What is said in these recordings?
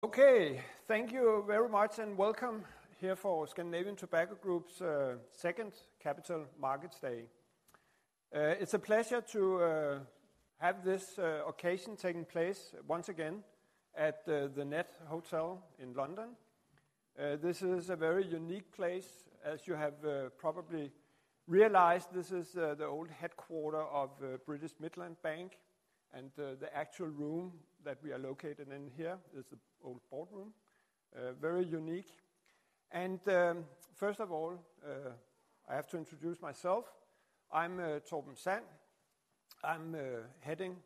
Okay, thank you very much, and welcome here for Scandinavian Tobacco Group's Second Capital Markets Day. It's a pleasure to have this occasion taking place once again at the Ned Hotel in London. This is a very unique place, as you have probably realized this is the old headquarters of British Midland Bank, and the actual room that we are located in here is the old boardroom. Very unique. First of all, I have to introduce myself. I'm Torben Sand. I'm heading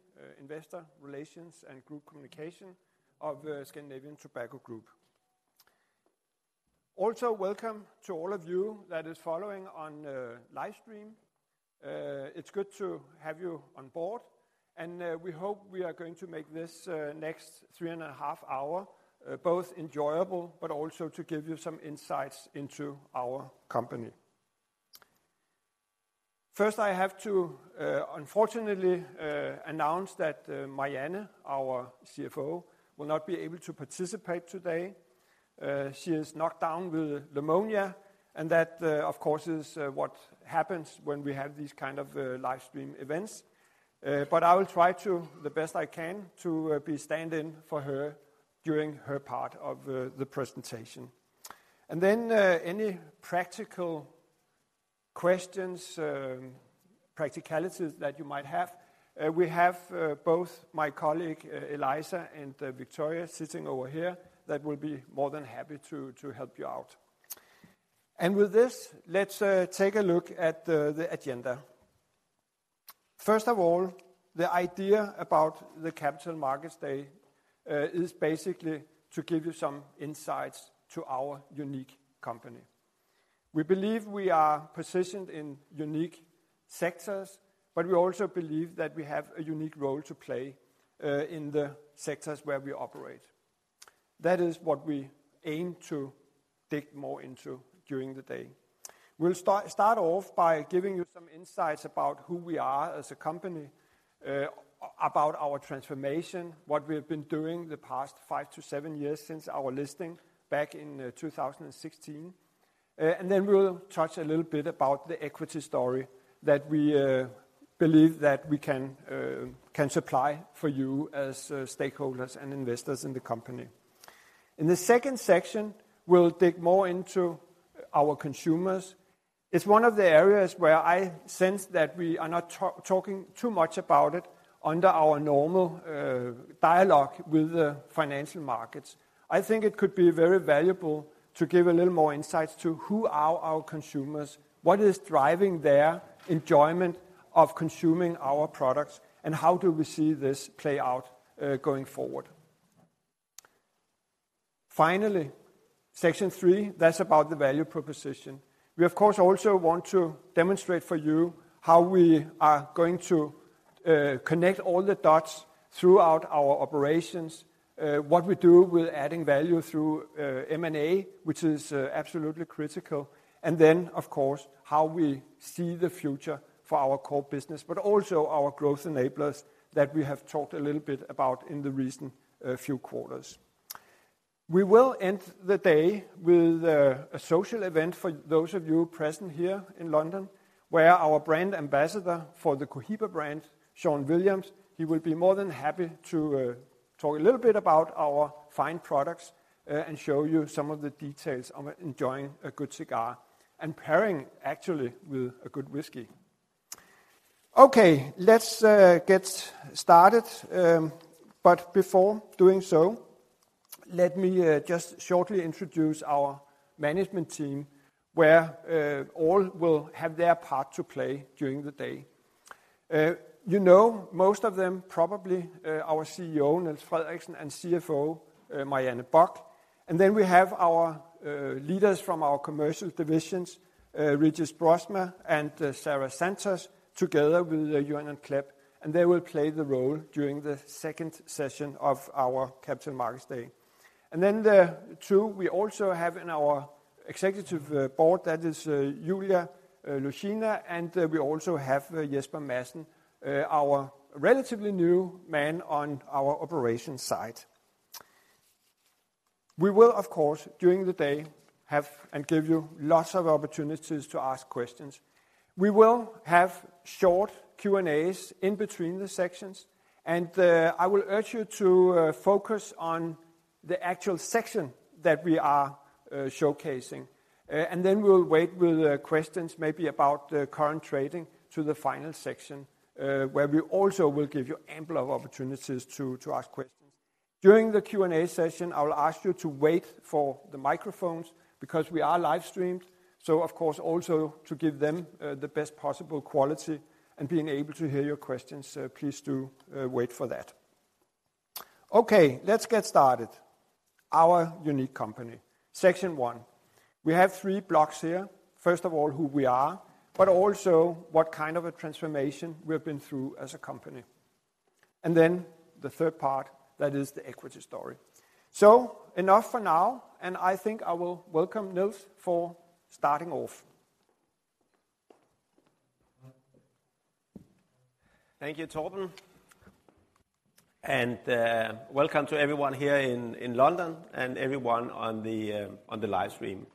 Investor Relations and Group Communication of Scandinavian Tobacco Group. Also, welcome to all of you that is following on live stream. It's good to have you on board, and we hope we are going to make this next 3.5-hour both enjoyable, but also to give you some insights into our company. First, I have to unfortunately announce that Marianne, our CFO, will not be able to participate today. She is knocked down with pneumonia, and that of course is what happens when we have these kind of live stream events. But I will try to the best I can to be stand in for her during her part of the presentation. And then any practical questions, practicalities that you might have, we have both my colleague Eliza and Victoria sitting over here that will be more than happy to help you out. And with this, let's take a look at the agenda. First of all, the idea about the Capital Markets Day is basically to give you some insights to our unique company. We believe we are positioned in unique sectors, but we also believe that we have a unique role to play in the sectors where we operate. That is what we aim to dig more into during the day. We'll start off by giving you some insights about who we are as a company, about our transformation, what we have been doing the past five-to-seven years since our listing back in 2016. And then we'll touch a little bit about the equity story that we believe that we can supply for you as stakeholders and investors in the company. In the second section, we'll dig more into our consumers. It's one of the areas where I sense that we are not talking too much about it under our normal dialogue with the financial markets. I think it could be very valuable to give a little more insights to who are our consumers, what is driving their enjoyment of consuming our products, and how do we see this play out going forward? Finally, section three, that's about the value proposition. We, of course, also want to demonstrate for you how we are going to connect all the dots throughout our operations, what we do with adding value through M&A, which is absolutely critical, and then, of course, how we see the future for our core business, but also our Growth Enablers that we have talked a little bit about in the recent few quarters. We will end the day with a social event for those of you present here in London, where our brand ambassador for the Cohiba brand, Sean Williams, he will be more than happy to talk a little bit about our fine products and show you some of the details of enjoying a good cigar and pairing actually with a good whiskey. Okay, let's get started. But before doing so, let me just shortly introduce our management team, where all will have their part to play during the day. You know most of them, probably, our CEO, Niels Frederiksen, and CFO, Marianne Bock, and then we have our leaders from our commercial divisions, Régis Broersma and Sarah Santos, together with Jurjan Klep, and they will play the role during the second session of our Capital Markets Day. And then the two we also have in our executive board, that is, Yulia Lyusina, and we also have Jesper Madsen, our relatively new man on our operations side. We will, of course, during the day, have and give you lots of opportunities to ask questions. We will have short Q&As in between the sections, and, I will urge you to, focus on the actual section that we are, showcasing. And then we will wait with the questions, maybe about the current trading, to the final section, where we also will give you ample of opportunities to ask questions. During the Q&A session, I will ask you to wait for the microphones because we are live streamed, so of course, also to give them the best possible quality and being able to hear your questions. Please do wait for that. Okay, let's get started. Our unique company, section one. We have three blocks here. First of all, who we are, but also what kind of a transformation we have been through as a company. And then the third part, that is the equity story. Enough for now, and I think I will welcome Niels for starting off. Thank you, Torben, and welcome to everyone here in London and everyone on the live stream.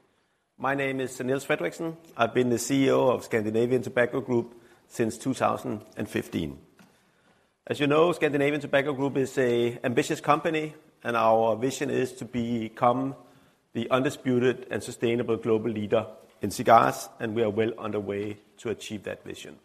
My name is Niels Frederiksen. I've been the CEO of Scandinavian Tobacco Group since 2015. As you know, Scandinavian Tobacco Group is an ambitious company, and our vision is to become the undisputed and sustainable global leader in cigars, and we are well underway to achieve that vision.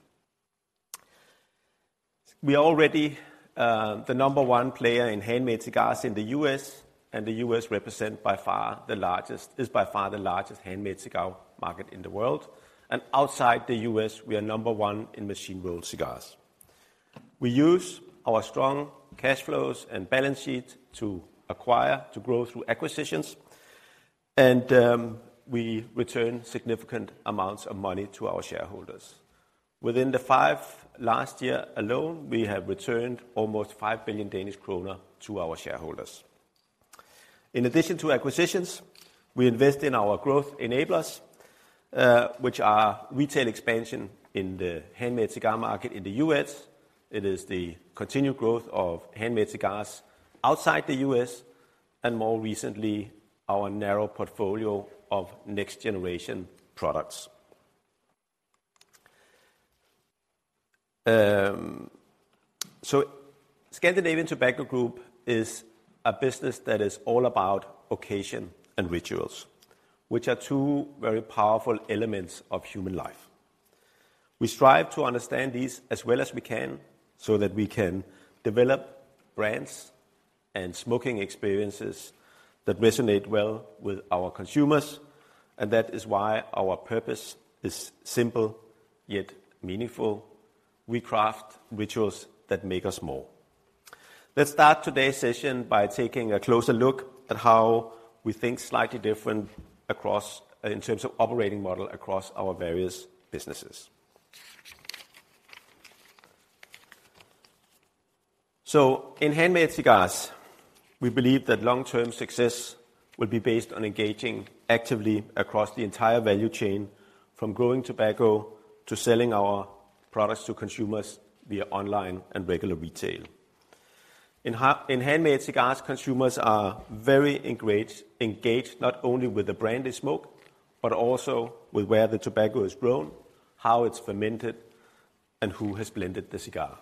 We are already the number one player in handmade cigars in the U.S., and the U.S. is by far the largest handmade cigar market in the world, and outside the U.S., we are number one in machine-rolled cigars. We use our strong cash flows and balance sheet to acquire, to grow through acquisitions, and we return significant amounts of money to our shareholders. Within the last five years alone, we have returned almost 5 billion Danish kroner to our shareholders. In addition to acquisitions, we invest in our Growth Enablers, which are retail expansion in the handmade cigar market in the U.S. It is the continued growth of handmade cigars outside the U.S., and more recently, our narrow portfolio of next-generation products. So Scandinavian Tobacco Group is a business that is all about occasion and rituals, which are two very powerful elements of human life. We strive to understand these as well as we can, so that we can develop brands and smoking experiences that resonate well with our consumers, and that is why our purpose is simple, yet meaningful. We craft rituals that make us more. Let's start today's session by taking a closer look at how we think slightly different across in terms of operating model across our various businesses. In handmade cigars, we believe that long-term success will be based on engaging actively across the entire value chain, from growing tobacco to selling our products to consumers via online and regular retail. In handmade cigars, consumers are very engaged, not only with the brand they smoke, but also with where the tobacco is grown, how it's fermented, and who has blended the cigar.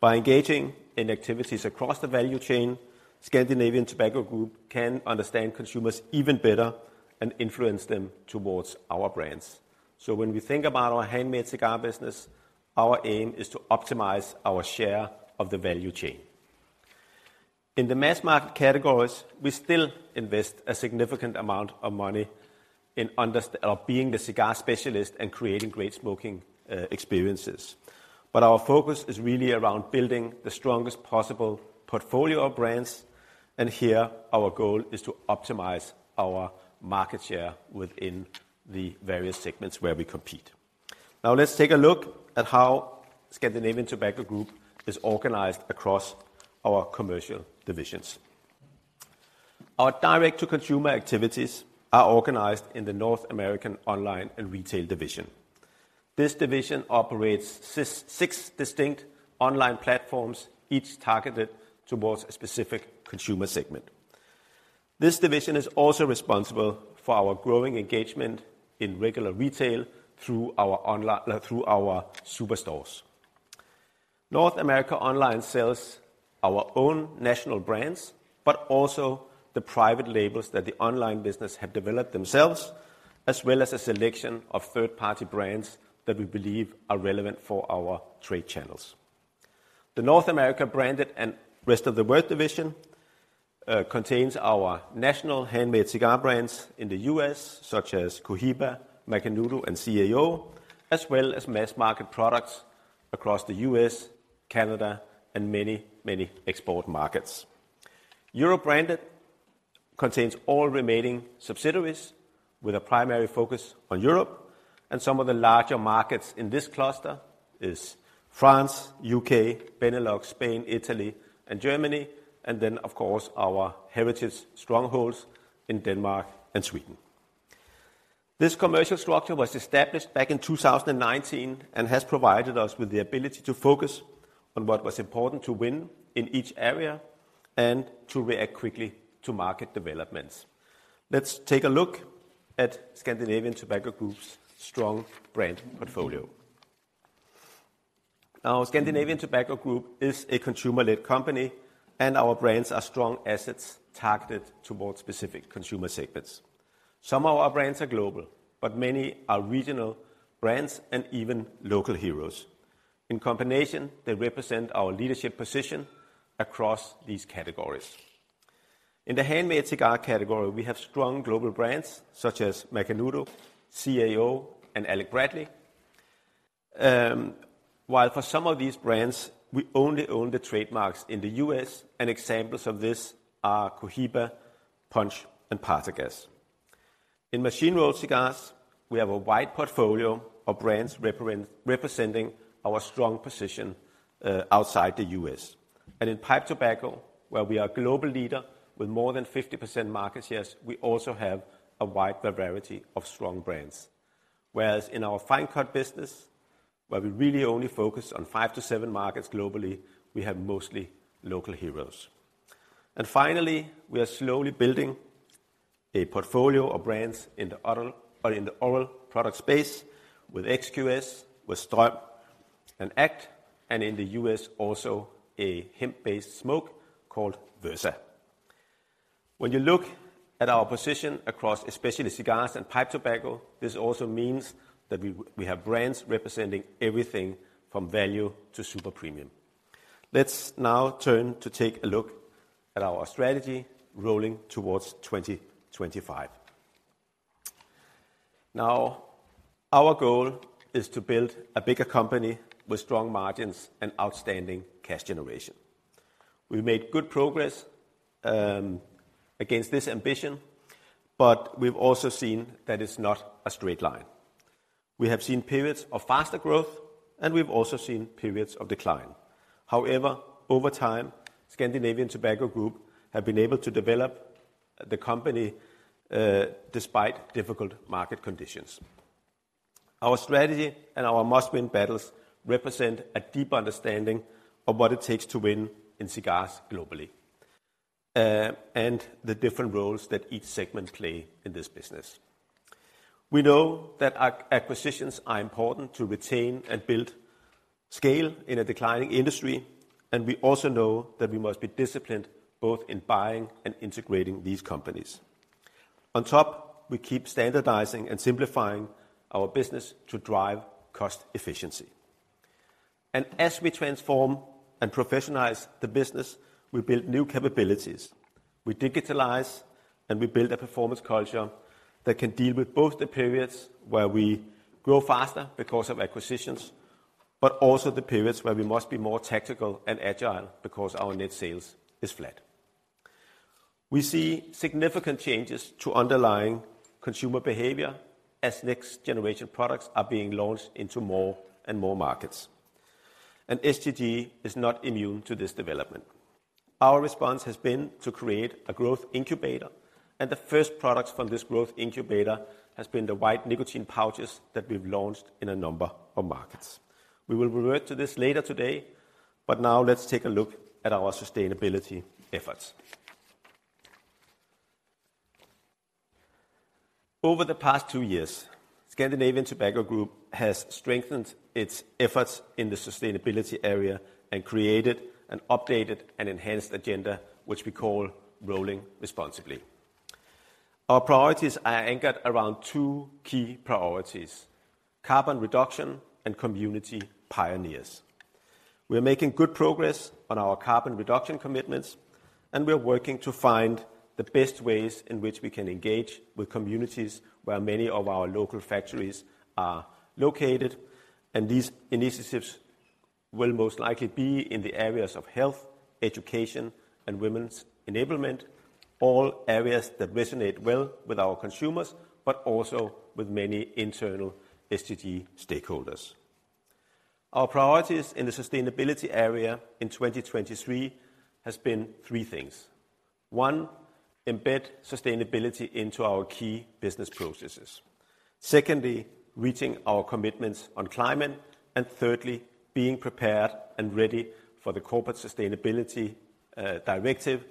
By engaging in activities across the value chain, Scandinavian Tobacco Group can understand consumers even better and influence them towards our brands. So when we think about our handmade cigar business, our aim is to optimize our share of the value chain. In the mass market categories, we still invest a significant amount of money in understanding or being the cigar specialist and creating great smoking experiences. But our focus is really around building the strongest possible portfolio of brands, and here our goal is to optimize our market share within the various segments where we compete. Now, let's take a look at how Scandinavian Tobacco Group is organized across our commercial divisions. Our direct-to-consumer activities are organized in the North America Online and Retail division. This division operates six distinct online platforms, each targeted toward a specific consumer segment. This division is also responsible for our growing engagement in regular retail through our superstores. North America Online sells our own national brands, but also the private labels that the online business have developed themselves, as well as a selection of third-party brands that we believe are relevant for our trade channels. The North America Branded and Rest of World division contains our national handmade cigar brands in the U.S., such as Cohiba, Macanudo, and CAO, as well as mass market products across the U.S., Canada, and many, many export markets. Europe Branded contains all remaining subsidiaries, with a primary focus on Europe, and some of the larger markets in this cluster is France, U.K., Benelux, Spain, Italy, and Germany, and then, of course, our heritage strongholds in Denmark and Sweden. This commercial structure was established back in 2019 and has provided us with the ability to focus on what was important to win in each area and to react quickly to market developments. Let's take a look at Scandinavian Tobacco Group's strong brand portfolio. Now, Scandinavian Tobacco Group is a consumer-led company, and our brands are strong assets targeted towards specific consumer segments. Some of our brands are global, but many are regional brands and even local heroes. In combination, they represent our leadership position across these categories. In the handmade cigar category, we have strong global brands such as Macanudo, CAO, and Alec Bradley. While for some of these brands, we only own the trademarks in the U.S., and examples of this are Cohiba, Punch, and Partagás. In machine-rolled cigars, we have a wide portfolio of brands representing our strong position outside the U.S., and in pipe tobacco, where we are a global leader with more than 50% market shares, we also have a wide variety of strong brands. Whereas in our fine-cut business, where we really only focus on five to seven markets globally, we have mostly local heroes. And finally, we are slowly building a portfolio of brands in the other, or in the oral product space with XQS, with STRÖM, and [Act], and in the U.S. also a hemp-based smoke called Versa. When you look at our position across especially cigars and pipe tobacco, this also means that we have brands representing everything from value to super premium. Let's now turn to take a look at our strategy Rolling Towards 2025. Now, our goal is to build a bigger company with strong margins and outstanding cash generation. We've made good progress against this ambition, but we've also seen that it's not a straight line. We have seen periods of faster growth, and we've also seen periods of decline. However, over time, Scandinavian Tobacco Group have been able to develop the company despite difficult market conditions. Our strategy and our Must Win Battles represent a deep understanding of what it takes to win in cigars globally, and the different roles that each segment play in this business. We know that acquisitions are important to retain and build scale in a declining industry, and we also know that we must be disciplined both in buying and integrating these companies. On top, we keep standardizing and simplifying our business to drive cost efficiency. As we transform and professionalize the business, we build new capabilities. We digitalize, and we build a performance culture that can deal with both the periods where we grow faster because of acquisitions, but also the periods where we must be more tactical and agile because our net sales is flat. We see significant changes to underlying consumer behavior as next generation products are being launched into more and more markets, and STG is not immune to this development. Our response has been to create a growth incubator, and the first products from this growth incubator has been the white nicotine pouches that we've launched in a number of markets. We will revert to this later today, but now let's take a look at our sustainability efforts. Over the past two years, Scandinavian Tobacco Group has strengthened its efforts in the sustainability area and created an updated and enhanced agenda, which we call Rolling Responsibly. Our priorities are anchored around two key priorities: carbon reduction and community pioneers. We are making good progress on our carbon reduction commitments, and we are working to find the best ways in which we can engage with communities where many of our local factories are located, and these initiatives will most likely be in the areas of health, education, and women's enablement, all areas that resonate well with our consumers, but also with many internal STG stakeholders. Our priorities in the sustainability area in 2023 has been three things. One, embed sustainability into our key business processes. Secondly, reaching our commitments on climate. And thirdly, being prepared and ready for the Corporate Sustainability Directive,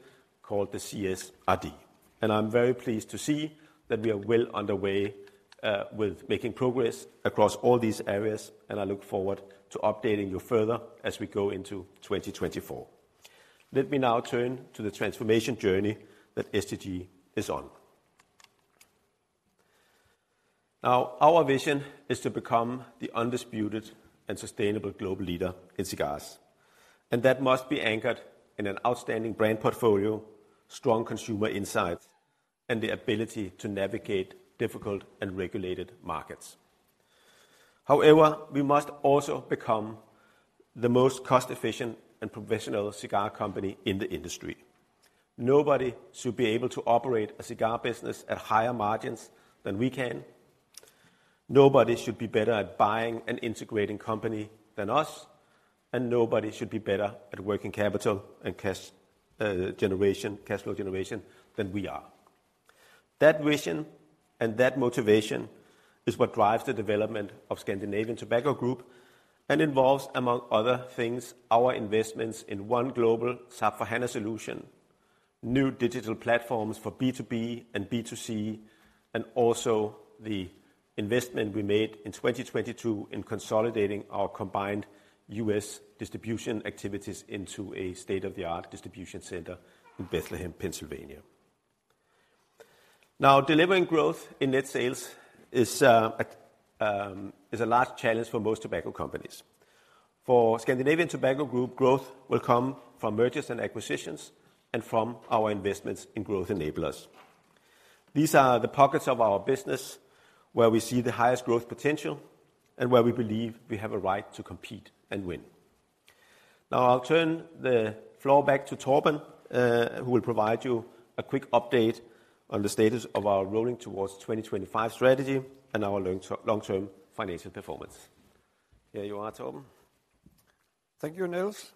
called the CSRD. I'm very pleased to see that we are well underway with making progress across all these areas, and I look forward to updating you further as we go into 2024. Let me now turn to the transformation journey that STG is on. Our vision is to become the undisputed and sustainable global leader in cigars, and that must be anchored in an outstanding brand portfolio, strong consumer insights, and the ability to navigate difficult and regulated markets. However, we must also become the most cost-efficient and professional cigar company in the industry. Nobody should be able to operate a cigar business at higher margins than we can. Nobody should be better at buying and integrating companies than us, and nobody should be better at working capital and cash generation, cash flow generation than we are. That vision and that motivation is what drives the development of Scandinavian Tobacco Group and involves, among other things, our investments in one global SAP HANA solution, new digital platforms for B2B and B2C, and also the investment we made in 2022 in consolidating our combined U.S. distribution activities into a state-of-the-art distribution center in Bethlehem, Pennsylvania. Now, delivering growth in net sales is a large challenge for most tobacco companies. For Scandinavian Tobacco Group, growth will come from mergers and acquisitions and from our investments in Growth Enablers. These are the pockets of our business where we see the highest growth potential and where we believe we have a right to compete and win. Now, I'll turn the floor back to Torben, who will provide you a quick update on the status of our Rolling Towards 2025 strategy and our long-term financial performance. Here you are, Torben. Thank you, Niels.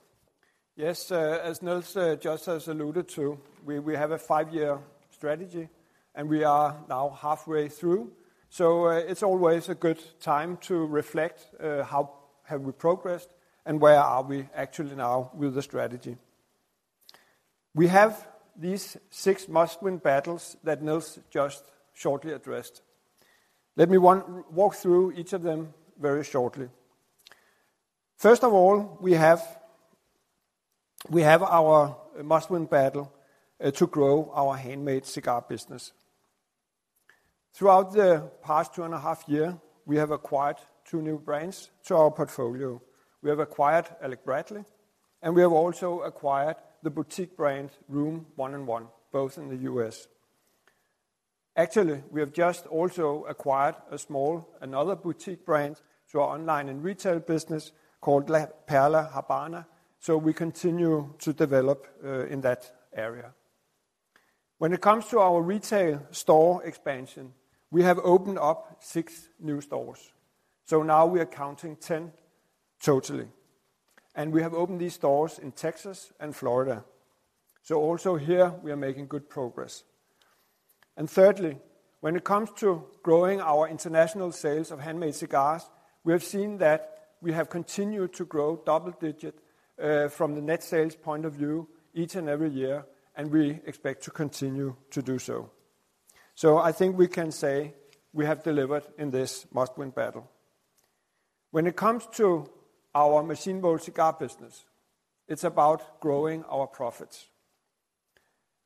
Yes, as Niels just has alluded to, we have a five-year strategy, and we are now halfway through. So, it's always a good time to reflect, how have we progressed and where are we actually now with the strategy? We have these six Must Win Battles that Niels just shortly addressed. Let me walk through each of them very shortly. First of all, we have our Must Win Battle to grow our handmade cigar business. Throughout the past 2.5 years, we have acquired two new brands to our portfolio. We have acquired Alec Bradley, and we have also acquired the boutique brand Room101, both in the U.S. Actually, we have just also acquired a small, another boutique brand to our online and retail business called La Perla Habana, so we continue to develop in that area. When it comes to our retail store expansion, we have opened up six new stores, so now we are counting 10 total. We have opened these stores in Texas and Florida, so also here we are making good progress. Thirdly, when it comes to growing our international sales of handmade cigars, we have seen that we have continued to grow double-digit from the net sales point of view each and every year, and we expect to continue to do so. So I think we can say we have delivered in this Must Win Battle. When it comes to our machine-rolled cigar business, it's about growing our profits.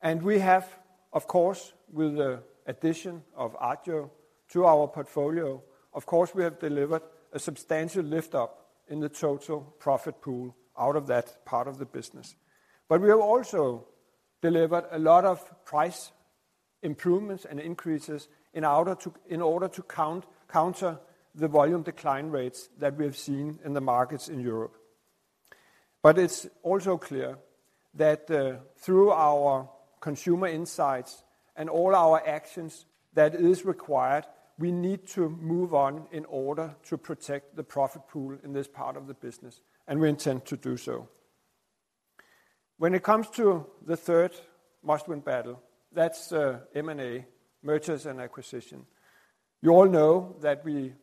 And we have, of course, with the addition of Agio to our portfolio, of course, we have delivered a substantial lift up in the total profit pool out of that part of the business. But we have also delivered a lot of price improvements and increases in order to, in order to counter the volume decline rates that we have seen in the markets in Europe. But it's also clear that, through our consumer insights and all our actions that is required, we need to move on in order to protect the profit pool in this part of the business, and we intend to do so. When it comes to the third Must Win Battle, that's M&A, Mergers and Acquisition. You all know that we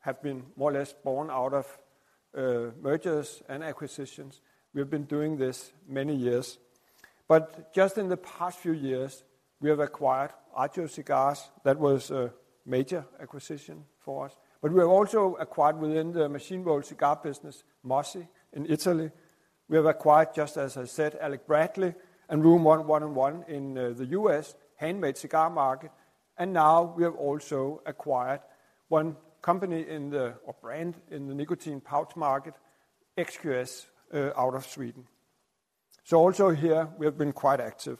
have been more or less born out of mergers and acquisitions. We've been doing this many years. But just in the past few years, we have acquired Agio Cigars. That was a major acquisition for us. But we have also acquired within the machine-rolled cigar business, MOSI in Italy. We have acquired, just as I said, Alec Bradley and Room101 in the U.S. handmade cigar market, and now we have also acquired one company in the, or brand in the nicotine pouch market, XQS, out of Sweden. So also here we have been quite active.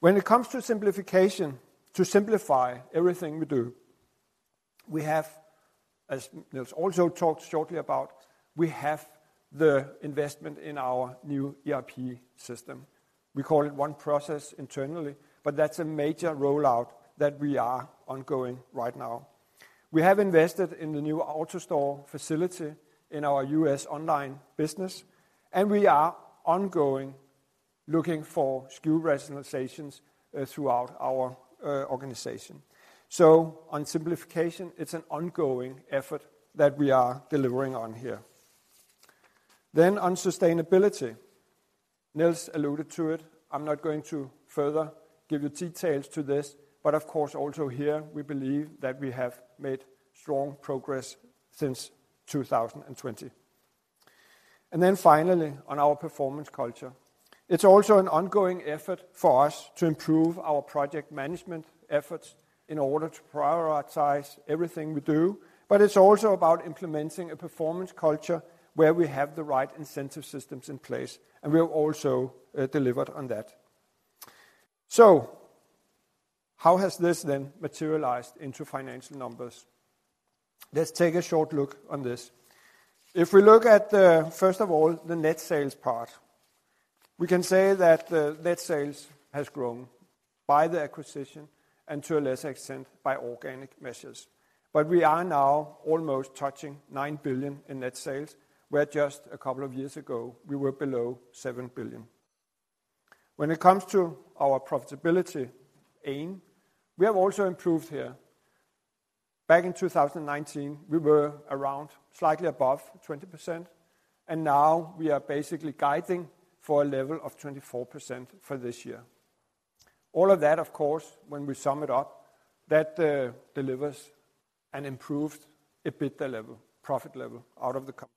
When it comes to simplification, to simplify everything we do, we have, as Niels also talked shortly about, we have the investment in our new ERP system. We call it OneProcess internally, but that's a major rollout that we are ongoing right now. We have invested in the new AutoStore facility in our U.S. online business, and we are ongoing looking for SKU rationalizations throughout our organization. So on simplification, it's an ongoing effort that we are delivering on here. Then on sustainability, Niels alluded to it. I'm not going to further give you details to this, but of course, also here we believe that we have made strong progress since 2020. And then finally, on our performance culture, it's also an ongoing effort for us to improve our project management efforts in order to prioritize everything we do, but it's also about implementing a performance culture where we have the right incentive systems in place, and we have also delivered on that. So how has this then materialized into financial numbers? Let's take a short look on this. If we look at the, first of all, the net sales part, we can say that the net sales has grown by the acquisition and to a lesser extent, by organic measures. But we are now almost touching 9 billion in net sales, where just a couple of years ago we were below 7 billion. When it comes to our profitability aim, we have also improved here. Back in 2019, we were around slightly above 20%, and now we are basically guiding for a level of 24% for this year. All of that, of course, when we sum it up, that, delivers an improved EBITDA level, profit level out of the company.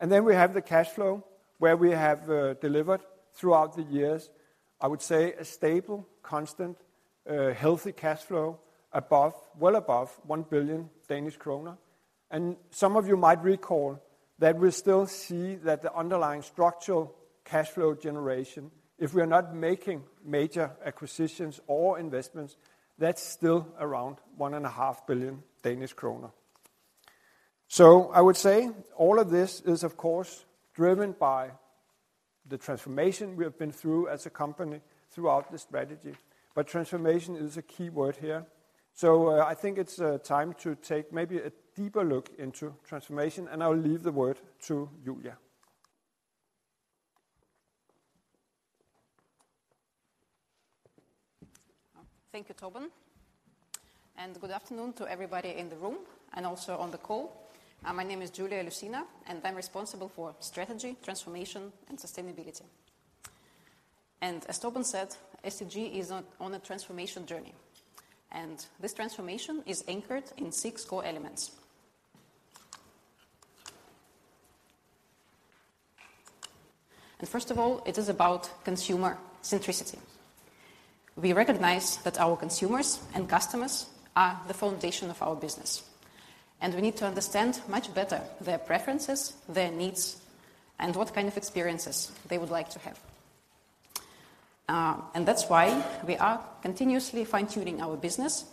And then we have the cash flow, where we have, delivered throughout the years, I would say, a stable, constant, healthy cash flow above, well above 1 billion Danish kroner. And some of you might recall that we still see that the underlying structural cash flow generation, if we are not making major acquisitions or investments, that's still around 1.5 billion Danish kroner. So I would say all of this is of course driven by the transformation we have been through as a company throughout the strategy, but transformation is a key word here. So, I think it's time to take maybe a deeper look into transformation, and I'll leave the word to Yulia. Thank you, Torben, and good afternoon to everybody in the room and also on the call. My name is Yulia Lyusina, and I'm responsible for strategy, transformation, and sustainability. As Torben said, STG is on a transformation journey, and this transformation is anchored in six core elements. First of all, it is about consumer centricity. We recognize that our consumers and customers are the foundation of our business, and we need to understand much better their preferences, their needs, and what kind of experiences they would like to have. That's why we are continuously fine-tuning our business,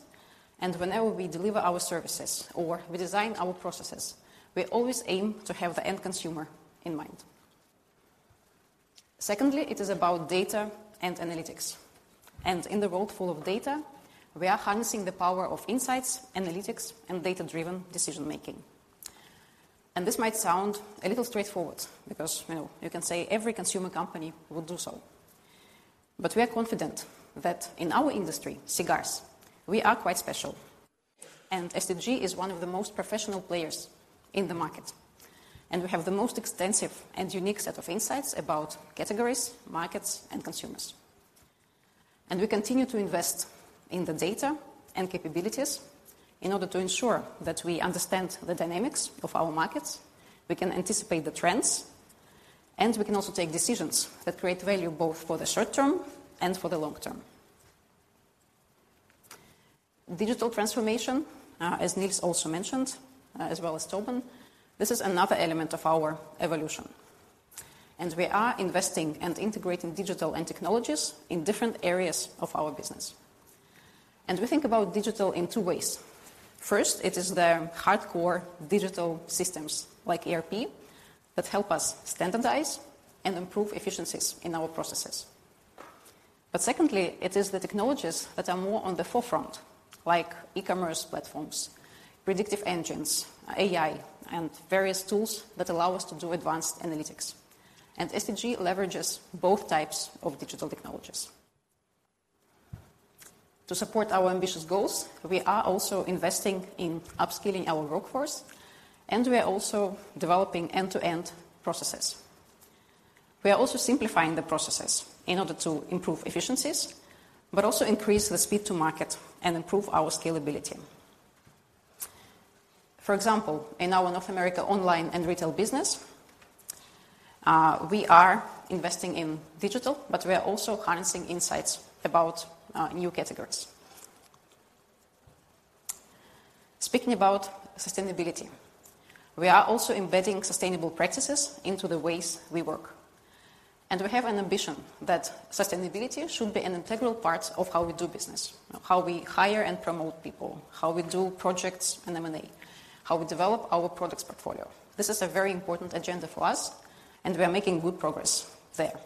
and whenever we deliver our services or we design our processes, we always aim to have the end consumer in mind. Secondly, it is about data and analytics, and in the world full of data, we are harnessing the power of insights, analytics, and data-driven decision-making. This might sound a little straightforward because, you know, you can say every consumer company will do so. But we are confident that in our industry, cigars, we are quite special, and STG is one of the most professional players in the market. We have the most extensive and unique set of insights about categories, markets, and consumers. We continue to invest in the data and capabilities in order to ensure that we understand the dynamics of our markets, we can anticipate the trends, and we can also take decisions that create value both for the short term and for the long term. Digital transformation, as Nils also mentioned, as well as Torben, this is another element of our evolution, and we are investing and integrating digital and technologies in different areas of our business. We think about digital in two ways. First, it is the hardcore digital systems like ERP, that help us standardize and improve efficiencies in our processes. But secondly, it is the technologies that are more on the forefront, like e-commerce platforms, predictive engines, AI, and various tools that allow us to do advanced analytics. STG leverages both types of digital technologies. To support our ambitious goals, we are also investing in upskilling our workforce, and we are also developing end-to-end processes. We are also simplifying the processes in order to improve efficiencies, but also increase the speed to market and improve our scalability. For example, in our North America online and retail business, we are investing in digital, but we are also harnessing insights about new categories. Speaking about sustainability, we are also embedding sustainable practices into the ways we work. We have an ambition that sustainability should be an integral part of how we do business, how we hire and promote people, how we do projects and M&A, how we develop our products portfolio. This is a very important agenda for us, and we are making good progress there.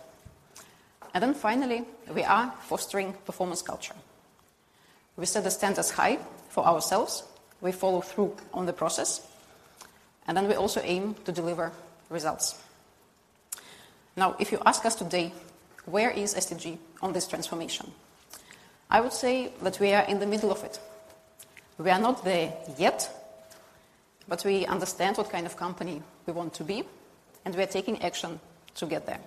And then finally, we are fostering performance culture. We set the standards high for ourselves, we follow through on the process, and then we also aim to deliver results. Now, if you ask us today, where is STG on this transformation? I would say that we are in the middle of it. We are not there yet, but we understand what kind of company we want to be, and we are taking action to get there.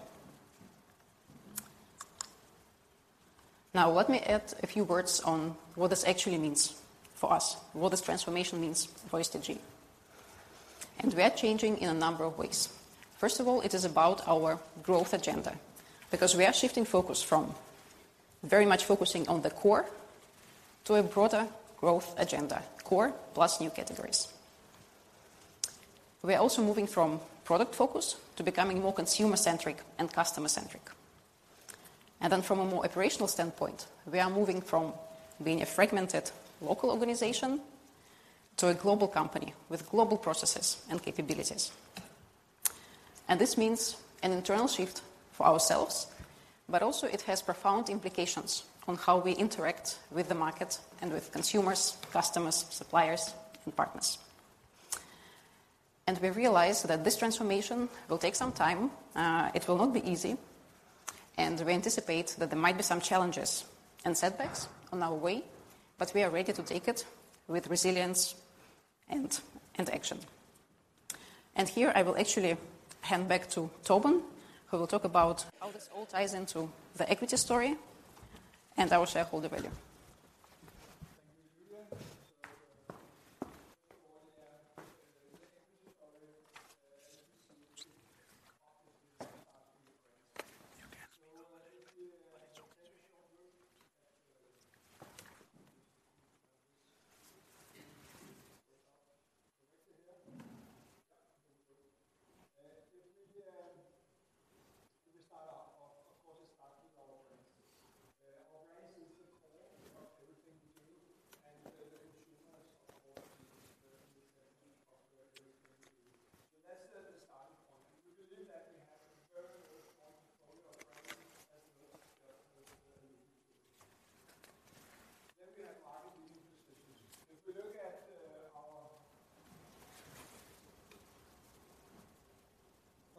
Now, let me add a few words on what this actually means for us, what this transformation means for STG. And we are changing in a number of ways. First of all, it is about our growth agenda, because we are shifting focus from very much focusing on the core to a broader growth agenda, core plus new categories. We are also moving from product focus to becoming more consumer-centric and customer-centric. And then from a more operational standpoint, we are moving from being a fragmented local organization to a global company with global processes and capabilities. And this means an internal shift for ourselves, but also it has profound implications on how we interact with the market and with consumers, customers, suppliers, and partners. And we realize that this transformation will take some time, it will not be easy, and we anticipate that there might be some challenges and setbacks on our way, but we are ready to take it with resilience and action. Here, I will actually hand back to Torben, who will talk about how this all ties into the equity story and our shareholder value.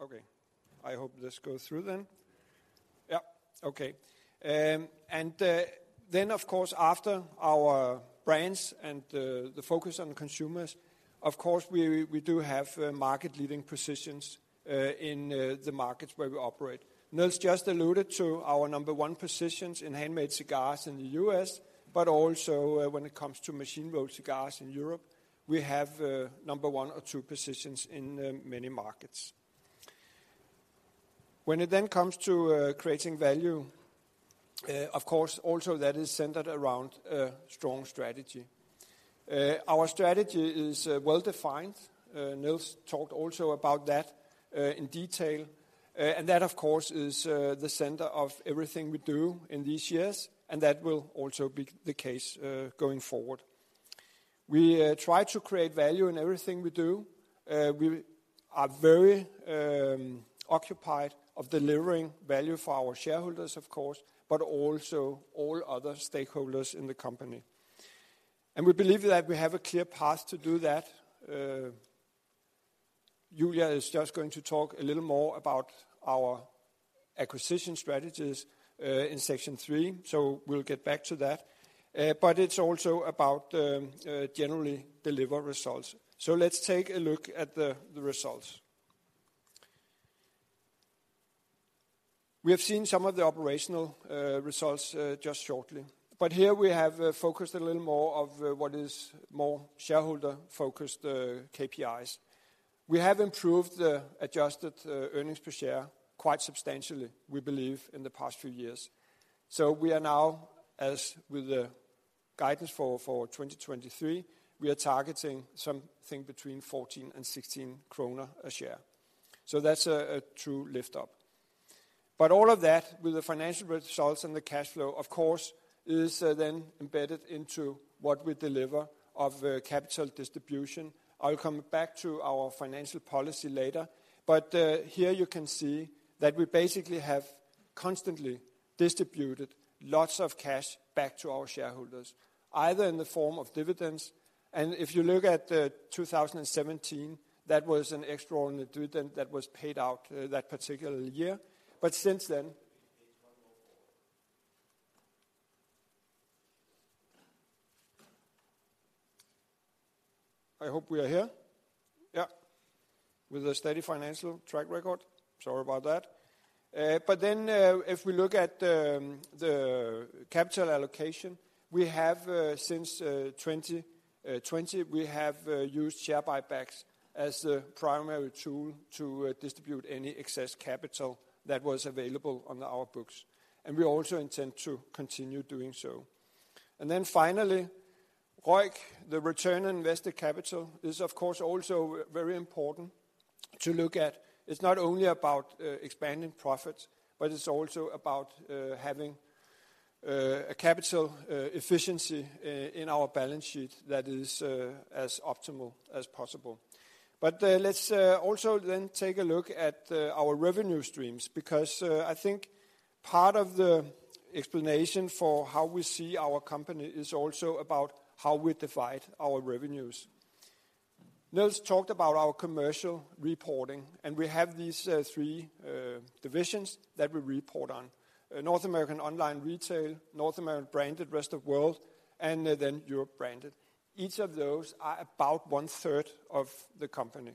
Thank you, Yulia. So, that's the starting point. We believe that we have a very strong portfolio of brands. Then we have market-leading positions. If we look at our. Okay, I hope this goes through then. Yep, okay. And then of course, after our brands and the focus on consumers, of course, we do have market-leading positions in the markets where we operate. Niels just alluded to our number one positions in handmade cigars in the U.S., but also, when it comes to machine-rolled cigars in Europe, we have number one or two positions in many markets. When it then comes to creating value, of course, also that is centered around a strong strategy. Our strategy is well-defined. Niels talked also about that in detail. And that, of course, is the center of everything we do in these years, and that will also be the case going forward. We try to create value in everything we do. We are very occupied with delivering value for our shareholders, of course, but also all other stakeholders in the company. We believe that we have a clear path to do that. Julia is just going to talk a little more about our acquisition strategies in section three, so we'll get back to that. It's also about generally delivering results. Let's take a look at the results. We have seen some of the operational results just shortly, but here we have focused a little more on what is more shareholder-focused KPIs. We have improved the adjusted earnings per share quite substantially, we believe, in the past few years. We are now, as with the guidance for 2023, targeting something between 14-16 kroner a share. That's a true lift up. All of that, with the financial results and the cash flow, of course, is then embedded into what we deliver of capital distribution. I'll come back to our financial policy later, but here you can see that we basically have constantly distributed lots of cash back to our shareholders, either in the form of dividends, and if you look at 2017, that was an extraordinary dividend that was paid out that particular year. Since then, I hope we are here. Yeah. With a steady financial track record. Sorry about that. But then, if we look at the capital allocation, we have, since 2020, used share buybacks as the primary tool to distribute any excess capital that was available on our books, and we also intend to continue doing so. And then finally, ROIC, the return on invested capital, is of course also very important to look at. It's not only about expanding profits, but it's also about having a capital efficiency in our balance sheet that is as optimal as possible. But let's also then take a look at our revenue streams, because I think part of the explanation for how we see our company is also about how we divide our revenues. Niels talked about our commercial reporting, and we have these three divisions that we report on: North American Online Retail, North American Branded Rest of World, and Europe Branded. Each of those are about one third of the company.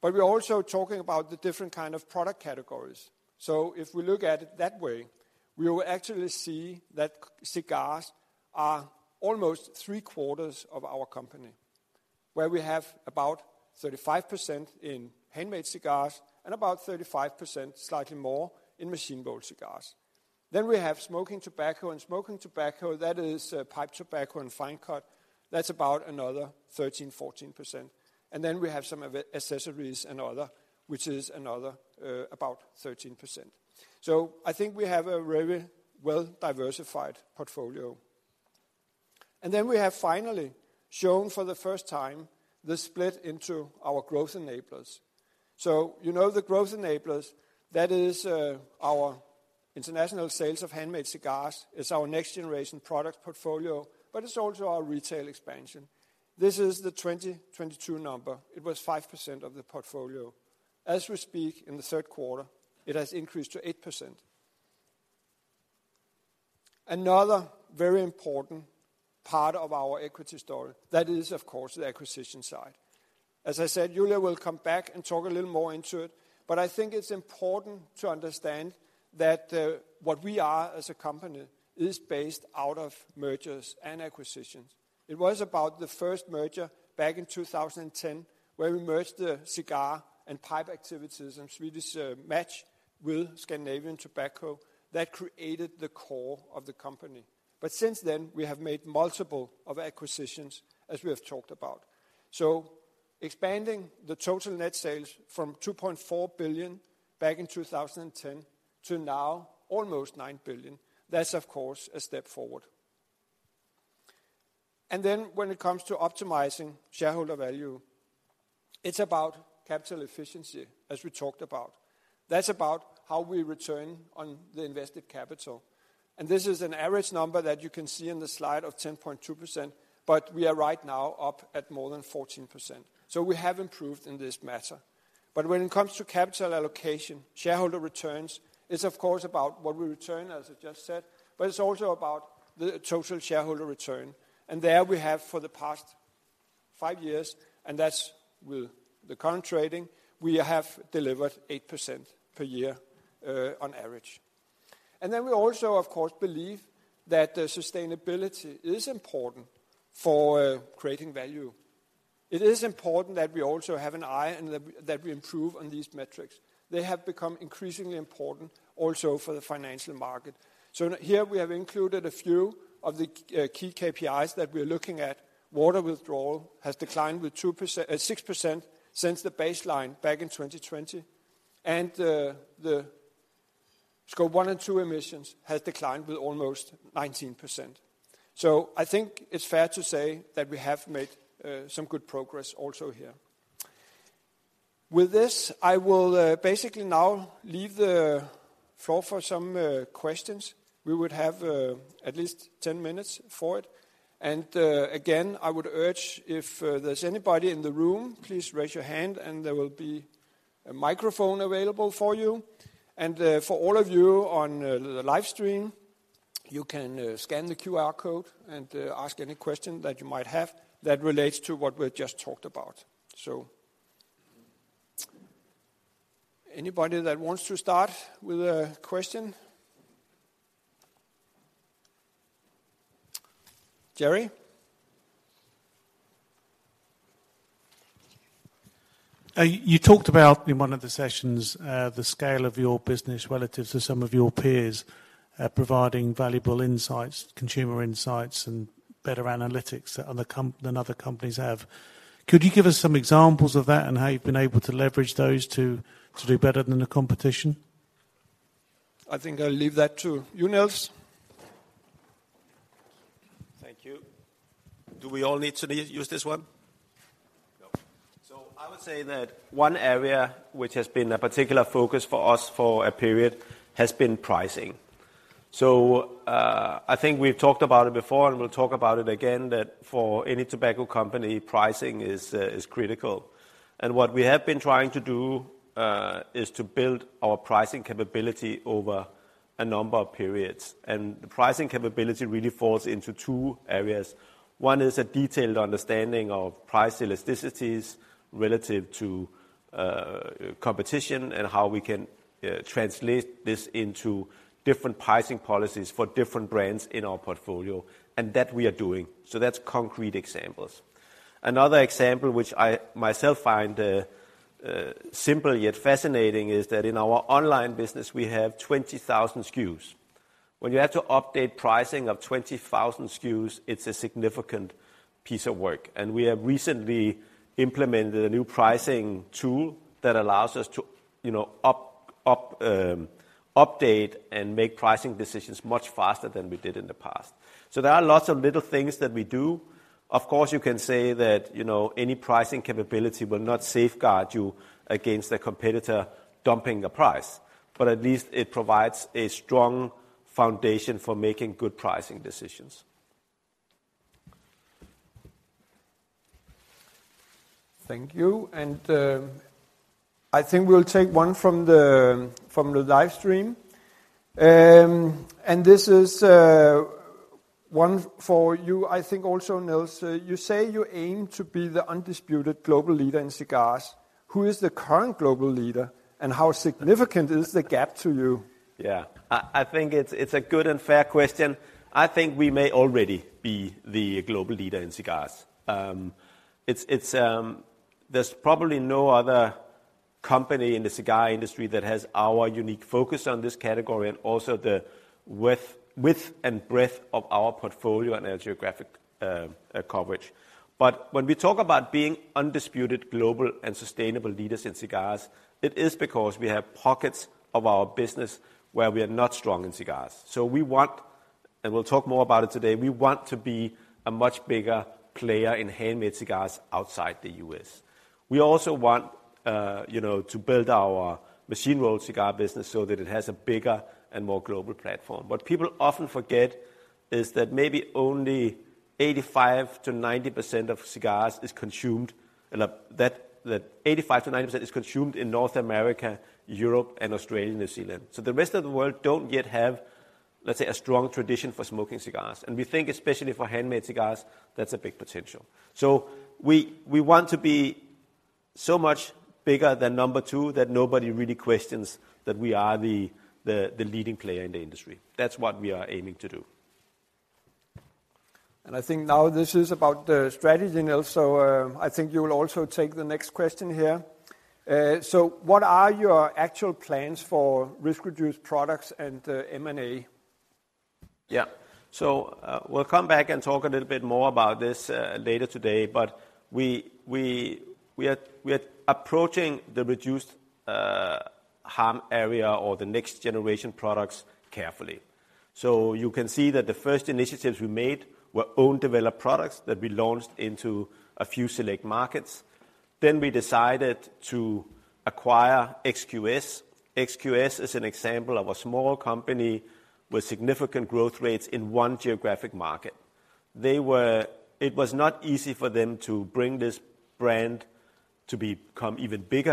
We're also talking about the different kind of product categories. If we look at it that way, we will actually see that cigars are almost three-quarters of our company, where we have about 35% in handmade cigars and about 35%, slightly more, in machine-rolled cigars. We have smoking tobacco, and smoking tobacco, that is, pipe tobacco and fine cut. That's about another 13-14%. We have some accessories and other, which is another about 13%. I think we have a very well-diversified portfolio. Then we have finally shown for the first time, this split into our Growth Enablers. So, you know the Growth Enablers, that is, our international sales of handmade cigars. It's our next generation product portfolio, but it's also our retail expansion. This is the 2022 number. It was 5% of the portfolio. As we speak, in the third quarter, it has increased to 8%. Another very important part of our equity story, that is, of course, the acquisition side. As I said, Yulia will come back and talk a little more into it, but I think it's important to understand that, what we are as a company is based out of mergers and acquisitions. It was about the first merger back in 2010, where we merged the cigar and pipe activities and Swedish Match with Scandinavian Tobacco. That created the core of the company. But since then, we have made multiple of acquisitions, as we have talked about. So expanding the total net sales from 2.4 billion back in 2010 to now almost 9 billion, that's of course a step forward. And then when it comes to optimizing shareholder value, it's about capital efficiency, as we talked about. That's about how we return on the invested capital, and this is an average number that you can see in the slide of 10.2%, but we are right now up at more than 14%. So we have improved in this matter. But when it comes to capital allocation, shareholder returns is of course, about what we return, as I just said, but it's also about the total shareholder return. There we have for the past five years, and that's with the current trading, we have delivered 8% per year, on average. We also, of course, believe that the sustainability is important for creating value. It is important that we also have an eye and that we improve on these metrics. They have become increasingly important also for the financial market. Here we have included a few of the key KPIs that we are looking at. Water withdrawal has declined with 6% since the baseline back in 2020, and the scope one and two emissions has declined with almost 19%. I think it's fair to say that we have made some good progress also here. With this, I will basically now leave the floor for some questions. We would have at least 10 minutes for it, and again, I would urge if there's anybody in the room, please raise your hand, and there will be a microphone available for you. For all of you on the live stream, you can scan the QR code and ask any question that you might have that relates to what we've just talked about. Anybody that wants to start with a question? Jerry? You talked about in one of the sessions, the scale of your business relative to some of your peers, providing valuable insights, consumer insights, and better analytics than other companies have. Could you give us some examples of that and how you've been able to leverage those to do better than the competition? I think I'll leave that to you, Niels. Thank you. Do we all need to use this one? No. So I would say that one area which has been a particular focus for us for a period, has been pricing. So, I think we've talked about it before, and we'll talk about it again, that for any tobacco company, pricing is, is critical. And what we have been trying to do, is to build our pricing capability over a number of periods, and the pricing capability really falls into two areas. One is a detailed understanding of price elasticities relative to, competition and how we can, translate this into different pricing policies for different brands in our portfolio, and that we are doing. So that's concrete examples. Another example, which I myself find, simple yet fascinating, is that in our online business, we have 20,000 SKUs. When you have to update pricing of 20,000 SKUs, it's a significant piece of work, and we have recently implemented a new pricing tool that allows us to, you know, update and make pricing decisions much faster than we did in the past. There are lots of little things that we do. Of course, you can say that, you know, any pricing capability will not safeguard you against a competitor dumping a price, but at least it provides a strong foundation for making good pricing decisions. Thank you, I think we'll take one from the live stream. This is one for you, I think also, Niels. You say you aim to be the undisputed global leader in cigars. Who is the current global leader, and how significant is the gap to you? Yeah, I think it's a good and fair question. I think we may already be the global leader in cigars. There's probably no other company in the cigar industry that has our unique focus on this category and also the width and breadth of our portfolio and our geographic coverage. When we talk about being undisputed global and sustainable leaders in cigars, it is because we have pockets of our business where we are not strong in cigars. We want, and we'll talk more about it today, we want to be a much bigger player in handmade cigars outside the U.S. We also want, you know, to build our machine-rolled cigar business so that it has a bigger and more global platform. What people often forget is that maybe only 85%-90% of cigars is consumed, and that, that 85%-90% is consumed in North America, Europe, and Australia, New Zealand. The rest of the world don't yet have, let's say, a strong tradition for smoking cigars, and we think, especially for handmade cigars, that's a big potential. We want to be so much bigger than number two, that nobody really questions that we are the, the, the leading player in the industry. That's what we are aiming to do. I think now this is about the strategy, Niels, I think you will also take the next question here. What are your actual plans for risk-reduced products and M&A? Yeah. We'll come back and talk a little bit more about this later today, but we are approaching the reduced harm area or the next generation products carefully. You can see that the first initiatives we made were own developed products that we launched into a few select markets. Then we decided to acquire XQS. XQS is an example of a small company with significant growth rates in one geographic market. It was not easy for them to bring this brand to become even bigger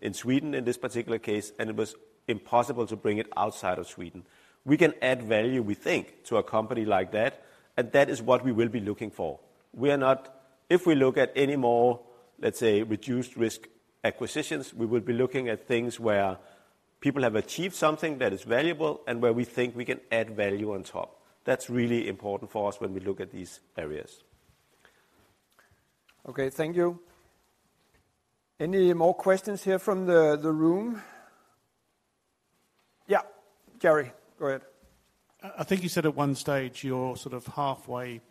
in Sweden, in this particular case, and it was impossible to bring it outside of Sweden. We can add value, we think, to a company like that, and that is what we will be looking for. We are not... If we look at any more, let's say, reduced risk acquisitions, we will be looking at things where people have achieved something that is valuable and where we think we can add value on top. That's really important for us when we look at these areas. Okay, thank you. Any more questions here from the room? Yeah, Jerry, go ahead. I think you said at one stage, you're sort of halfway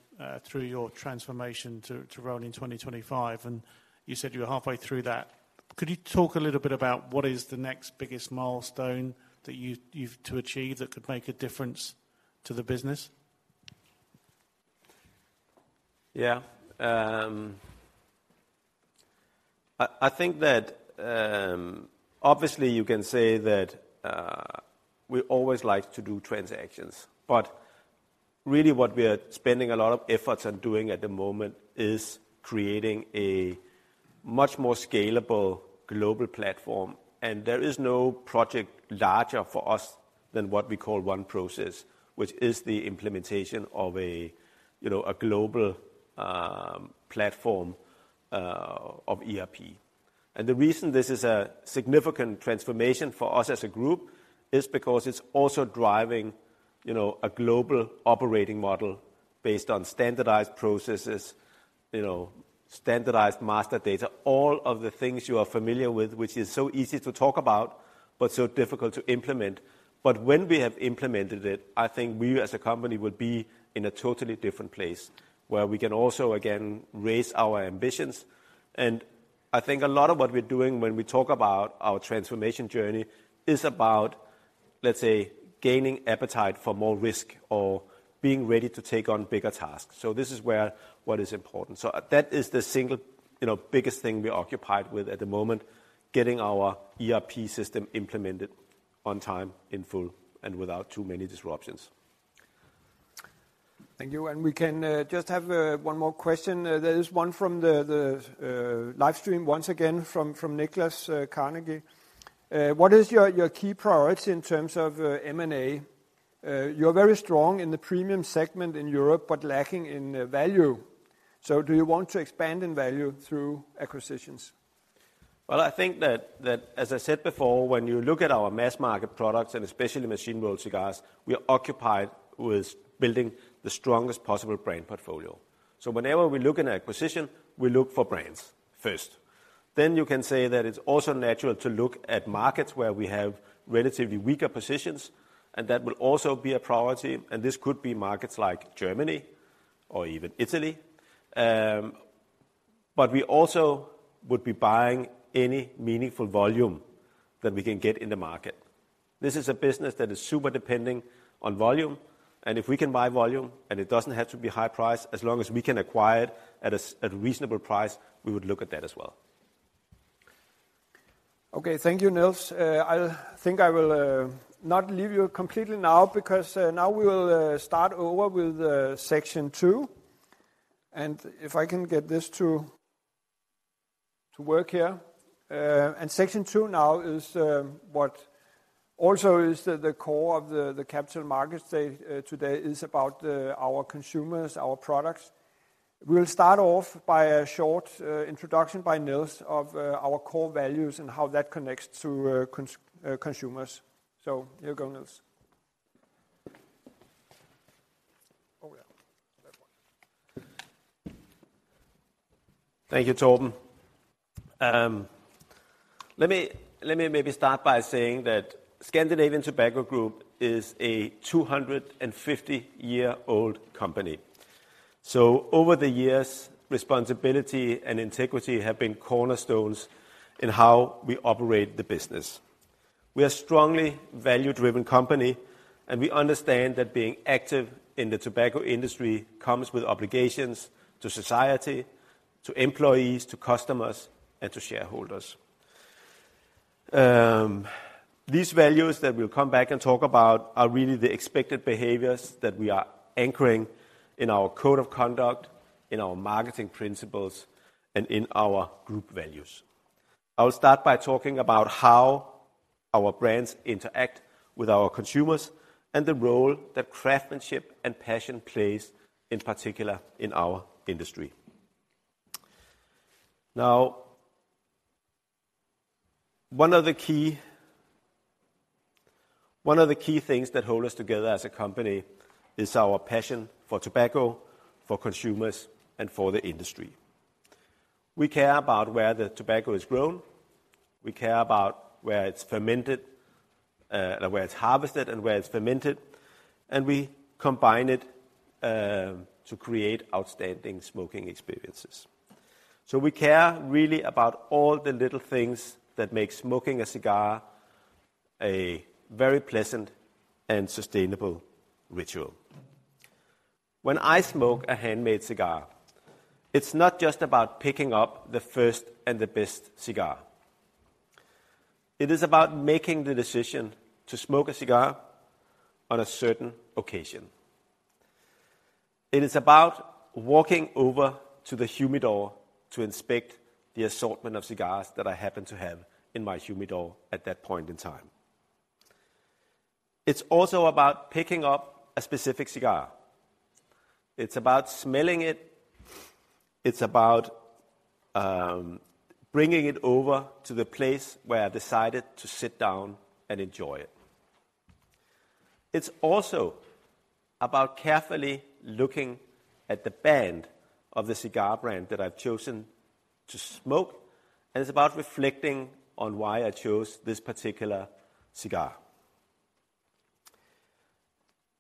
through your transformation to, to Rolling Towards 2025, and you said you were halfway through that. Could you talk a little bit about what is the next biggest milestone that you, you've to achieve that could make a difference to the business? Yeah. I think that, obviously, you can say that we always like to do transactions, but really what we are spending a lot of efforts on doing at the moment is creating a much more scalable global platform, and there is no project larger for us than what we call OneProcess, which is the implementation of a, you know, a global platform of ERP. The reason this is a significant transformation for us as a group is because it's also driving, you know, a global operating model based on standardized processes, you know, standardized master data, all of the things you are familiar with, which is so easy to talk about, but so difficult to implement. When we have implemented it, I think we, as a company, would be in a totally different place where we can also again raise our ambitions. I think a lot of what we're doing when we talk about our transformation journey is about, let's say, gaining appetite for more risk or being ready to take on bigger tasks. This is where what is important. That is the single, you know, biggest thing we are occupied with at the moment, getting our ERP system implemented on time, in full, and without too many disruptions. Thank you. We can just have one more question. There is one from the live stream, once again, from Niklas, Carnegie. What is your key priority in terms of M&A? You're very strong in the premium segment in Europe, but lacking in value. Do you want to expand in value through acquisitions? Well, I think that, as I said before, when you look at our mass market products, and especially machine-rolled cigars, we are occupied with building the strongest possible brand portfolio. Whenever we look at acquisition, we look for brands first. You can say that it's also natural to look at markets where we have relatively weaker positions, and that will also be a priority. This could be markets like Germany or even Italy. We also would be buying any meaningful volume that we can get in the market. This is a business that is super depending on volume, and if we can buy volume, and it doesn't have to be high price, as long as we can acquire it at a reasonable price, we would look at that as well. Okay. Thank you, Niels. I think I will not leave you completely now because now we will start over with section two. If I can get this to work here. Section two now is what also is the core of the Capital Markets today, today, is about our consumers, our products. We'll start off by a short introduction by Niels of our core values and how that connects to consumers. Here you go, Niels. Oh, yeah. Thank you, Torben. Let me maybe start by saying that Scandinavian Tobacco Group is a 250-year-old company. Over the years, responsibility and integrity have been cornerstones in how we operate the business. We are a strongly value-driven company, and we understand that being active in the tobacco industry comes with obligations to society, to employees, to customers, and to shareholders. These values that we'll come back and talk about are really the expected behaviors that we are anchoring in our code of conduct, in our marketing principles, and in our group values. I will start by talking about how our brands interact with our consumers and the role that craftsmanship and passion plays, in particular in our industry. Now, one of the key things that hold us together as a company is our passion for tobacco, for consumers, and for the industry. We care about where the tobacco is grown, we care about where it's harvested and where it's fermented, and we combine it to create outstanding smoking experiences. We care really about all the little things that make smoking a cigar a very pleasant and sustainable ritual. When I smoke a handmade cigar, it's not just about picking up the first and the best cigar. It is about making the decision to smoke a cigar on a certain occasion. It is about walking over to the humidor to inspect the assortment of cigars that I happen to have in my humidor at that point in time. It's also about picking up a specific cigar. It's about smelling it. It's about bringing it over to the place where I decided to sit down and enjoy it. It's also about carefully looking at the band of the cigar brand that I've chosen to smoke, and it's about reflecting on why I chose this particular cigar.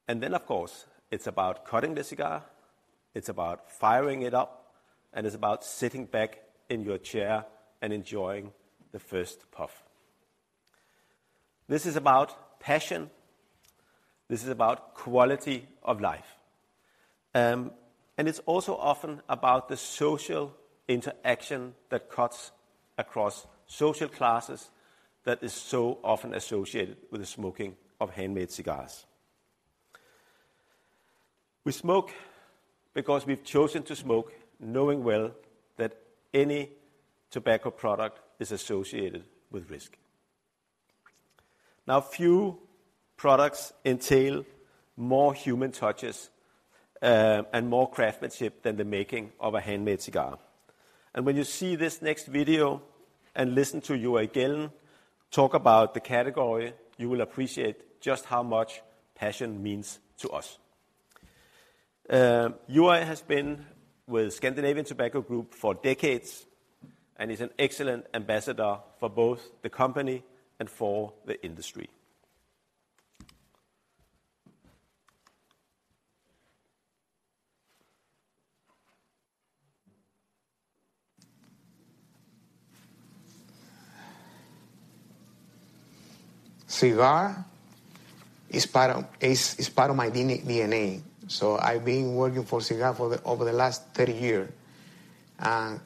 Of course, it's about cutting the cigar, it's about firing it up, and it's about sitting back in your chair and enjoying the first puff. This is about passion, this is about quality of life. It's also often about the social interaction that cuts across social classes that is so often associated with the smoking of handmade cigars. We smoke because we've chosen to smoke, knowing well that any tobacco product is associated with risk. Now, few products entail more human touches, and more craftsmanship than the making of a handmade cigar. When you see this next video and listen to Joel Gelin talk about the category, you will appreciate just how much passion means to us. Joel has been with Scandinavian Tobacco Group for decades and is an excellent ambassador for both the company and for the industry. Cigar is part of, is, is part of my DNA, DNA. I've been working for cigar for the, over the last 30 year.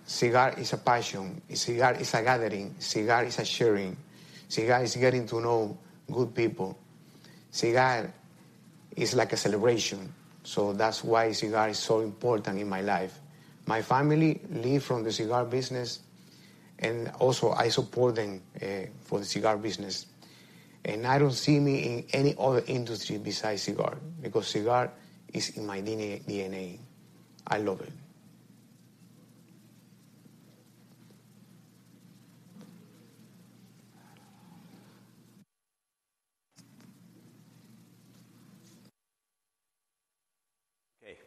Cigar is a passion, a cigar is a gathering, cigar is a sharing, cigar is getting to know good people. Cigar is like a celebration, that's why cigar is so important in my life. My family live from the cigar business, and also I support them for the cigar business. I don't see me in any other industry besides cigar, because cigar is in my DNA, DNA. I love it. Okay.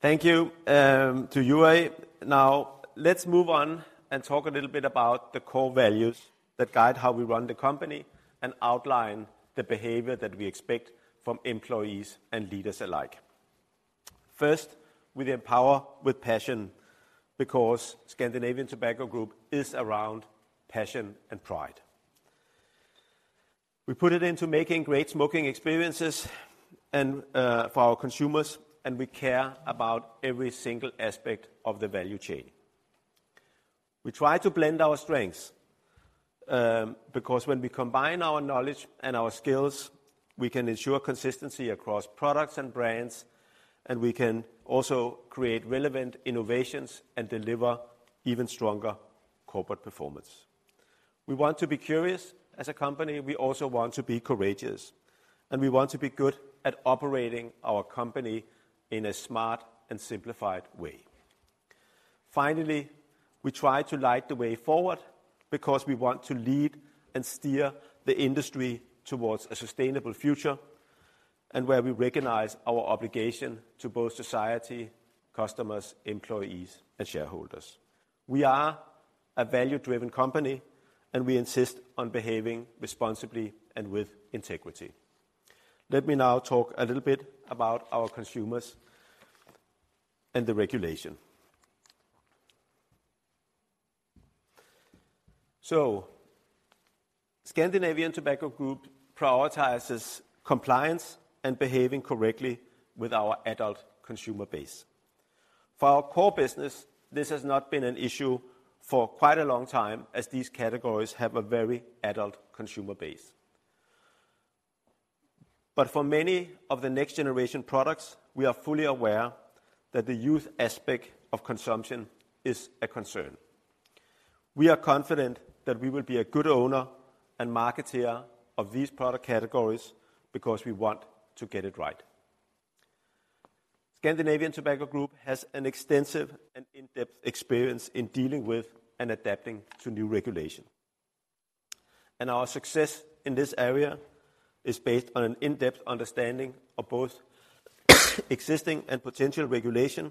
Thank you to Joel. Now, let's move on and talk a little bit about the core values that guide how we run the company and outline the behavior that we expect from employees and leaders alike. First, we empower with passion because Scandinavian Tobacco Group is around passion and pride. We put it into making great smoking experiences and for our consumers, and we care about every single aspect of the value chain. We try to blend our strengths because when we combine our knowledge and our skills, we can ensure consistency across products and brands, and we can also create relevant innovations and deliver even stronger corporate performance. We want to be curious as a company, we also want to be courageous, and we want to be good at operating our company in a smart and simplified way. Finally, we try to light the way forward because we want to lead and steer the industry towards a sustainable future, and where we recognize our obligation to both society, customers, employees, and shareholders. We are a value-driven company, and we insist on behaving responsibly and with integrity. Let me now talk a little bit about our consumers and the regulation. Scandinavian Tobacco Group prioritizes compliance and behaving correctly with our adult consumer base. For our core business, this has not been an issue for quite a long time, as these categories have a very adult consumer base. For many of the next generation products, we are fully aware that the youth aspect of consumption is a concern. We are confident that we will be a good owner and marketeer of these product categories because we want to get it right. Scandinavian Tobacco Group has an extensive and in-depth experience in dealing with and adapting to new regulation. Our success in this area is based on an in-depth understanding of both existing and potential regulation,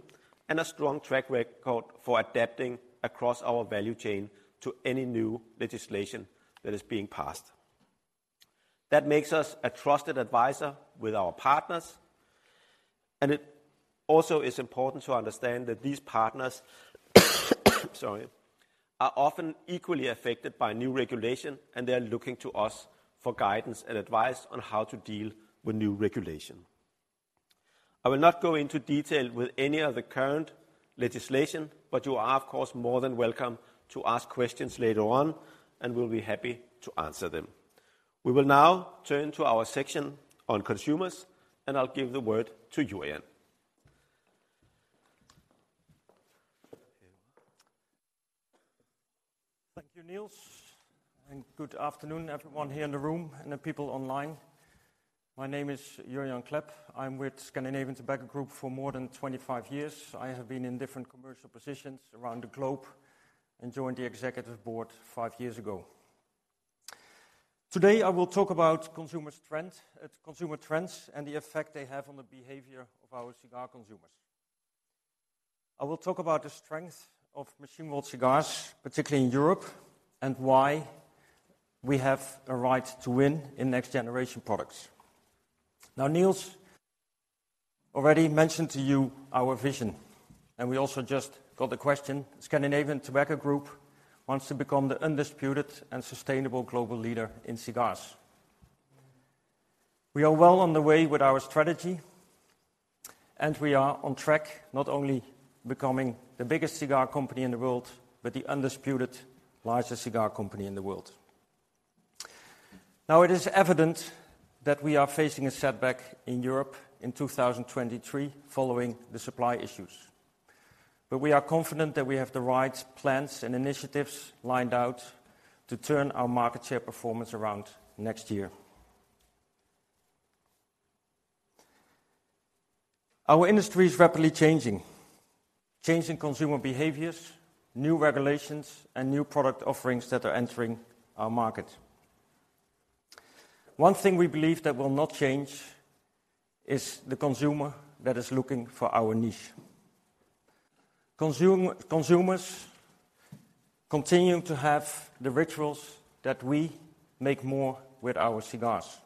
and a strong track record for adapting across our value chain to any new legislation that is being passed. That makes us a trusted advisor with our partners, and it also is important to understand that these partners, sorry, are often equally affected by new regulation, and they are looking to us for guidance and advice on how to deal with new regulation. I will not go into detail with any of the current legislation, but you are, of course, more than welcome to ask questions later on, and we'll be happy to answer them. We will now turn to our section on consumers, and I'll give the word to Jurjan. Thank you, Niels, and good afternoon, everyone here in the room and the people online. My name is Jurjan Klep. I'm with Scandinavian Tobacco Group for more than 25 years. I have been in different commercial positions around the globe and joined the executive board five years ago. Today, I will talk about consumer trends and the effect they have on the behavior of our cigar consumers. I will talk about the strength of machine-rolled cigars, particularly in Europe, and why we have a right to win in next generation products. Now, Niels already mentioned to you our vision, and we also just got the question. Scandinavian Tobacco Group wants to become the undisputed and sustainable global leader in cigars. We are well on the way with our strategy, and we are on track, not only becoming the biggest cigar company in the world, but the undisputed largest cigar company in the world. Now, it is evident that we are facing a setback in Europe in 2023 following the supply issues. But we are confident that we have the right plans and initiatives lined out to turn our market share performance around next year. Our industry is rapidly changing, changing consumer behaviors, new regulations, and new product offerings that are entering our market. One thing we believe that will not change is the consumer that is looking for our niche. Consumers continue to have the rituals that we make more with our cigars.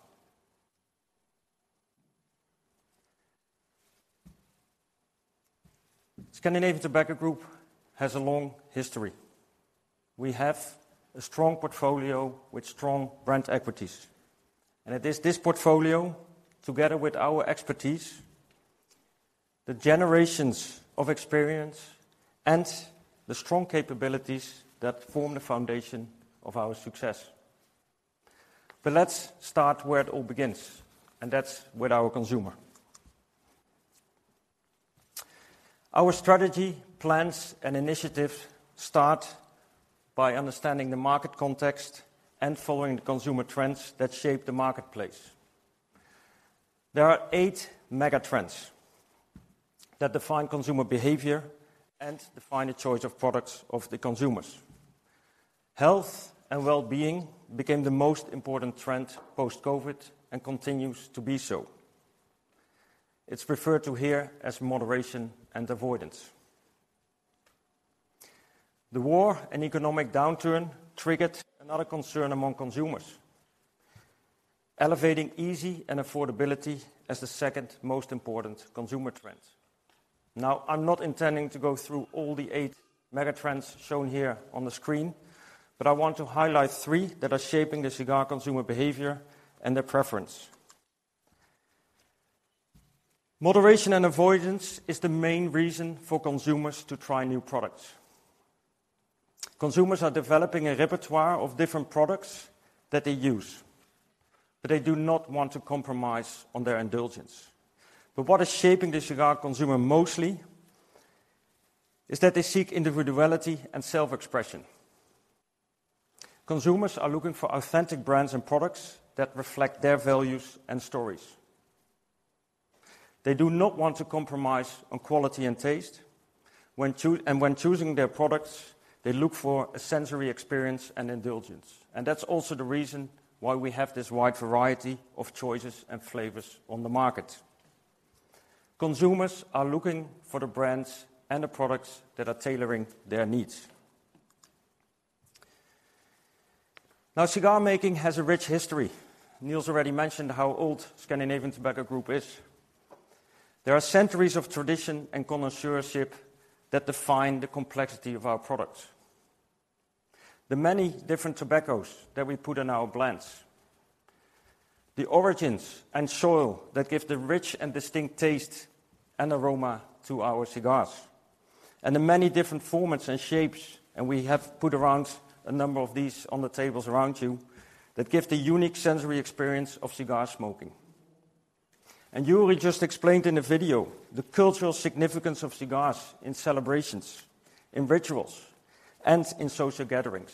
Scandinavian Tobacco Group has a long history. We have a strong portfolio with strong brand equities, and it is this portfolio, together with our expertise, the generations of experience, and the strong capabilities that form the foundation of our success. Let's start where it all begins, and that's with our consumer. Our strategy, plans, and initiatives start by understanding the market context and following the consumer trends that shape the marketplace. There are eight mega trends that define consumer behavior and define the choice of products of the consumers. Health and well-being became the most important trend post-COVID and continues to be so. It's referred to here as moderation and avoidance. The war and economic downturn triggered another concern among consumers, elevating easy and affordability as the second most important consumer trend. Now, I'm not intending to go through all the eight mega trends shown here on the screen, but I want to highlight three that are shaping the cigar consumer behavior and their preference. Moderation and avoidance is the main reason for consumers to try new products. Consumers are developing a repertoire of different products that they use, but they do not want to compromise on their indulgence. But what is shaping the cigar consumer mostly is that they seek individuality and self-expression. Consumers are looking for authentic brands and products that reflect their values and stories. They do not want to compromise on quality and taste. When choosing their products, they look for a sensory experience and indulgence. And that's also the reason why we have this wide variety of choices and flavors on the market. Consumers are looking for the brands and the products that are tailoring their needs. Now, cigar making has a rich history. Niels already mentioned how old Scandinavian Tobacco Group is. There are centuries of tradition and connoisseurship that define the complexity of our products. The many different tobaccos that we put in our blends, the origins and soil that give the rich and distinct taste and aroma to our cigars, and the many different formats and shapes, and we have put around a number of these on the tables around you, that give the unique sensory experience of cigar smoking. Jurjan just explained in the video the cultural significance of cigars in celebrations, in rituals, and in social gatherings.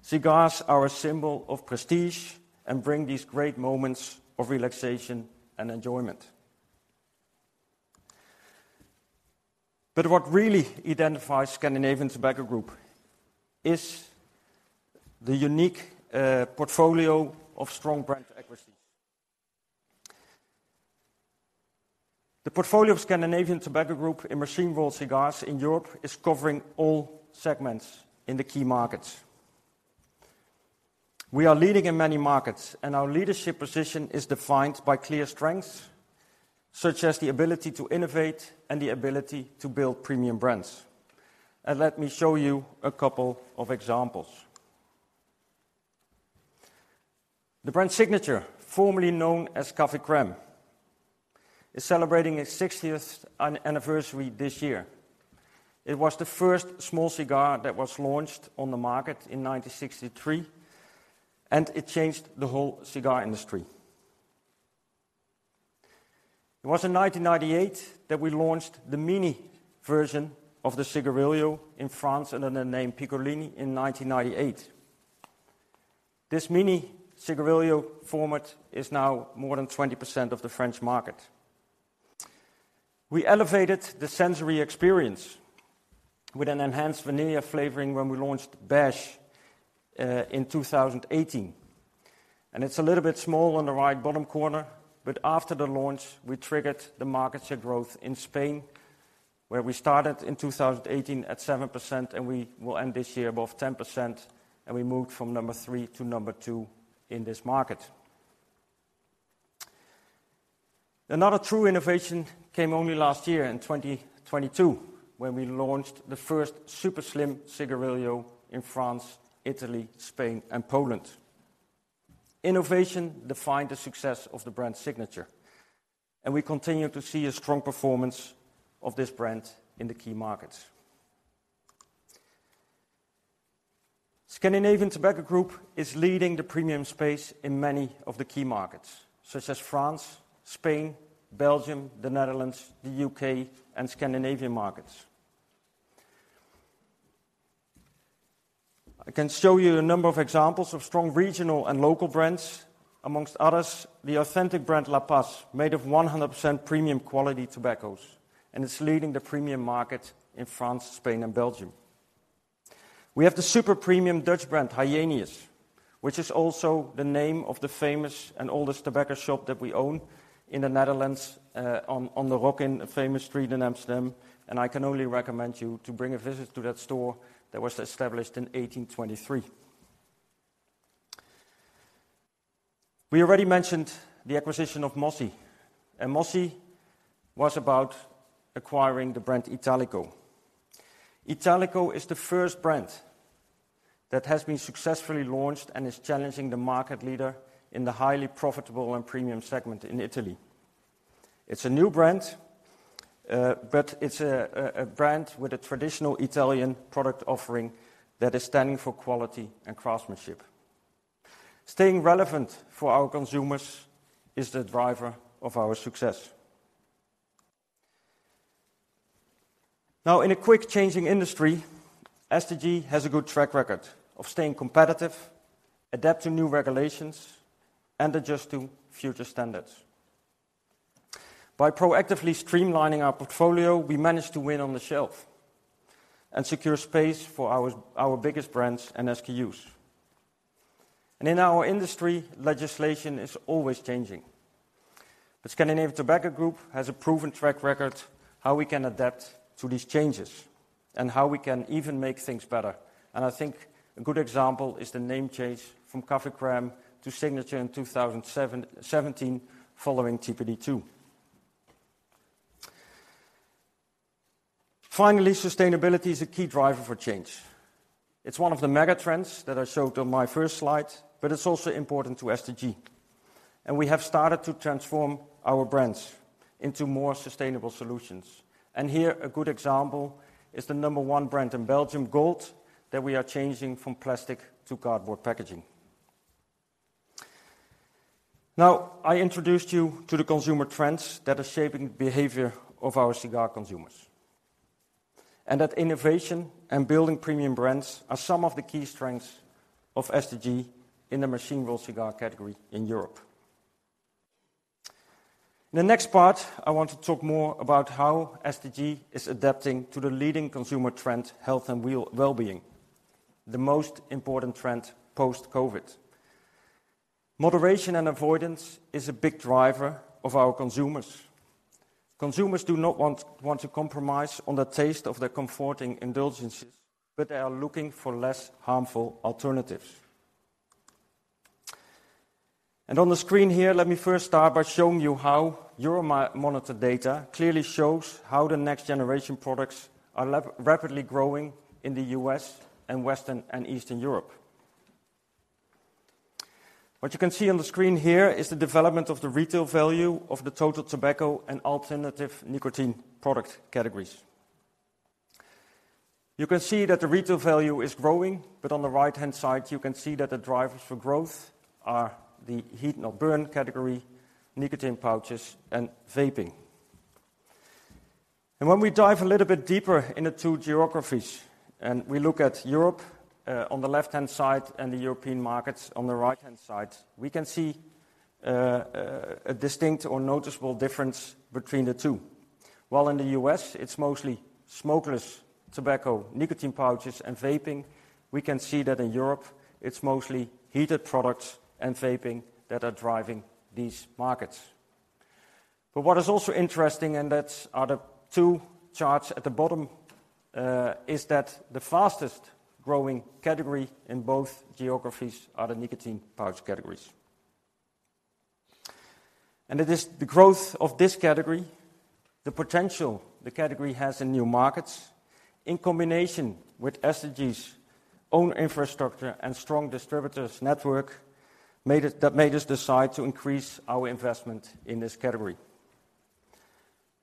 Cigars are a symbol of prestige and bring these great moments of relaxation and enjoyment. What really identifies Scandinavian Tobacco Group is the unique portfolio of strong brand equities. The portfolio of Scandinavian Tobacco Group in machine-rolled cigars in Europe is covering all segments in the key markets. We are leading in many markets, and our leadership position is defined by clear strengths, such as the ability to innovate and the ability to build premium brands. Let me show you a couple of examples. The brand Signature, formerly known as Café Crème, is celebrating its 60th anniversary this year. It was the first small cigar that was launched on the market in 1963, and it changed the whole cigar industry. It was in 1998 that we launched the mini version of the cigarillo in France, under the name Piccolini in 1998. This mini cigarillo format is now more than 20% of the French market. We elevated the sensory experience with an enhanced vanilla flavoring when we launched Beige in 2018. And it's a little bit small on the right bottom corner, but after the launch, we triggered the market share growth in Spain, where we started in 2018 at 7%, and we will end this year above 10%, and we moved from number three to number two in this market. Another true innovation came only last year, in 2022, when we launched the first super slim cigarillo in France, Italy, Spain, and Poland. Innovation defined the success of the brand Signature, and we continue to see a strong performance of this brand in the key markets. Scandinavian Tobacco Group is leading the premium space in many of the key markets, such as France, Spain, Belgium, the Netherlands, the U.K., and Scandinavian markets. I can show you a number of examples of strong regional and local brands. Among others, the authentic brand La Paz, made of 100% premium quality tobaccos, and it's leading the premium market in France, Spain, and Belgium. We have the super premium Dutch brand, Hajenius, which is also the name of the famous and oldest tobacco shop that we own in the Netherlands, on the Rokin, a famous street in Amsterdam. I can only recommend you to bring a visit to that store that was established in 1823. We already mentioned the acquisition of MOSI, and MOSI was about acquiring the brand Italico. Italico is the first brand that has been successfully launched and is challenging the market leader in the highly profitable and premium segment in Italy. It's a new brand, but it's a brand with a traditional Italian product offering that is standing for quality and craftsmanship. Staying relevant for our consumers is the driver of our success. Now, in a quick changing industry, STG has a good track record of staying competitive, adapt to new regulations, and adjust to future standards. By proactively streamlining our portfolio, we managed to win on the shelf and secure space for our biggest brands and SKUs. In our industry, legislation is always changing. Scandinavian Tobacco Group has a proven track record, how we can adapt to these changes and how we can even make things better. I think a good example is the name change from Café Crème to Signature in 2017, following TPD2. Finally, sustainability is a key driver for change. It's one of the mega trends that I showed on my first slide, but it's also important to STG, and we have started to transform our brands into more sustainable solutions. Here, a good example is the number one brand in Belgium, Gold, that we are changing from plastic to cardboard packaging. Now, I introduced you to the consumer trends that are shaping behavior of our cigar consumers, and that innovation and building premium brands are some of the key strengths of STG in the machine-rolled cigar category in Europe. In the next part, I want to talk more about how STG is adapting to the leading consumer trend, health and well-being, the most important trend post-COVID. Moderation and avoidance is a big driver of our consumers. Consumers do not want to compromise on the taste of their comforting indulgences, but they are looking for less harmful alternatives. On the screen here, let me first start by showing you how Euromonitor data clearly shows how the next generation products are rapidly growing in the U.S. and Western and Eastern Europe. What you can see on the screen here is the development of the retail value of the total tobacco and alternative nicotine product categories. You can see that the retail value is growing, but on the right-hand side, you can see that the drivers for growth are the heat-not-burn category, nicotine pouches, and vaping. And when we dive a little bit deeper in the two geographies, and we look at Europe, on the left-hand side and the European markets on the right-hand side, we can see a distinct or noticeable difference between the two. While in the U.S. it's mostly smokeless tobacco, nicotine pouches, and vaping, we can see that in Europe it's mostly heated products and vaping that are driving these markets. What is also interesting, and those are the two charts at the bottom, is that the fastest growing category in both geographies are the nicotine pouch categories. It is the growth of this category, the potential the category has in new markets, in combination with STG's own infrastructure and strong distributor network, that made us decide to increase our investment in this category.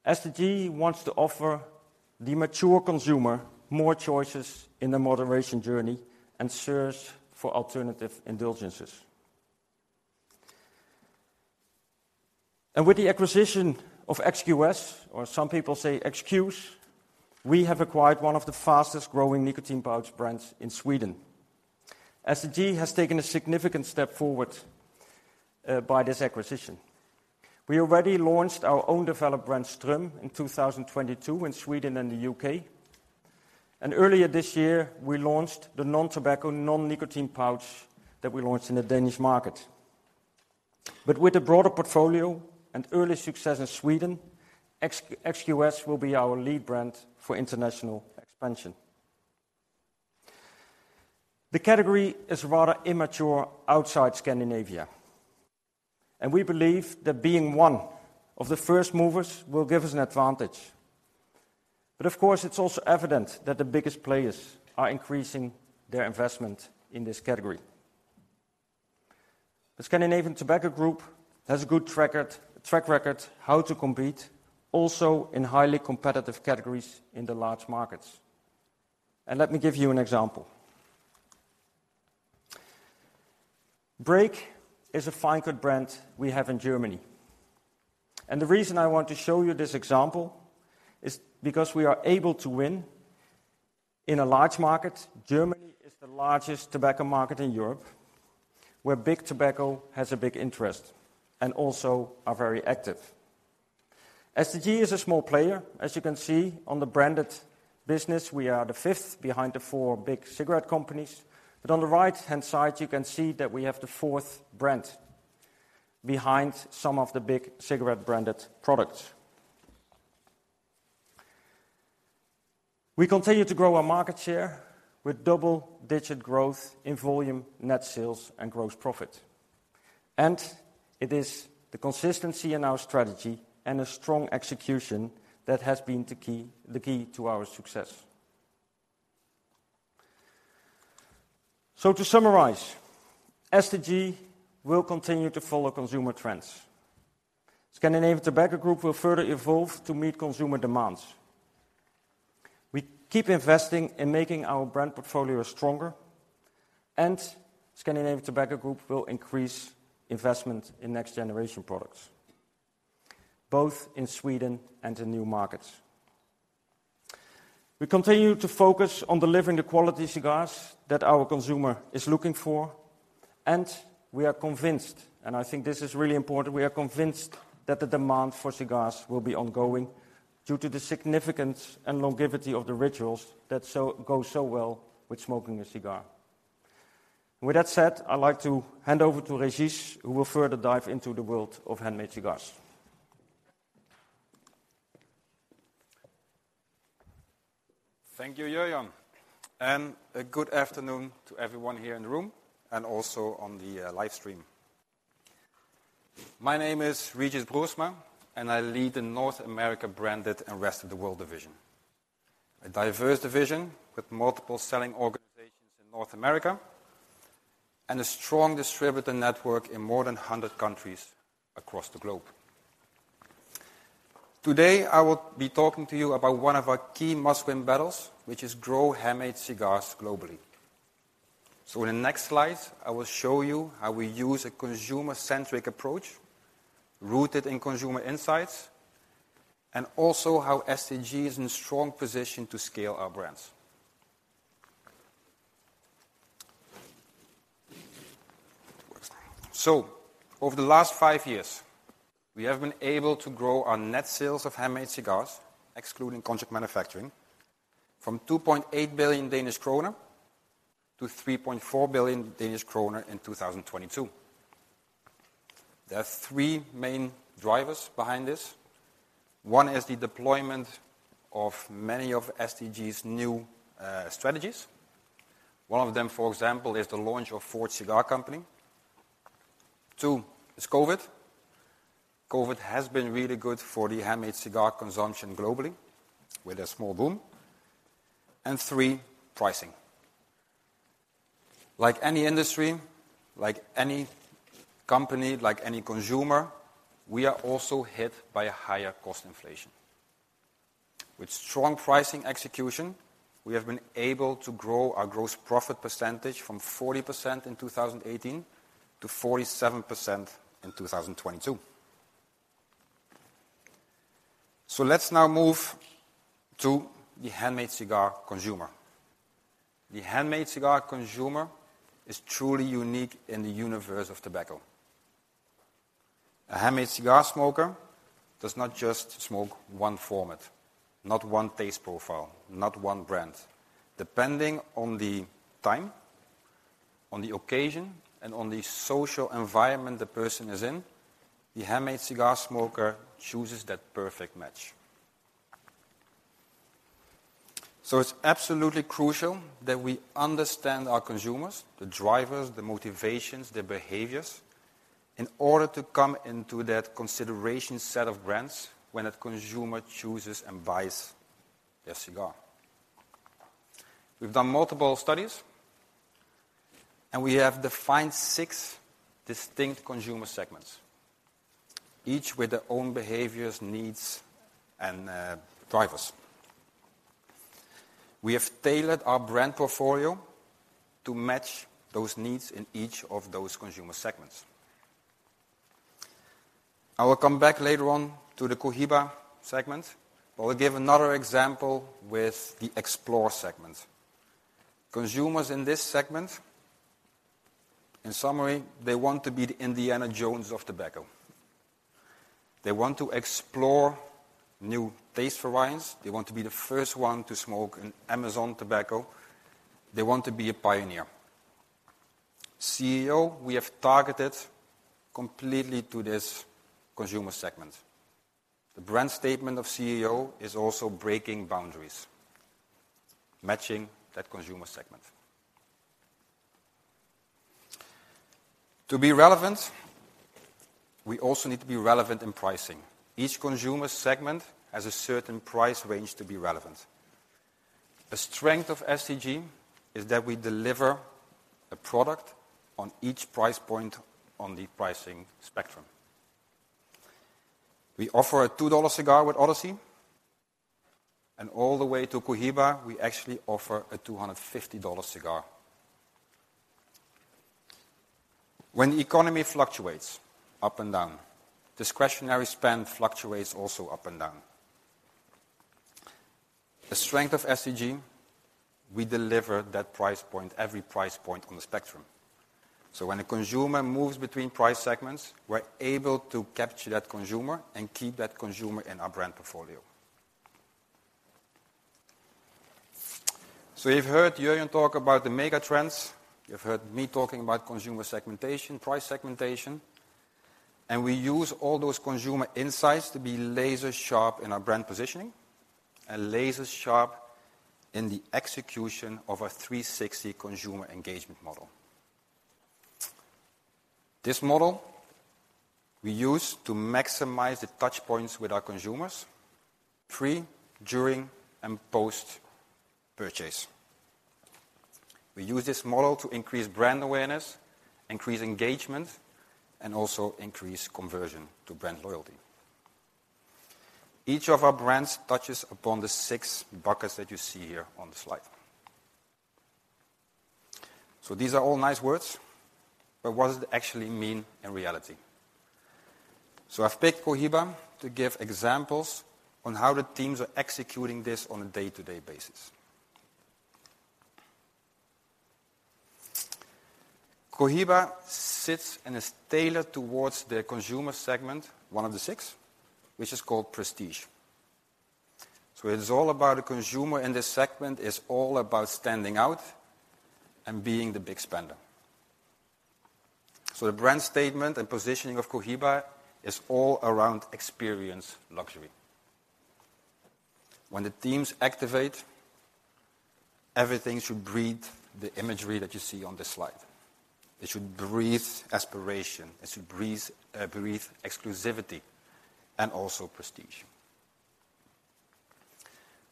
STG wants to offer the mature consumer more choices in the moderation journey and search for alternative indulgences. With the acquisition of XQS, or some people say XQ's, we have acquired one of the fastest growing nicotine pouch brands in Sweden. STG has taken a significant step forward by this acquisition. We already launched our own developed brand, STRÖM, in 2022 in Sweden and the U.K. Earlier this year, we launched the non-tobacco, non-nicotine pouch that we launched in the Danish market. But with a broader portfolio and early success in Sweden, XQS will be our lead brand for international expansion. The category is rather immature outside Scandinavia, and we believe that being one of the first movers will give us an advantage. But of course, it's also evident that the biggest players are increasing their investment in this category. The Scandinavian Tobacco Group has a good track record how to compete also in highly competitive categories in the large markets. Let me give you an example. Break is a fine-cut brand we have in Germany, and the reason I want to show you this example is because we are able to win in a large market. Germany is the largest tobacco market in Europe, where big tobacco has a big interest and also are very active. STG is a small player. As you can see on the branded business, we are the fifth behind the four big cigarette companies. But on the right-hand side, you can see that we have the fourth brand behind some of the big cigarette branded products. We continue to grow our market share with double-digit growth in volume, net sales, and gross profit. And it is the consistency in our strategy and a strong execution that has been the key, the key to our success. So to summarize, STG will continue to follow consumer trends. Scandinavian Tobacco Group will further evolve to meet consumer demands. We keep investing in making our brand portfolio stronger, and Scandinavian Tobacco Group will increase investment in next-generation products, both in Sweden and in new markets. We continue to focus on delivering the quality cigars that our consumer is looking for, and we are convinced, and I think this is really important, we are convinced that the demand for cigars will be ongoing due to the significance and longevity of the rituals that go so well with smoking a cigar. With that said, I'd like to hand over to Régis, who will further dive into the world of handmade cigars. Thank you, Jurjan, and a good afternoon to everyone here in the room and also on the live stream. My name is Régis Broersma, and I lead the North America Branded and Rest of the World division. A diverse division with multiple selling organizations in North America and a strong distributor network in more than 100 countries across the globe. Today, I will be talking to you about one of our key must-win battles, which is grow handmade cigars globally. So in the next slide, I will show you how we use a consumer-centric approach rooted in consumer insights, and also how STG is in a strong position to scale our brands. So over the last five years, we have been able to grow our net sales of handmade cigars, excluding contract manufacturing, from 2.8 billion-3.4 billion Danish kroner in 2022. There are three main drivers behind this. One is the deployment of many of STG's new strategies. One of them, for example, is the launch of Forged Cigar Company. Two, is COVID. COVID has been really good for the handmade cigar consumption globally, with a small boom. And three, pricing. Like any industry, like any company, like any consumer, we are also hit by a higher cost inflation. With strong pricing execution, we have been able to grow our gross profit percentage from 40% in 2018 to 47% in 2022. So let's now move to the handmade cigar consumer. The handmade cigar consumer is truly unique in the universe of tobacco. A handmade cigar smoker does not just smoke one format, not one taste profile, not one brand. Depending on the time, on the occasion, and on the social environment the person is in, the handmade cigar smoker chooses that perfect match. So it's absolutely crucial that we understand our consumers, the drivers, the motivations, their behaviors, in order to come into that consideration set of brands when a consumer chooses and buys a cigar. We've done multiple studies, and we have defined six distinct consumer segments, each with their own behaviors, needs, and drivers. We have tailored our brand portfolio to match those needs in each of those consumer segments. I will come back later on to the Cohiba segment, but I will give another example with the Explore segment. Consumers in this segment, in summary, they want to be the Indiana Jones of tobacco. They want to explore new taste varieties. They want to be the first one to smoke an Amazon tobacco. They want to be a pioneer. CAO, we have targeted completely to this consumer segment. The brand statement of CAO is also breaking boundaries, matching that consumer segment. To be relevant, we also need to be relevant in pricing. Each consumer segment has a certain price range to be relevant. The strength of STG is that we deliver a product on each price point on the pricing spectrum. We offer a $2 cigar with Odyssey, and all the way to Cohiba, we actually offer a $250 cigar. When the economy fluctuates up and down, discretionary spend fluctuates also up and down. The strength of STG, we deliver that price point, every price point on the spectrum. So when a consumer moves between price segments, we're able to capture that consumer and keep that consumer in our brand portfolio. So you've heard Jurjan talk about the mega trends. You've heard me talking about consumer segmentation, price segmentation, and we use all those consumer insights to be laser sharp in our brand positioning and laser sharp in the execution of our three-sixty consumer engagement model. This model we use to maximize the touchpoints with our consumers pre, during, and post-purchase. We use this model to increase brand awareness, increase engagement, and also increase conversion to brand loyalty. Each of our brands touches upon the six buckets that you see here on the slide. So these are all nice words, but what does it actually mean in reality? So I've picked Cohiba to give examples on how the teams are executing this on a day-to-day basis. Cohiba sits and is tailored towards the consumer segment, one of the six, which is called Prestige. So it is all about the consumer, and this segment is all about standing out and being the big spender. So the brand statement and positioning of Cohiba is all around experience, luxury. When the teams activate, everything should breathe the imagery that you see on this slide. It should breathe aspiration, it should breathe, breathe exclusivity and also prestige.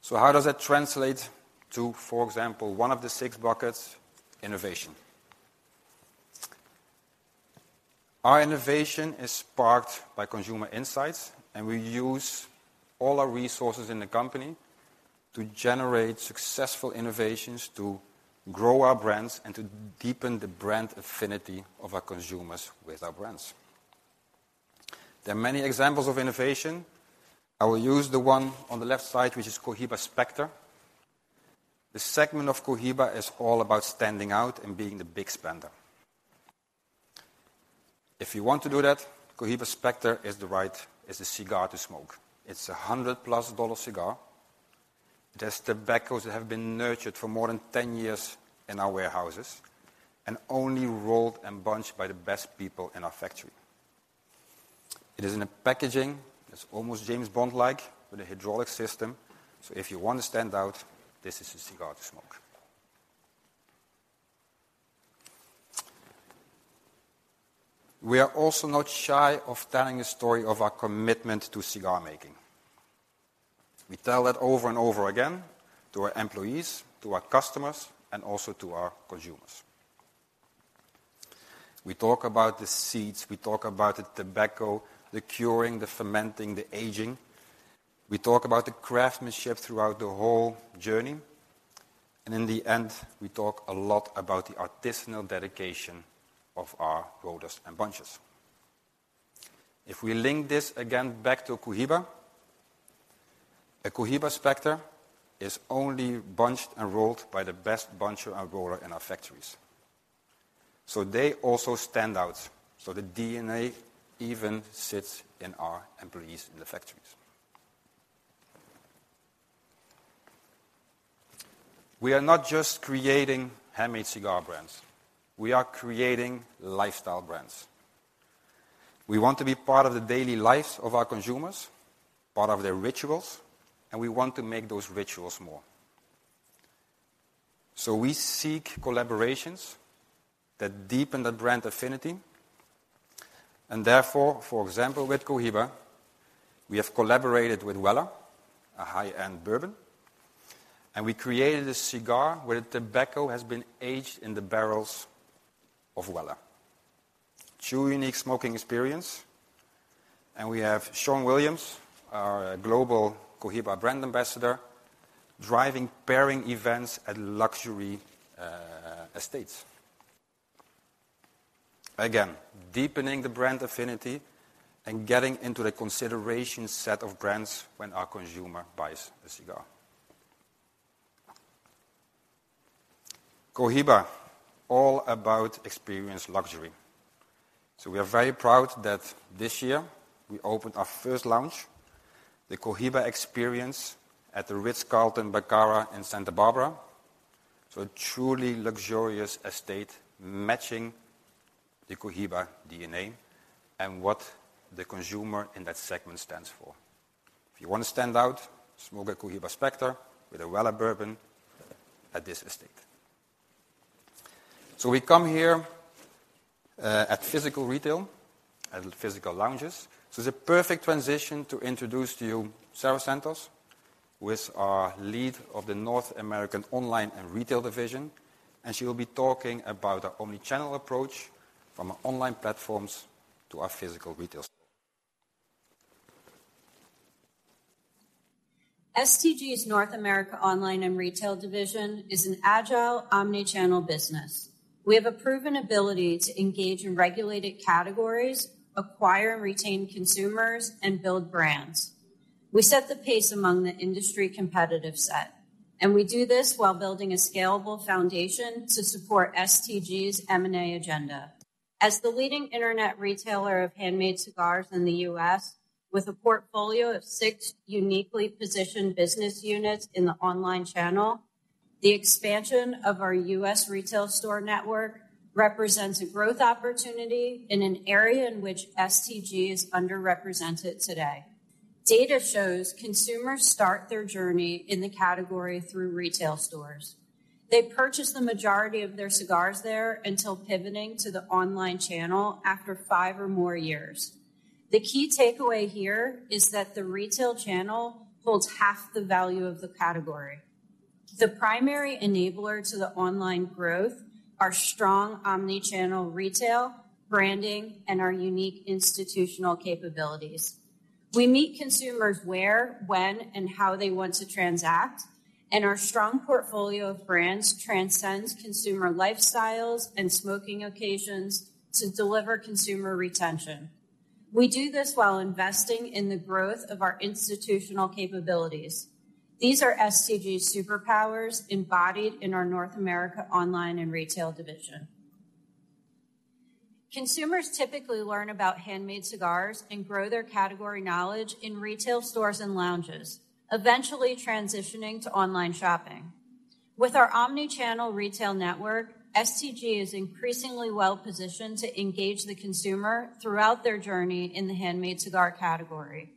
So how does that translate to, for example, one of the six buckets, innovation? Our innovation is sparked by consumer insights, and we use all our resources in the company to generate successful innovations, to grow our brands, and to deepen the brand affinity of our consumers with our brands. There are many examples of innovation. I will use the one on the left side, which is Cohiba Spectre. The segment of Cohiba is all about standing out and being the big spender. If you want to do that, Cohiba Spectre is the right, is the cigar to smoke. It's a $100+ cigar. It has tobaccos that have been nurtured for more than 10 years in our warehouses and only rolled and bunched by the best people in our factory. It is in a packaging that's almost James Bond-like with a hydraulic system. So if you want to stand out, this is a cigar to smoke. We are also not shy of telling a story of our commitment to cigar making. We tell that over and over again to our employees, to our customers, and also to our consumers. We talk about the seeds, we talk about the tobacco, the curing, the fermenting, the aging. We talk about the craftsmanship throughout the whole journey, and in the end, we talk a lot about the artisanal dedication of our rollers and bunchers. If we link this again back to Cohiba, a Cohiba Spectre is only bunched and rolled by the best buncher and roller in our factories. So they also stand out. So the DNA even sits in our employees in the factories. We are not just creating handmade cigar brands, we are creating lifestyle brands. We want to be part of the daily lives of our consumers, part of their rituals, and we want to make those rituals more. So we seek collaborations that deepen the brand affinity, and therefore, for example, with Cohiba, we have collaborated with Weller, a high-end bourbon, and we created a cigar where the tobacco has been aged in the barrels of Weller. True unique smoking experience, and we have Sean Williams, our global Cohiba brand ambassador, driving pairing events at luxury estates. Again, deepening the brand affinity and getting into the consideration set of brands when our consumer buys a cigar. Cohiba, all about experience luxury. So we are very proud that this year we opened our first lounge, the Cohiba Experience, at the Ritz-Carlton Bacara in Santa Barbara. So a truly luxurious estate matching the Cohiba DNA and what the consumer in that segment stands for. If you want to stand out, smoke a Cohiba Spectre with a Weller bourbon at this estate. So we come here, at physical retail, at physical lounges. So it's a perfect transition to introduce to you Sarah Santos, who is our lead of the North American Online and Retail Division, and she will be talking about our Omni-channel approach from our online platforms to our physical retail store. STG's North America Online and Retail Division is an agile, omnichannel business. We have a proven ability to engage in regulated categories, acquire and retain consumers, and build brands. We set the pace among the industry competitive set, and we do this while building a scalable foundation to support STG's M&A agenda. As the leading internet retailer of handmade cigars in the U.S., with a portfolio of six uniquely positioned business units in the online channel, the expansion of our U.S. retail store network represents a growth opportunity in an area in which STG is underrepresented today. Data shows consumers start their journey in the category through retail stores. They purchase the majority of their cigars there until pivoting to the online channel after five or more years. The key takeaway here is that the retail channel holds half the value of the category. The primary enabler to the online growth are strong Omni-channel retail, branding, and our unique institutional capabilities. We meet consumers where, when, and how they want to transact, and our strong portfolio of brands transcends consumer lifestyles and smoking occasions to deliver consumer retention. We do this while investing in the growth of our institutional capabilities. These are STG superpowers embodied in our North America Online and Retail Division. Consumers typically learn about handmade cigars and grow their category knowledge in retail stores and lounges, eventually transitioning to online shopping. With our omnichannel retail network, STG is increasingly well-positioned to engage the consumer throughout their journey in the handmade cigar category.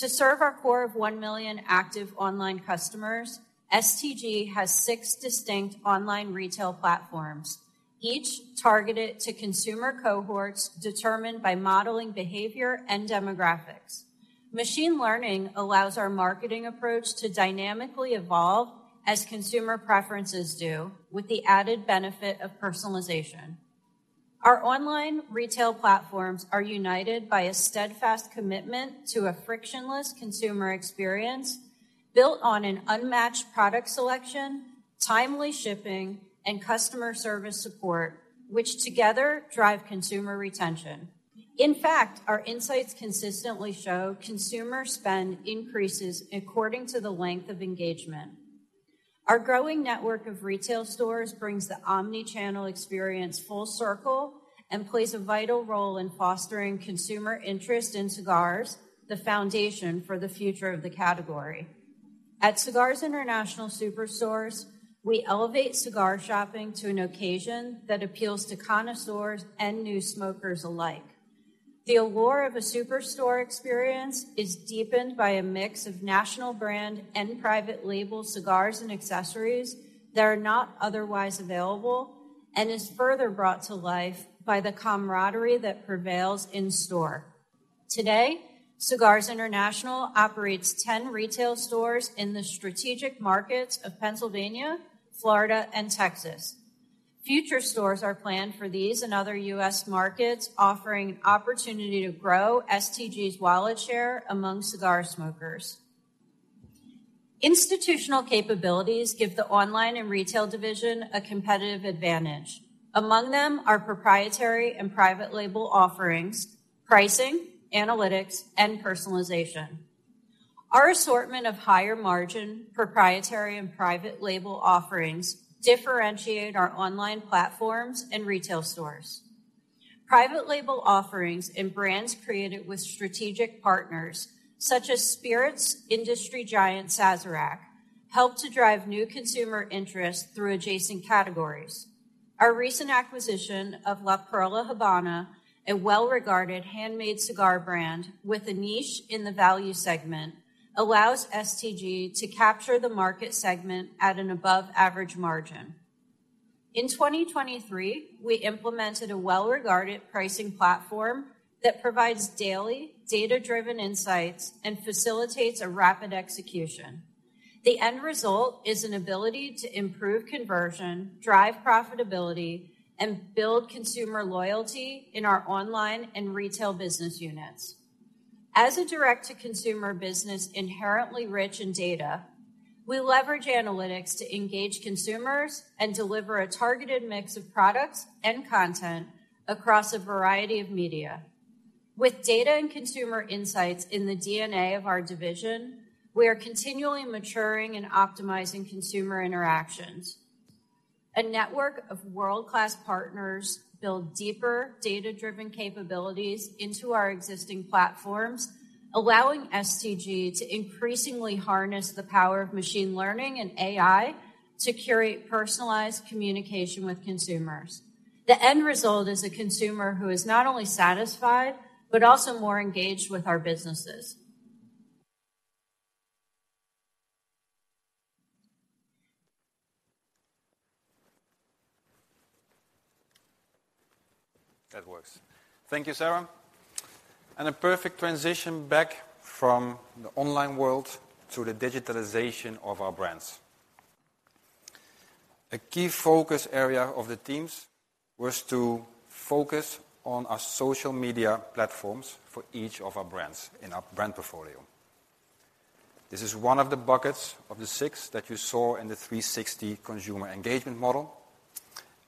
To serve our core of one million active online customers, STG has six distinct online retail platforms, each targeted to consumer cohorts determined by modeling behavior and demographics. Machine learning allows our marketing approach to dynamically evolve as consumer preferences do, with the added benefit of personalization. Our online retail platforms are united by a steadfast commitment to a frictionless consumer experience, built on an unmatched product selection, timely shipping, and customer service support, which together drive consumer retention. In fact, our insights consistently show consumer spend increases according to the length of engagement. Our growing network of retail stores brings the omni-channel experience full circle and plays a vital role in fostering consumer interest in cigars, the foundation for the future of the category. At Cigars International Superstores, we elevate cigar shopping to an occasion that appeals to connoisseurs and new smokers alike. The allure of a superstore experience is deepened by a mix of national brand and private label cigars and accessories that are not otherwise available, and is further brought to life by the camaraderie that prevails in store. Today, Cigars International operates 10 retail stores in the strategic markets of Pennsylvania, Florida, and Texas. Future stores are planned for these and other U.S. markets, offering an opportunity to grow STG's wallet share among cigar smokers. Institutional capabilities give the online and retail division a competitive advantage. Among them are proprietary and private label offerings, pricing, analytics, and personalization. Our assortment of higher margin, proprietary, and private label offerings differentiate our online platforms and retail stores. Private label offerings and brands created with strategic partners, such as spirits industry giant Sazerac, help to drive new consumer interest through adjacent categories. Our recent acquisition of La Perla Habana, a well-regarded handmade cigar brand with a niche in the value segment, allows STG to capture the market segment at an above-average margin. In 2023, we implemented a well-regarded pricing platform that provides daily, data-driven insights and facilitates a rapid execution. The end result is an ability to improve conversion, drive profitability, and build consumer loyalty in our online and retail business units. As a direct-to-consumer business inherently rich in data, we leverage analytics to engage consumers and deliver a targeted mix of products and content across a variety of media. With data and consumer insights in the DNA of our division, we are continually maturing and optimizing consumer interactions. A network of world-class partners build deeper, data-driven capabilities into our existing platforms, allowing STG to increasingly harness the power of machine learning and AI to curate personalized communication with consumers. The end result is a consumer who is not only satisfied, but also more engaged with our businesses. That works. Thank you, Sarah. A perfect transition back from the online world to the digitalization of our brands. A key focus area of the teams was to focus on our social media platforms for each of our brands in our brand portfolio. This is one of the buckets of the six that you saw in the 360 consumer engagement model,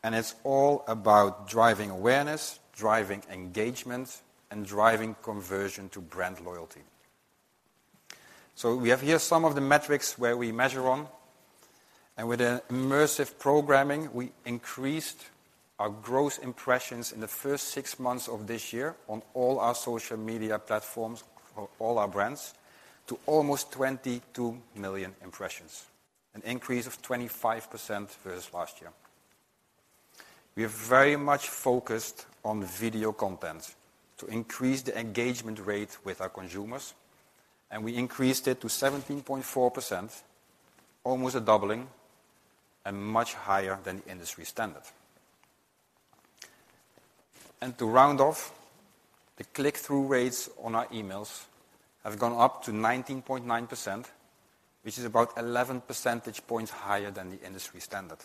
and it's all about driving awareness, driving engagement, and driving conversion to brand loyalty. We have here some of the metrics where we measure on, and with an immersive programming, we increased our gross impressions in the first six months of this year on all our social media platforms for all our brands to almost 22 million impressions, an increase of 25% versus last year. We are very much focused on video content to increase the engagement rate with our consumers, and we increased it to 17.4%, almost a doubling and much higher than the industry standard. To round off, the click-through rates on our emails have gone up to 19.9%, which is about 11 percentage points higher than the industry standard.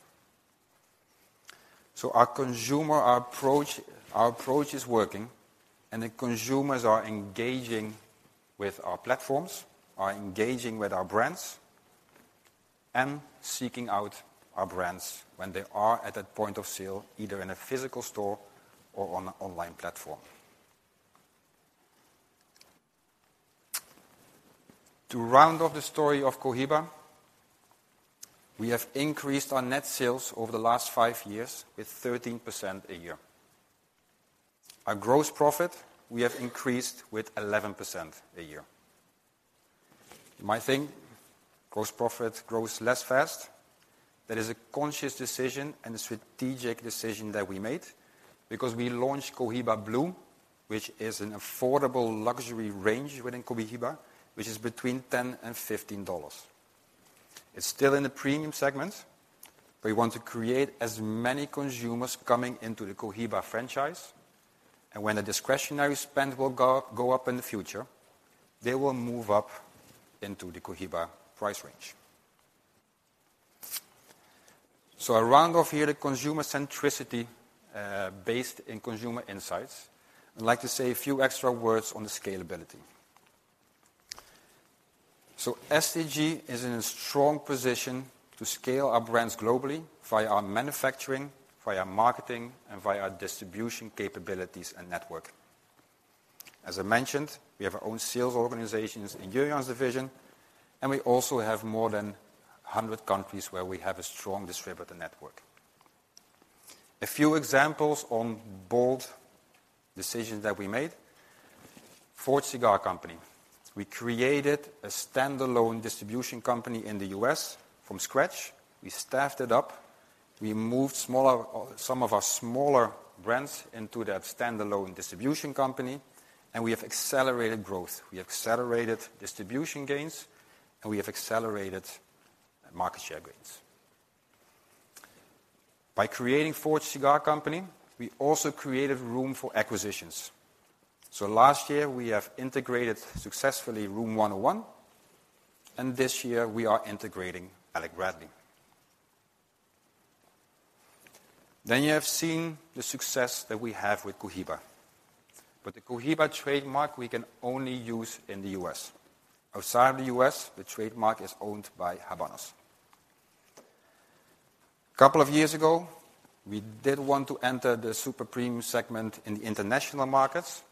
So our consumer approach is working, and the consumers are engaging with our platforms, are engaging with our brands, and seeking out our brands when they are at that point of sale, either in a physical store or on an online platform. To round off the story of Cohiba, we have increased our net sales over the last five years with 13% a year. Our gross profit, we have increased with 11% a year. You might think gross profit grows less fast. That is a conscious decision and a strategic decision that we made because we launched Cohiba Blue, which is an affordable luxury range within Cohiba, which is between $10-$15. It's still in the premium segment, but we want to create as many consumers coming into the Cohiba franchise, and when the discretionary spend will go up in the future, they will move up into the Cohiba price range. So I round off here the consumer centricity based in consumer insights. I'd like to say a few extra words on the scalability. So STG is in a strong position to scale our brands globally via our manufacturing, via marketing, and via our distribution capabilities and network. As I mentioned, we have our own sales organizations in Jurjan's division, and we also have more than 100 countries where we have a strong distributor network. A few examples on bold decisions that we made. Forged Cigar Company: we created a standalone distribution company in the U.S. from scratch. We staffed it up, we moved smaller, some of our smaller brands into that standalone distribution company, and we have accelerated growth, we have accelerated distribution gains, and we have accelerated market share gains. By creating Forged Cigar Company, we also created room for acquisitions. So last year, we have integrated successfully Room101, and this year we are integrating Alec Bradley. Then you have seen the success that we have with Cohiba. But the Cohiba trademark we can only use in the U.S. Outside of the U.S., the trademark is owned by Habanos. couple of years ago, we did want to enter the super premium segment in the international markets,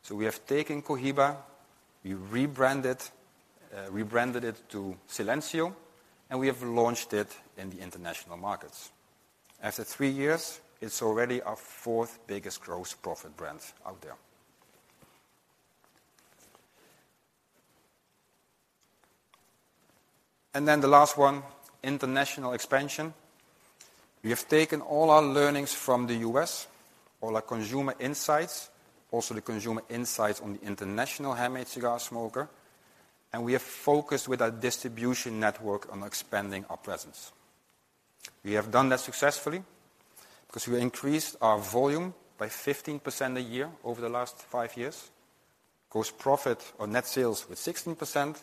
so we have taken Cohiba, we rebranded, rebranded it to Silencio, and we have launched it in the international markets. After three years, it's already our fourth biggest gross profit brand out there. And then the last one, international expansion. We have taken all our learnings from the U.S., all our consumer insights, also the consumer insights on the international handmade cigar smoker, and we have focused with our distribution network on expanding our presence. We have done that successfully, 'cause we increased our volume by 15% a year over the last five years, gross profit on net sales with 16%,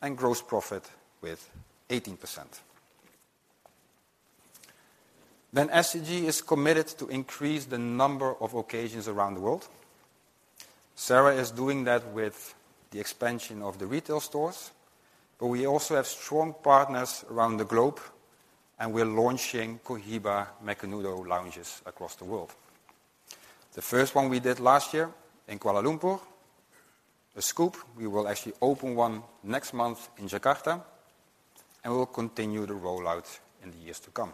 and gross profit with 18%. Then STG is committed to increase the number of occasions around the world. Sarah is doing that with the expansion of the retail stores, but we also have strong partners around the globe, and we're launching Cohiba Macanudo lounges across the world. The first one we did last year in Kuala Lumpur. A scoop, we will actually open one next month in Jakarta, and we will continue the rollout in the years to come.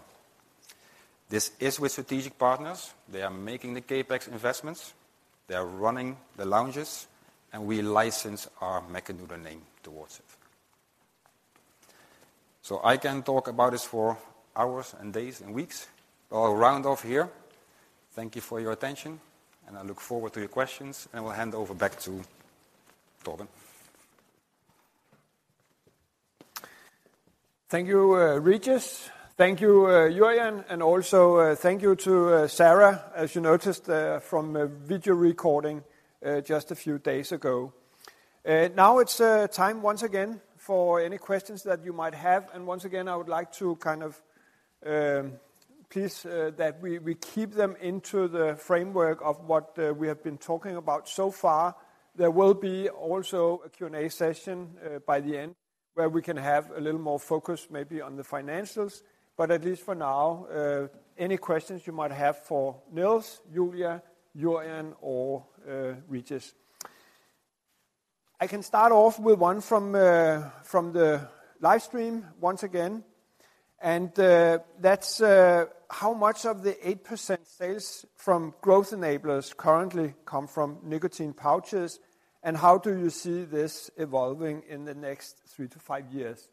This is with strategic partners. They are making the CapEx investments, they are running the lounges, and we license our Macanudo name towards it. So I can talk about this for hours and days, and weeks, but I'll round off here. Thank you for your attention, and I look forward to your questions, and I will hand over back to Torben. Thank you, Régis. Thank you, Jurjan, and also thank you to Sarah, as you noticed from a video recording just a few days ago. Now it's time once again for any questions that you might have, and once again, I would like to kind of please that we keep them into the framework of what we have been talking about so far. There will be also a Q&A session by the end, where we can have a little more focus, maybe on the financials, but at least for now, any questions you might have for Niels, Yulia, Jurjan, or Régis. I can start off with one from, from the live stream once again, and, that's how much of the 8% sales from Growth Enablers currently come from nicotine pouches, and how do you see this evolving in the next three to five years?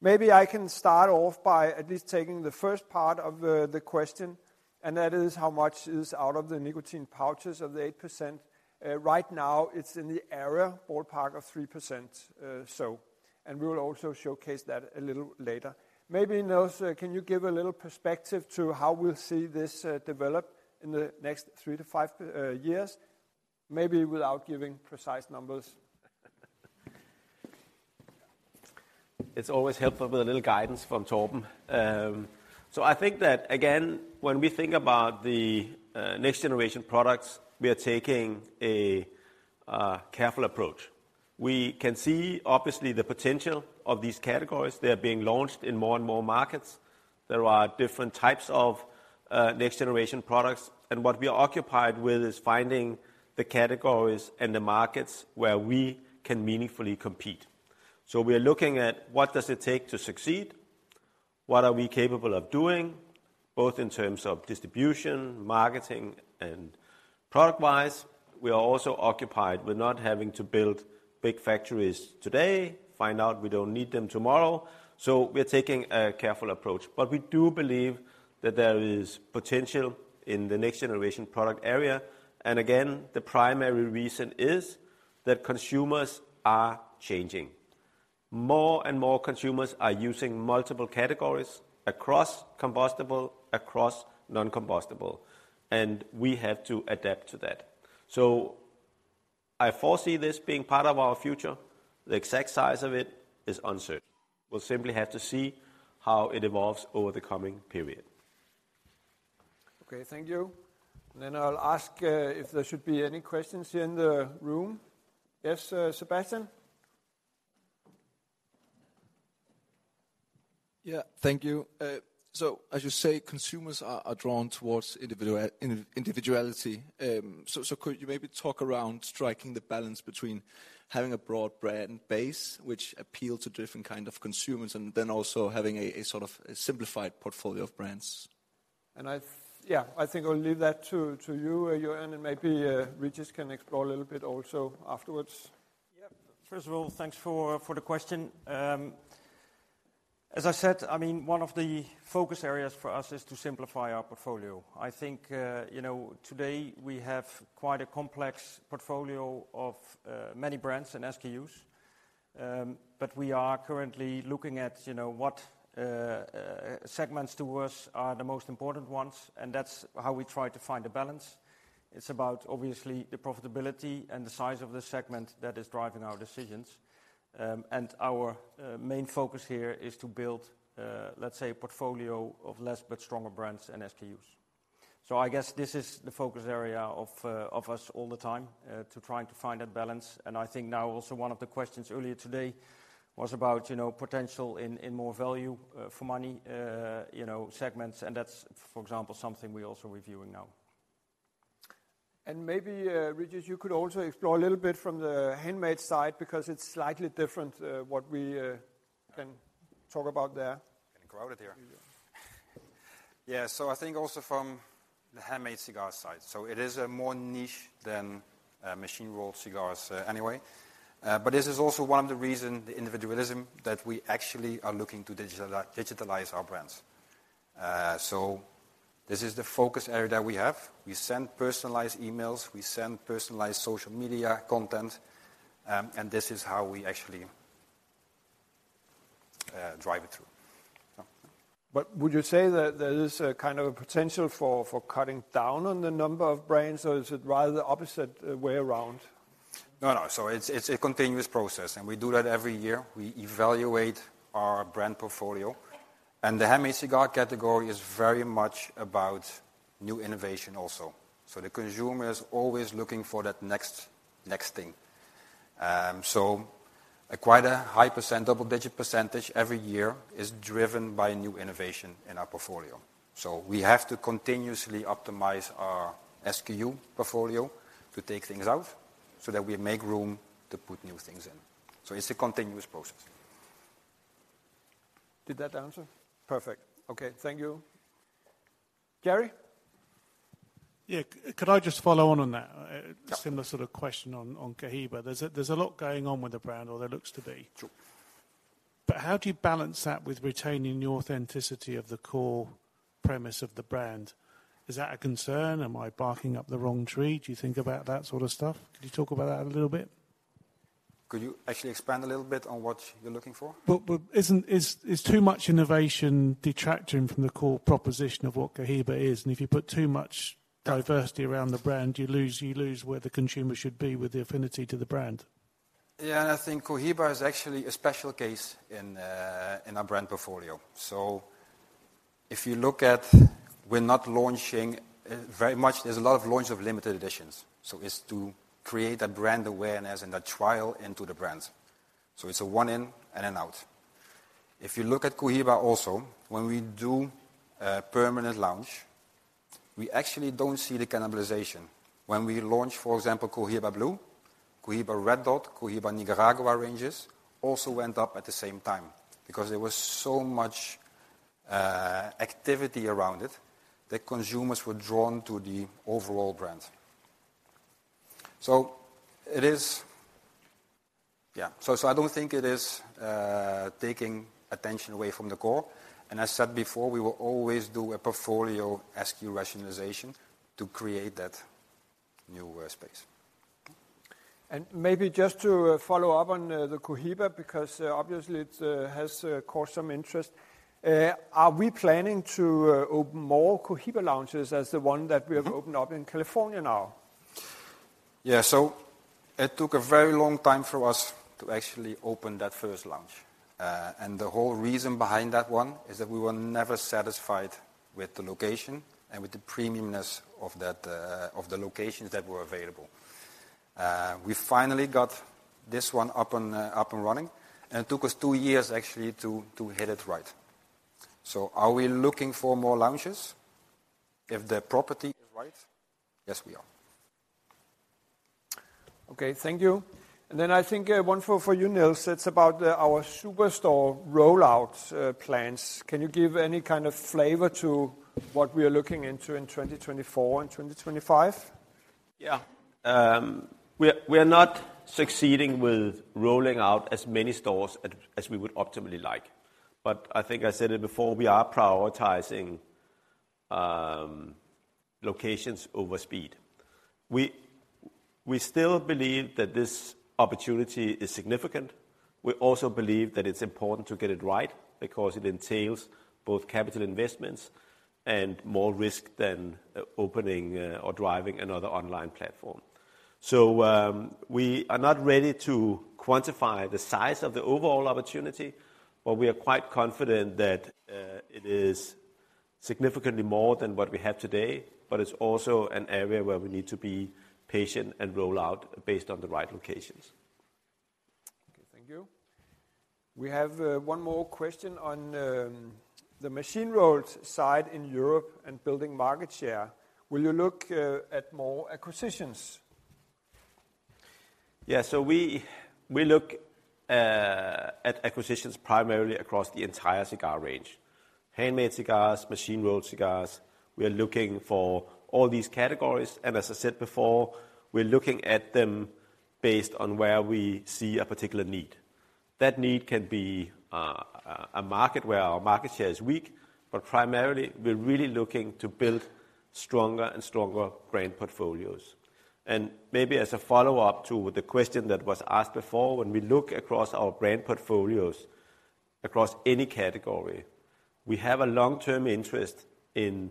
Maybe I can start off by at least taking the first part of the, the question, and that is how much is out of the nicotine pouches of the 8%. Right now, it's in the area ballpark of 3%, so and we will also showcase that a little later. Maybe, Niels, can you give a little perspective to how we'll see this develop in the next three to five years? Maybe without giving precise numbers. It's always helpful with a little guidance from Torben. So I think that again, when we think about the next generation products, we are taking a careful approach. We can see obviously, the potential of these categories. They are being launched in more and more markets. There are different types of next generation products, and what we are occupied with is finding the categories and the markets where we can meaningfully compete. So we are looking at what does it take to succeed? What are we capable of doing, both in terms of distribution, marketing, and product wise? We are also occupied with not having to build big factories today, find out we don't need them tomorrow, so we're taking a careful approach. But we do believe that there is potential in the next generation product area, and again, the primary reason is that consumers are changing. More and more consumers are using multiple categories across combustible, across non-combustible, and we have to adapt to that. I foresee this being part of our future. The exact size of it is uncertain. We'll simply have to see how it evolves over the coming period. Okay, thank you. Then I'll ask if there should be any questions here in the room. Yes, Sebastian? Yeah, thank you. So as you say, consumers are drawn towards individuality. So could you maybe talk around striking the balance between having a broad brand base, which appeal to different kind of consumers, and then also having a sort of a simplified portfolio of brands? And yeah, I think I'll leave that to you, Jurjan, and maybe Régis can explore a little bit also afterwards. Yeah. First of all, thanks for the question. As I said, I mean, one of the focus areas for us is to simplify our portfolio. I think, you know, today we have quite a complex portfolio of many brands and SKUs, but we are currently looking at, you know, what segments to us are the most important ones, and that's how we try to find a balance. It's about obviously, the profitability and the size of the segment that is driving our decisions. Our main focus here is to build, let's say, a portfolio of less but stronger brands and SKUs. I guess this is the focus area of of us all the time, to try and to find that balance. I think now also one of the questions earlier today was about, you know, potential in more value, for money, you know, segments, and that's, for example, something we're also reviewing now. Maybe, Régis, you could also explore a little bit from the handmade side, because it's slightly different, what we can talk about there. Getting crowded here. Yeah. Yeah, I think also from the handmade cigar side, it is more niche than machine-rolled cigars anyway. This is also one of the reasons, the individualism, that we actually are looking to digitalize our brands. This is the focus area that we have. We send personalized emails, we send personalized social media content, and this is how we actually drive it through. Yeah. But would you say that there is a kind of a potential for cutting down on the number of brands, or is it rather the opposite way around? No, no. It's a continuous process, and we do that every year. We evaluate our brand portfolio, and the handmade cigar category is very much about new innovation also. The consumer is always looking for that next, next thing. Quite a high percent, double-digit percentage every year is driven by new innovation in our portfolio. We have to continuously optimize our SKU portfolio to take things out, so that we make room to put new things in. It's a continuous process. Did that answer? Perfect. Okay, thank you. Jerry? Yeah, could I just follow on on that? Yeah. Similar sort of question on Cohiba. There's a lot going on with the brand, or there looks to be. Sure. How do you balance that with retaining the authenticity of the core premise of the brand? Is that a concern? Am I barking up the wrong tree? Do you think about that sort of stuff? Can you talk about that a little bit? Could you actually expand a little bit on what you're looking for? But isn't it too much innovation detracting from the core proposition of what Cohiba is, and if you put too much diversity around the brand, you lose where the consumer should be with the affinity to the brand? Yeah, and I think Cohiba is actually a special case in in our brand portfolio. So if you look at, we're not launching very much—there's a lot of launch of limited editions, so it's to create a brand awareness and a trial into the brand. So it's a one in and an out. If you look at Cohiba also, when we do a permanent launch, we actually don't see the cannibalization. When we launch, for example, Cohiba Blue, Cohiba Red Dot, Cohiba Nicaragua ranges also went up at the same time, because there was so much activity around it that consumers were drawn to the overall brand. So it is. Yeah, so, so I don't think it is taking attention away from the core, and I said before, we will always do a portfolio SKU rationalization to create that new space. Maybe just to follow up on the Cohiba, because obviously it has caused some interest. Are we planning to open more Cohiba lounges as the one that we have- Mm-hmm... opened up in California now? Yeah, so it took a very long time for us to actually open that first lounge. The whole reason behind that one is that we were never satisfied with the location and with the premiumness of that, of the locations that were available. We finally got this one up and up and running, and it took us two years actually, to get it right. So are we looking for more lounges? If the property is right, yes, we are. Okay, thank you. Then I think one for you, Niels. It's about our superstore rollout plans. Can you give any kind of flavor to what we are looking into in 2024 and 2025? Yeah. We are not succeeding with rolling out as many stores as we would optimally like, but I think I said it before, we are prioritizing locations over speed. We still believe that this opportunity is significant. We also believe that it's important to get it right because it entails both capital investments and more risk than opening or driving another online platform. We are not ready to quantify the size of the overall opportunity, but we are quite confident that it is significantly more than what we have today, but it's also an area where we need to be patient and roll out based on the right locations. Okay, thank you. We have one more question on the machine-rolled side in Europe and building market share. Will you look at more acquisitions? Yeah, so we look at acquisitions primarily across the entire cigar range, handmade cigars, machine-rolled cigars. We are looking for all these categories, and as I said before, we're looking at them based on where we see a particular need. That need can be a market where our market share is weak, but primarily, we're really looking to build stronger and stronger brand portfolios. And maybe as a follow-up to the question that was asked before, when we look across any category, we have a long-term interest in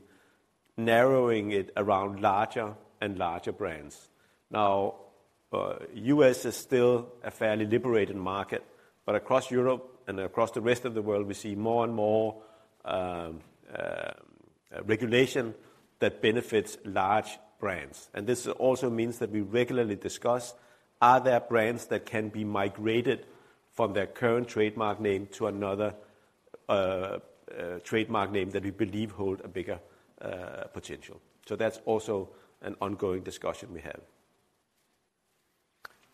narrowing it around larger and larger brands. Now, the U.S. is still a fairly liberated market, but across Europe and across the rest of the world, we see more and more regulation that benefits large brands. This also means that we regularly discuss, are there brands that can be migrated from their current trademark name to another trademark name that we believe hold a bigger potential? That's also an ongoing discussion we have.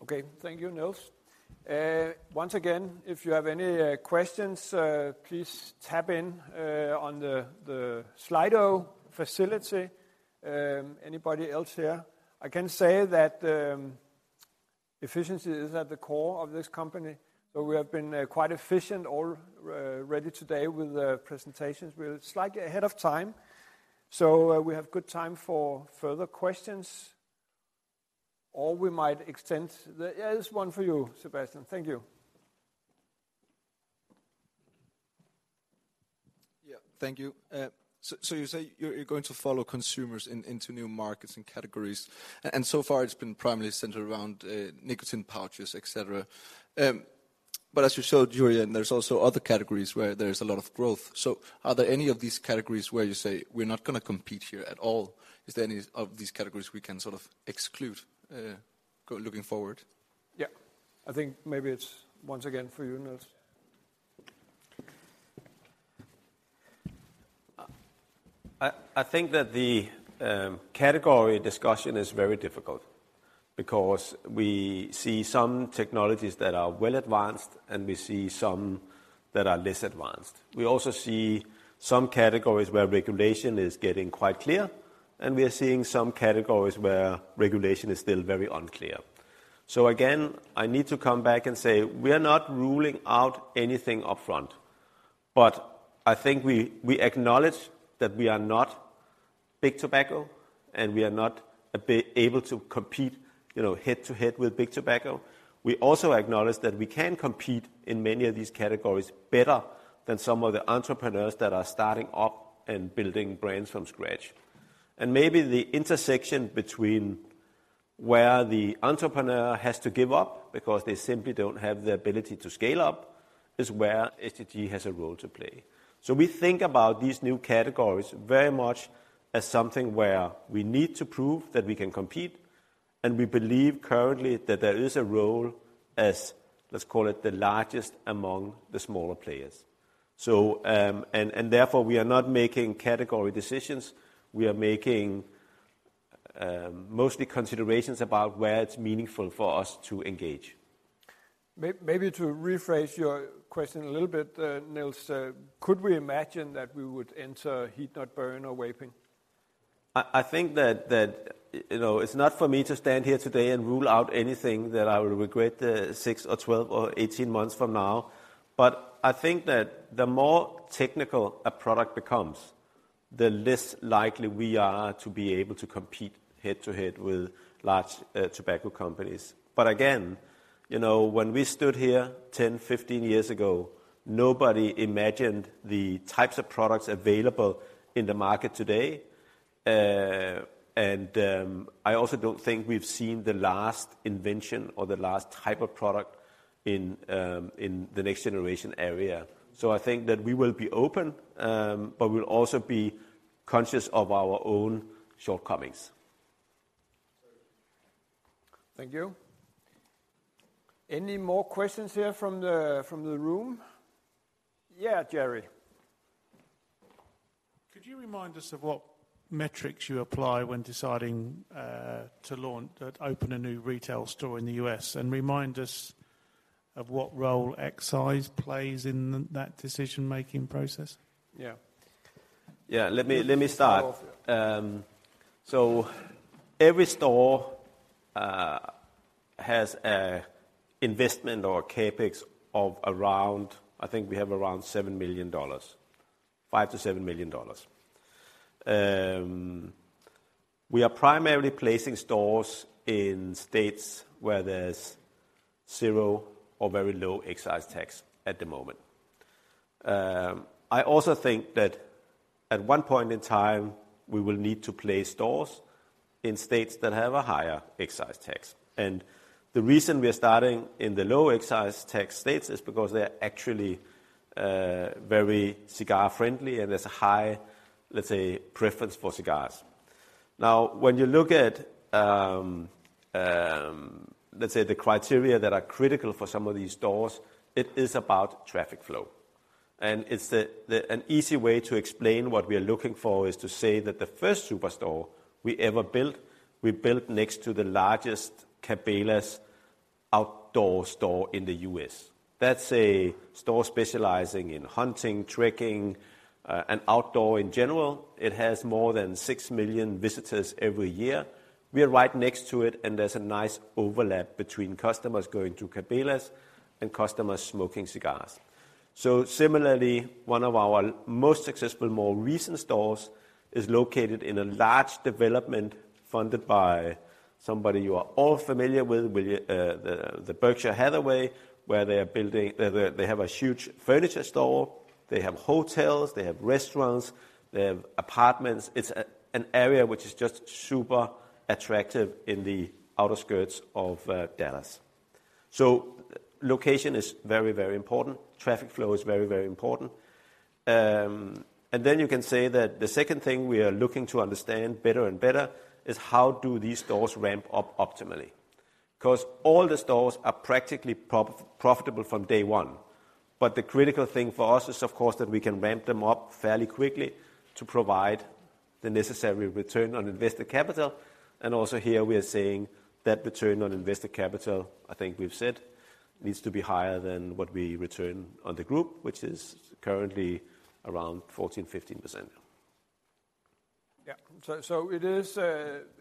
Okay, thank you, Niels. Once again, if you have any questions, please type in on the Slido facility. Anybody else here? I can say that efficiency is at the core of this company, so we have been quite efficient already today with the presentations. We're slightly ahead of time, so we have good time for further questions, or we might extend. Yeah, there's one for you, Sebastian. Thank you. Yeah, thank you. So you say you're going to follow consumers into new markets and categories, and so far it's been primarily centered around nicotine pouches, et cetera. As you showed earlier, there's also other categories where there is a lot of growth. Are there any of these categories where you say, "We're not gonna compete here at all?" Is there any of these categories we can sort of exclude, looking forward? Yeah. I think maybe it's once again for you, Niels. I think that the category discussion is very difficult because we see some technologies that are well advanced, and we see some that are less advanced. We also see some categories where regulation is getting quite clear, and we are seeing some categories where regulation is still very unclear. So again, I need to come back and say: we are not ruling out anything upfront, but I think we acknowledge that we are not big tobacco, and we are not able to compete, you know, head-to-head with big tobacco. We also acknowledge that we can compete in many of these categories better than some of the entrepreneurs that are starting up and building brands from scratch. Maybe the intersection between where the entrepreneur has to give up because they simply don't have the ability to scale up is where STG has a role to play. We think about these new categories very much as something where we need to prove that we can compete, and we believe currently that there is a role as, let's call it, the largest among the smaller players. Therefore, we are not making category decisions. We are making mostly considerations about where it's meaningful for us to engage. Maybe to rephrase your question a little bit, Niels, could we imagine that we would enter heat-not-burn or vaping? I think that, you know, it's not for me to stand here today and rule out anything that I will regret, six or 12 or 18 months from now, but I think that the more technical a product becomes, the less likely we are to be able to compete head-to-head with large, you know, tobacco companies. Again, you know, when we stood here 10, 15 years ago, nobody imagined the types of products available in the market today. I also don't think we've seen the last invention or the last type of product in the next generation area. I think that we will be open, but we'll also be conscious of our own shortcomings. Thank you. Any more questions here from the room? Yeah, Gary. Could you remind us of what metrics you apply when deciding, to launch, open a new retail store in the U.S., and remind us of what role excise plays in that decision-making process? Yeah. Yeah, let me, let me start. So every store has a investment or CapEx of around, I think we have around $7 million, $5 million-$7 million. We are primarily placing stores in states where there's zero or very low excise tax at the moment. I also think that at one point in time, we will need to place stores in states that have a higher excise tax. And the reason we are starting in the low excise tax states is because they're actually very cigar friendly, and there's a high, let's say, preference for cigars. Now, when you look at, let's say, the criteria that are critical for some of these stores, it is about traffic flow. And it's the... An easy way to explain what we are looking for is to say that the first superstore we ever built, we built next to the largest Cabela's outdoor store in the U.S. That's a store specializing in hunting, trekking, and outdoor in general. It has more than six million visitors every year. We are right next to it, and there's a nice overlap between customers going to Cabela's and customers smoking cigars. So similarly, one of our most successful, more recent stores is located in a large development funded by somebody you are all familiar with, with the, the Berkshire Hathaway, where they are building—they have a huge furniture store, they have hotels, they have restaurants, they have apartments. It's an area which is just super attractive in the outskirts of Dallas. So location is very, very important. Traffic flow is very, very important. And then you can say that the second thing we are looking to understand better and better is how do these stores ramp up optimally? Because all the stores are practically profitable from day one. But the critical thing for us is, of course, that we can ramp them up fairly quickly to provide the necessary return on invested capital, and also here we are saying that return on invested capital, I think we've said, needs to be higher than what we return on the group, which is currently around 14%-15%. Yeah. So it is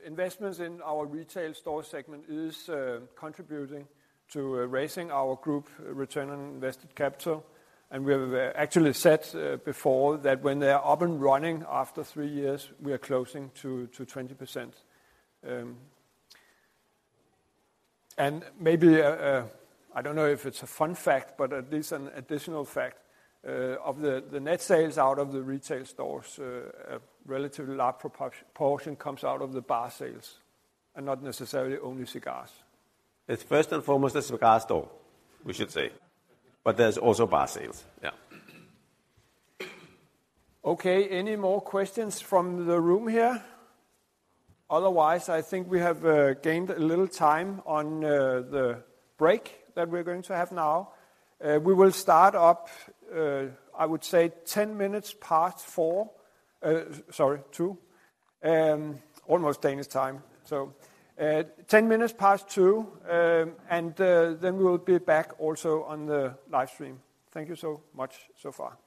investments in our retail store segment is contributing to raising our group return on invested capital. And we have actually said before that when they are up and running after three years, we are close to 20%. And maybe I don't know if it's a fun fact, but at least an additional fact of the net sales out of the retail stores, a relatively large portion comes out of the bar sales and not necessarily only cigars. It's first and foremost a cigar store, we should say, but there's also bar sales. Yeah. Okay. Any more questions from the room here? Otherwise, I think we have gained a little time on the break that we're going to have now. We will start up, I would say 10 minutes past 4:00 P.M., sorry, 2:00 P.M., almost Danish time. Ten minutes past 2:00 P.M., and then we will be back also on the live stream. Thank you so much so far.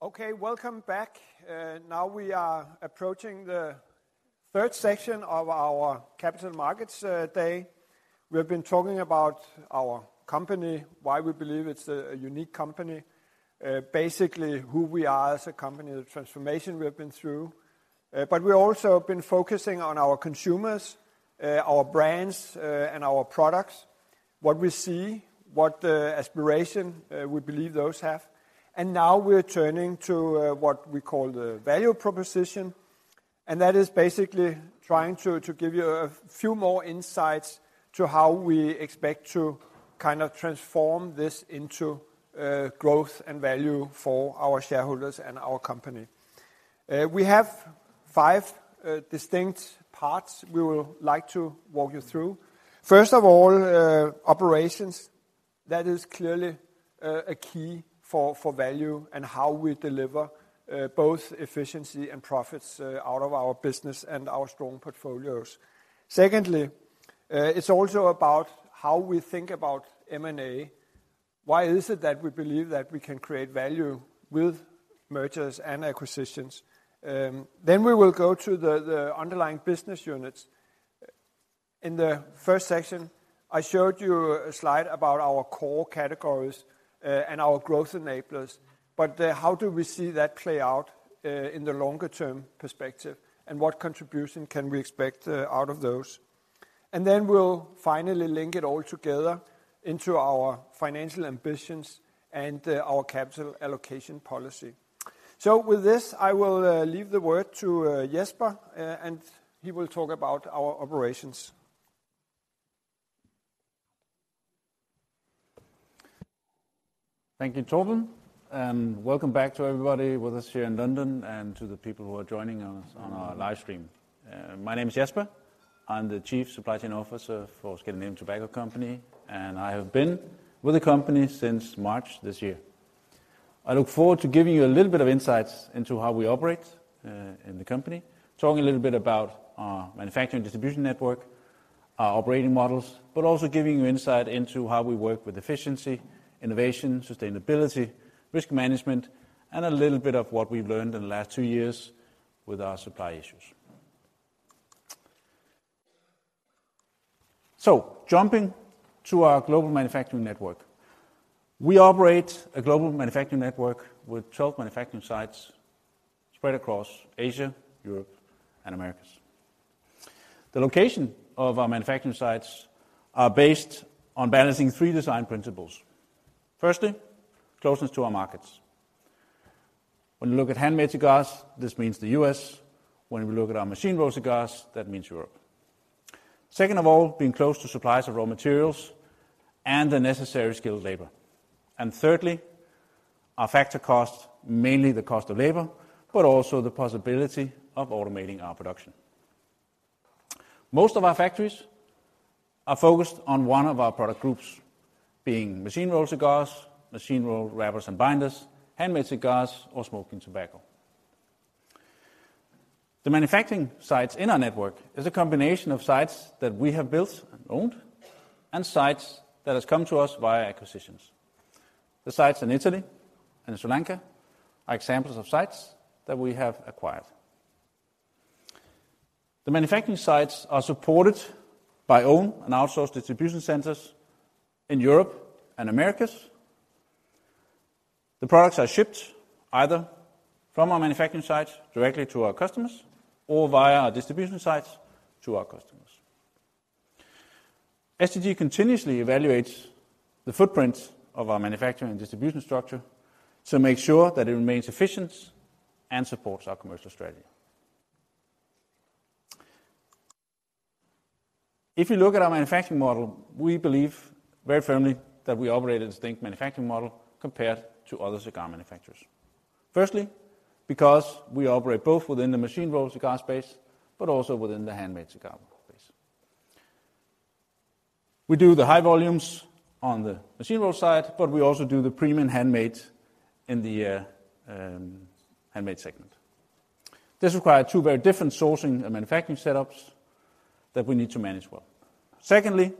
Okay, welcome back. Now we are approaching the third section of our Capital Markets Day. We have been talking about our company, why we believe it's a unique company. Basically, who we are as a company, the transformation we have been through. But we also have been focusing on our consumers, our brands, and our products. What we see, what aspiration we believe those have. And now we're turning to what we call the value proposition, and that is basically trying to give you a few more insights to how we expect to kind of transform this into growth and value for our shareholders and our company. We have five distinct parts we would like to walk you through. First of all, operations, that is clearly a key for, for value and how we deliver both efficiency and profits out of our business and our strong portfolios. Secondly, it's also about how we think about M&A. Why is it that we believe that we can create value with mergers and acquisitions? Then we will go to the, the underlying business units. In the first section, I showed you a slide about our core categories and our Growth Enablers, but how do we see that play out in the longer-term perspective, and what contribution can we expect out of those? And then we'll finally link it all together into our financial ambitions and our capital allocation policy. So with this, I will leave the word to Jesper, and he will talk about our operations. Thank you, Torben, and welcome back to everybody with us here in London and to the people who are joining us on our live stream. My name is Jesper. I'm the Chief Supply Chain Officer for Scandinavian Tobacco Group, and I have been with the company since March this year. I look forward to giving you a little bit of insights into how we operate in the company, talking a little bit about our manufacturing distribution network, our operating models, but also giving you insight into how we work with efficiency, innovation, sustainability, risk management, and a little bit of what we've learned in the last two years with our supply issues. So jumping to our global manufacturing network. We operate a global manufacturing network with 12 manufacturing sites spread across Asia, Europe, and Americas. The location of our manufacturing sites are based on balancing three design principles. Firstly, closeness to our markets. When we look at handmade cigars, this means the U.S. When we look at our machine rolled cigars, that means Europe. Second of all, being close to suppliers of raw materials and the necessary skilled labor. Thirdly, our factor cost, mainly the cost of labor, but also the possibility of automating our production. Most of our factories are focused on one of our product groups, being machine rolled cigars, machine rolled wrappers and binders, handmade cigars, or smoking tobacco. The manufacturing sites in our network is a combination of sites that we have built and owned, and sites that has come to us via acquisitions. The sites in Italy and Sri Lanka are examples of sites that we have acquired. The manufacturing sites are supported by own and outsourced distribution centers in Europe and Americas. The products are shipped either from our manufacturing sites directly to our customers or via our distribution sites to our customers. STG continuously evaluates the footprints of our manufacturing and distribution structure to make sure that it remains efficient and supports our commercial strategy. If you look at our manufacturing model, we believe very firmly that we operate a distinct manufacturing model compared to other cigar manufacturers. Firstly, because we operate both within the machine-rolled cigar space, but also within the handmade cigar space. We do the high volumes on the machine-rolled side, but we also do the premium handmade in the handmade segment. This requires two very different sourcing and manufacturing setups that we need to manage well. Secondly,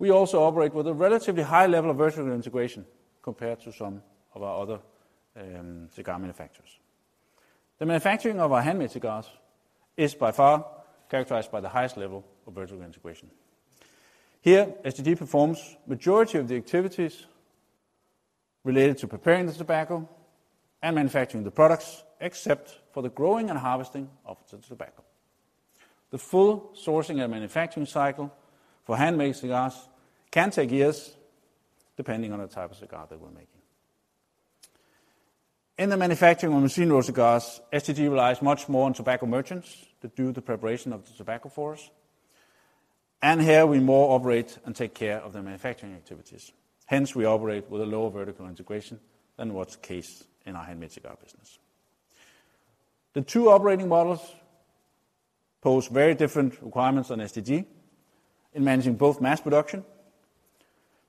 we also operate with a relatively high level of vertical integration compared to some of our other cigar manufacturers. The manufacturing of our handmade cigars is by far characterized by the highest level of vertical integration. Here, STG performs majority of the activities related to preparing the tobacco and manufacturing the products, except for the growing and harvesting of the tobacco. The full sourcing and manufacturing cycle for handmade cigars can take years, depending on the type of cigar that we're making. In the manufacturing of machine-rolled cigars, STG relies much more on tobacco merchants to do the preparation of the tobacco for us, and here we more operate and take care of the manufacturing activities. Hence, we operate with a lower vertical integration than what's the case in our handmade cigar business. The two operating models pose very different requirements on STG in managing both mass production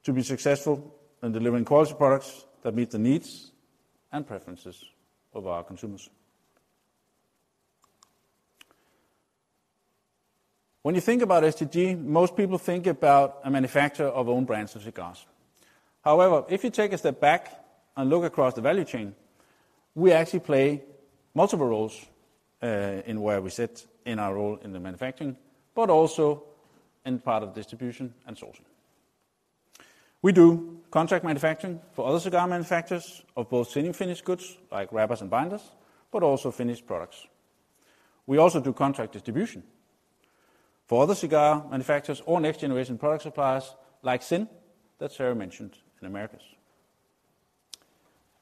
to be successful and delivering quality products that meet the needs and preferences of our consumers. When you think about STG, most people think about a manufacturer of own brands of cigars. However, if you take a step back and look across the value chain, we actually play multiple roles in where we sit in our role in the manufacturing, but also in part of distribution and sourcing. We do contract manufacturing for other cigar manufacturers of both semi-finished goods, like wrappers and binders, but also finished products. We also do contract distribution for other cigar manufacturers or next-generation product suppliers like ZYN, that Sarah mentioned in Americas.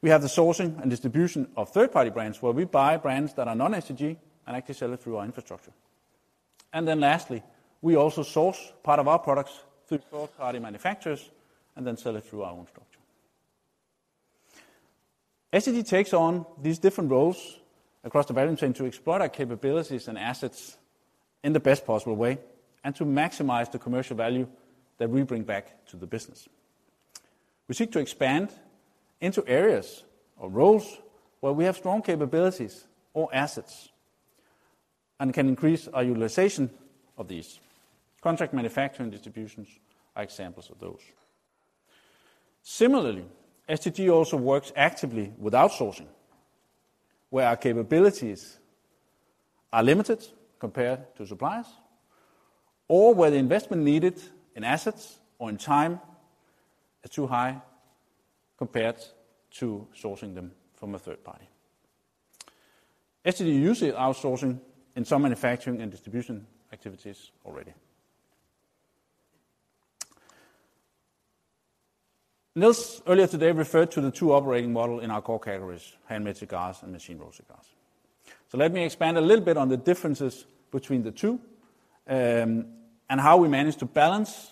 We have the sourcing and distribution of third-party brands, where we buy brands that are non-STG and actually sell it through our infrastructure. And then lastly, we also source part of our products through third-party manufacturers and then sell it through our own structure. STG takes on these different roles across the value chain to explore our capabilities and assets in the best possible way and to maximize the commercial value that we bring back to the business. We seek to expand into areas or roles where we have strong capabilities or assets and can increase our utilization of these. Contract manufacturing and distributions are examples of those. Similarly, STG also works actively with outsourcing, where our capabilities are limited compared to suppliers, or where the investment needed in assets or in time is too high compared to sourcing them from a third party. STG uses outsourcing in some manufacturing and distribution activities already. Niels, earlier today, referred to the two operating model in our core categories, handmade cigars and machine-rolled cigars. Let me expand a little bit on the differences between the two, and how we manage to balance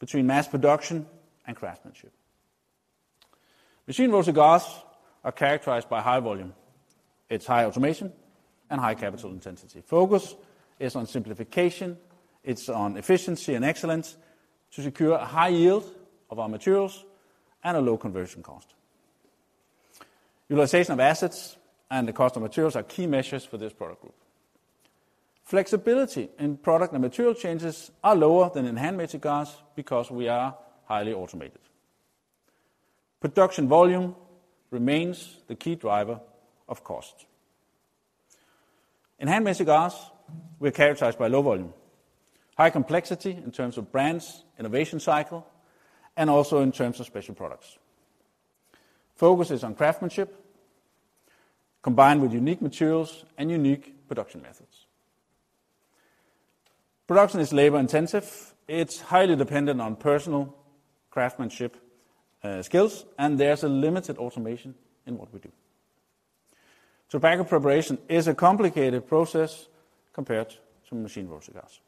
between mass production and craftsmanship. Machine-rolled cigars are characterized by high volume. It's high automation and high capital intensity. Focus is on simplification, it's on efficiency and excellence to secure a high yield of our materials and a low conversion cost. Utilization of assets and the cost of materials are key measures for this product group. Flexibility in product and material changes are lower than in handmade cigars because we are highly automated. Production volume remains the key driver of cost. In handmade cigars, we're characterized by low volume, high complexity in terms of brands, innovation cycle, and also in terms of special products. Focus is on craftsmanship, combined with unique materials and unique production methods. Production is labor-intensive, it's highly dependent on personal craftsmanship, skills, and there's a limited automation in what we do. Tobacco preparation is a complicated process compared to machine-rolled cigars.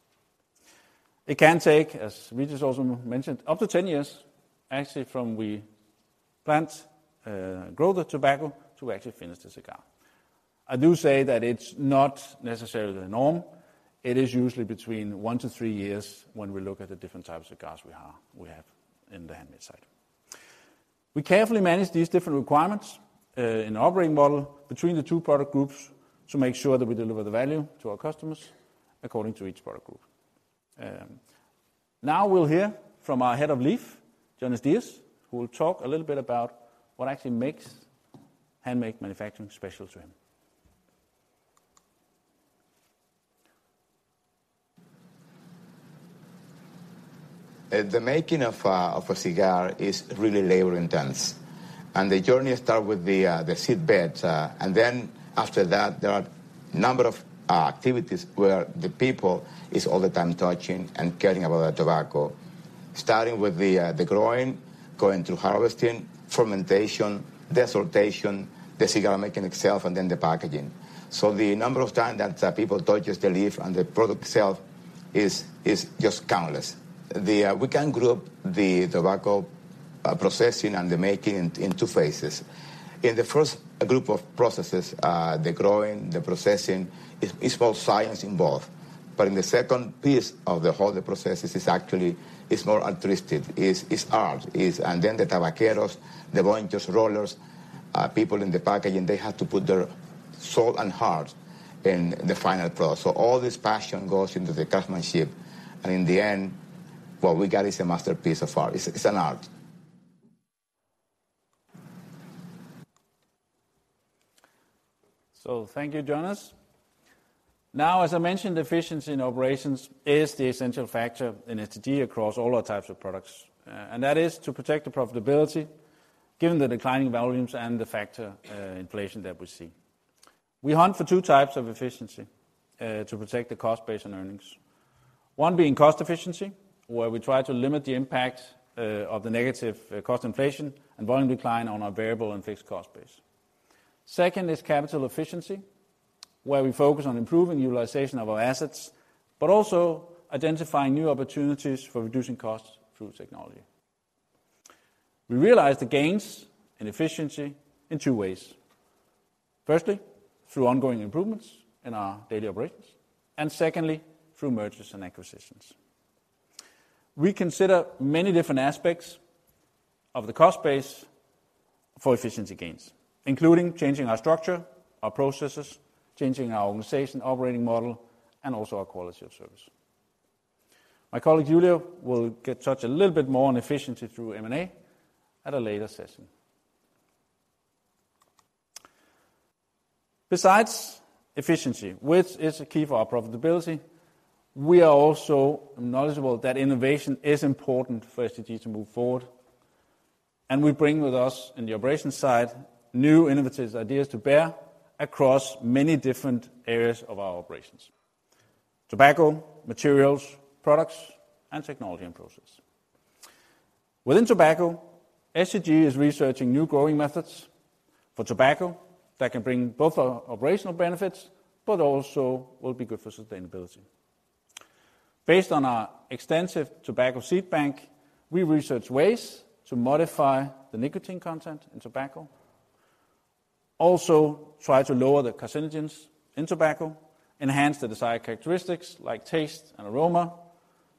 It can take, as we just also mentioned, up to 10 years, actually, from we plant, grow the tobacco to actually finish the cigar. I do say that it's not necessarily the norm. It is usually between one to three years when we look at the different types of cigars we have, we have in the handmade side. We carefully manage these different requirements in our operating model between the two product groups to make sure that we deliver the value to our customers according to each product group. Now we'll hear from our Head of Leaf, Jhonys Diaz, who will talk a little bit about what actually makes handmade manufacturing special to him. The making of a cigar is really labor intense, and the journey starts with the seed beds. And then after that, there are number of activities where the people is all the time touching and caring about the tobacco. Starting with the growing, going through harvesting, fermentation, desiccation, the cigar making itself, and then the packaging. So the number of time that people touches the leaf and the product itself is just countless. We can group the tobacco processing and the making in two phases. In the first group of processes, the growing, the processing, is more science involved. But in the second piece of the whole, the process is actually more artistic, is art. Then the tabaqueros, the rollers, people in the packaging, they have to put their soul and heart in the final product. So all this passion goes into the craftsmanship, and in the end, what we got is a masterpiece of art. It's an art. So thank you, Jhonys. Now, as I mentioned, efficiency in operations is the essential factor in STG across all our types of products. And that is to protect the profitability, given the declining volumes and the factor, inflation that we see. We hunt for two types of efficiency, to protect the cost base and earnings. One being cost efficiency, where we try to limit the impact, of the negative cost inflation and volume decline on our variable and fixed cost base. Second is capital efficiency, where we focus on improving utilization of our assets, but also identifying new opportunities for reducing costs through technology. We realize the gains in efficiency in two ways: firstly, through ongoing improvements in our daily operations, and secondly, through mergers and acquisitions. We consider many different aspects of the cost base for efficiency gains, including changing our structure, our processes, changing our organization operating model, and also our quality of service. My colleague, Yulia, will touch a little bit more on efficiency through M&A at a later session. Besides efficiency, which is a key for our profitability, we are also knowledgeable that innovation is important for STG to move forward, and we bring with us, in the operations side, new innovative ideas to bear across many different areas of our operations: tobacco, materials, products, and technology and process. Within tobacco, STG is researching new growing methods for tobacco that can bring both, operational benefits, but also will be good for sustainability. Based on our extensive tobacco seed bank, we research ways to modify the nicotine content in tobacco. Also, try to lower the carcinogens in tobacco, enhance the desired characteristics like taste and aroma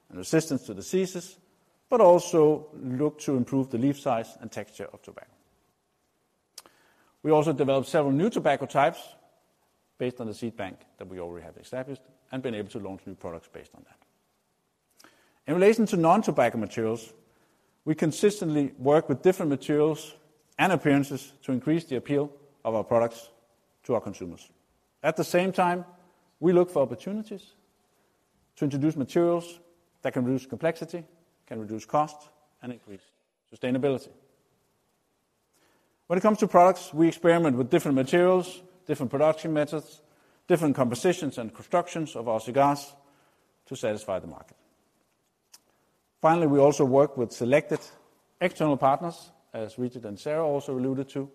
and resistance to diseases, but also look to improve the leaf size and texture of tobacco. We also developed several new tobacco types based on the seed bank that we already have established and been able to launch new products based on that. In relation to non-tobacco materials, we consistently work with different materials and appearances to increase the appeal of our products to our consumers. At the same time, we look for opportunities to introduce materials that can reduce complexity, can reduce cost, and increase sustainability. When it comes to products, we experiment with different materials, different production methods, different compositions and constructions of our cigars to satisfy the market. Finally, we also work with selected external partners, as Richard and Sarah also alluded to,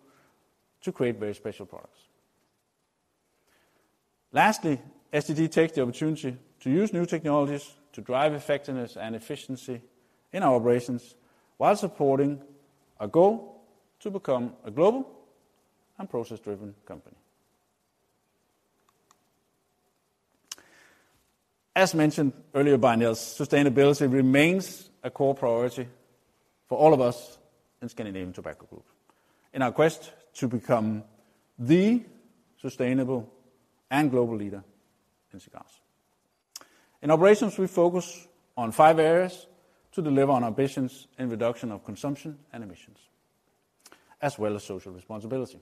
to create very special products. Lastly, STG takes the opportunity to use new technologies to drive effectiveness and efficiency in our operations, while supporting our goal to become a global and process-driven company. As mentioned earlier by Niels, sustainability remains a core priority for all of us in Scandinavian Tobacco Group, in our quest to become the sustainable and global leader in cigars. In operations, we focus on five areas to deliver on our ambitions in reduction of consumption and emissions, as well as social responsibility.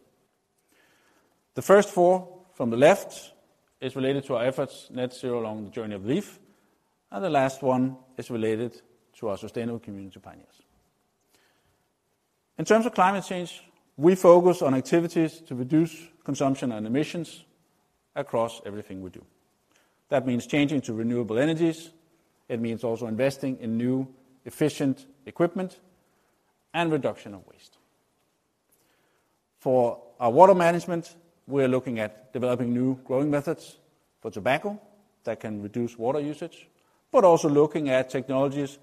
The first four from the left is related to our efforts net zero along the Journey of Leaf, and the last one is related to our Sustainable Community Pioneers. In terms of climate change, we focus on activities to reduce consumption and emissions across everything we do. That means changing to renewable energies. It means also investing in new, efficient equipment and reduction of waste. For our water management, we are looking at developing new growing methods for tobacco that can reduce water usage, but also looking at technologies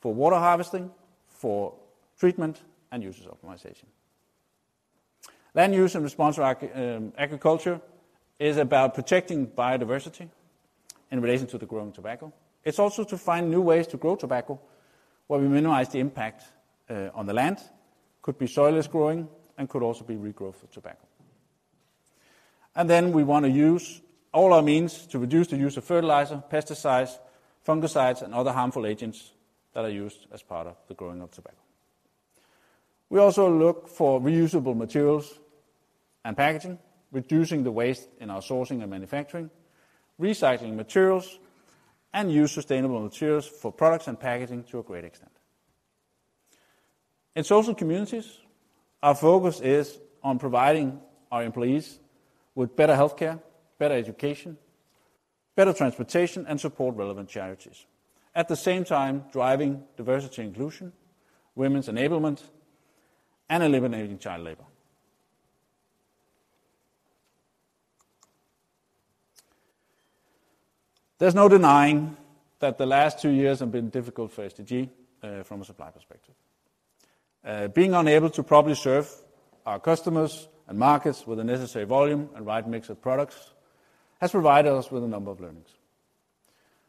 for water harvesting, for treatment, and usage optimization. Land use and responsible agriculture is about protecting biodiversity in relation to the growing tobacco. It's also to find new ways to grow tobacco, where we minimize the impact on the land, could be soilless growing and could also be regrowth of tobacco. And then we wanna use all our means to reduce the use of fertilizer, pesticides, fungicides, and other harmful agents that are used as part of the growing of tobacco. We also look for reusable materials and packaging, reducing the waste in our sourcing and manufacturing, recycling materials, and use sustainable materials for products and packaging to a great extent. In social communities, our focus is on providing our employees with better healthcare, better education, better transportation, and support relevant charities. At the same time, driving diversity inclusion, women's enablement, and eliminating child labor. There's no denying that the last two years have been difficult for STG from a supply perspective. Being unable to properly serve our customers and markets with the necessary volume and right mix of products, has provided us with a number of learnings.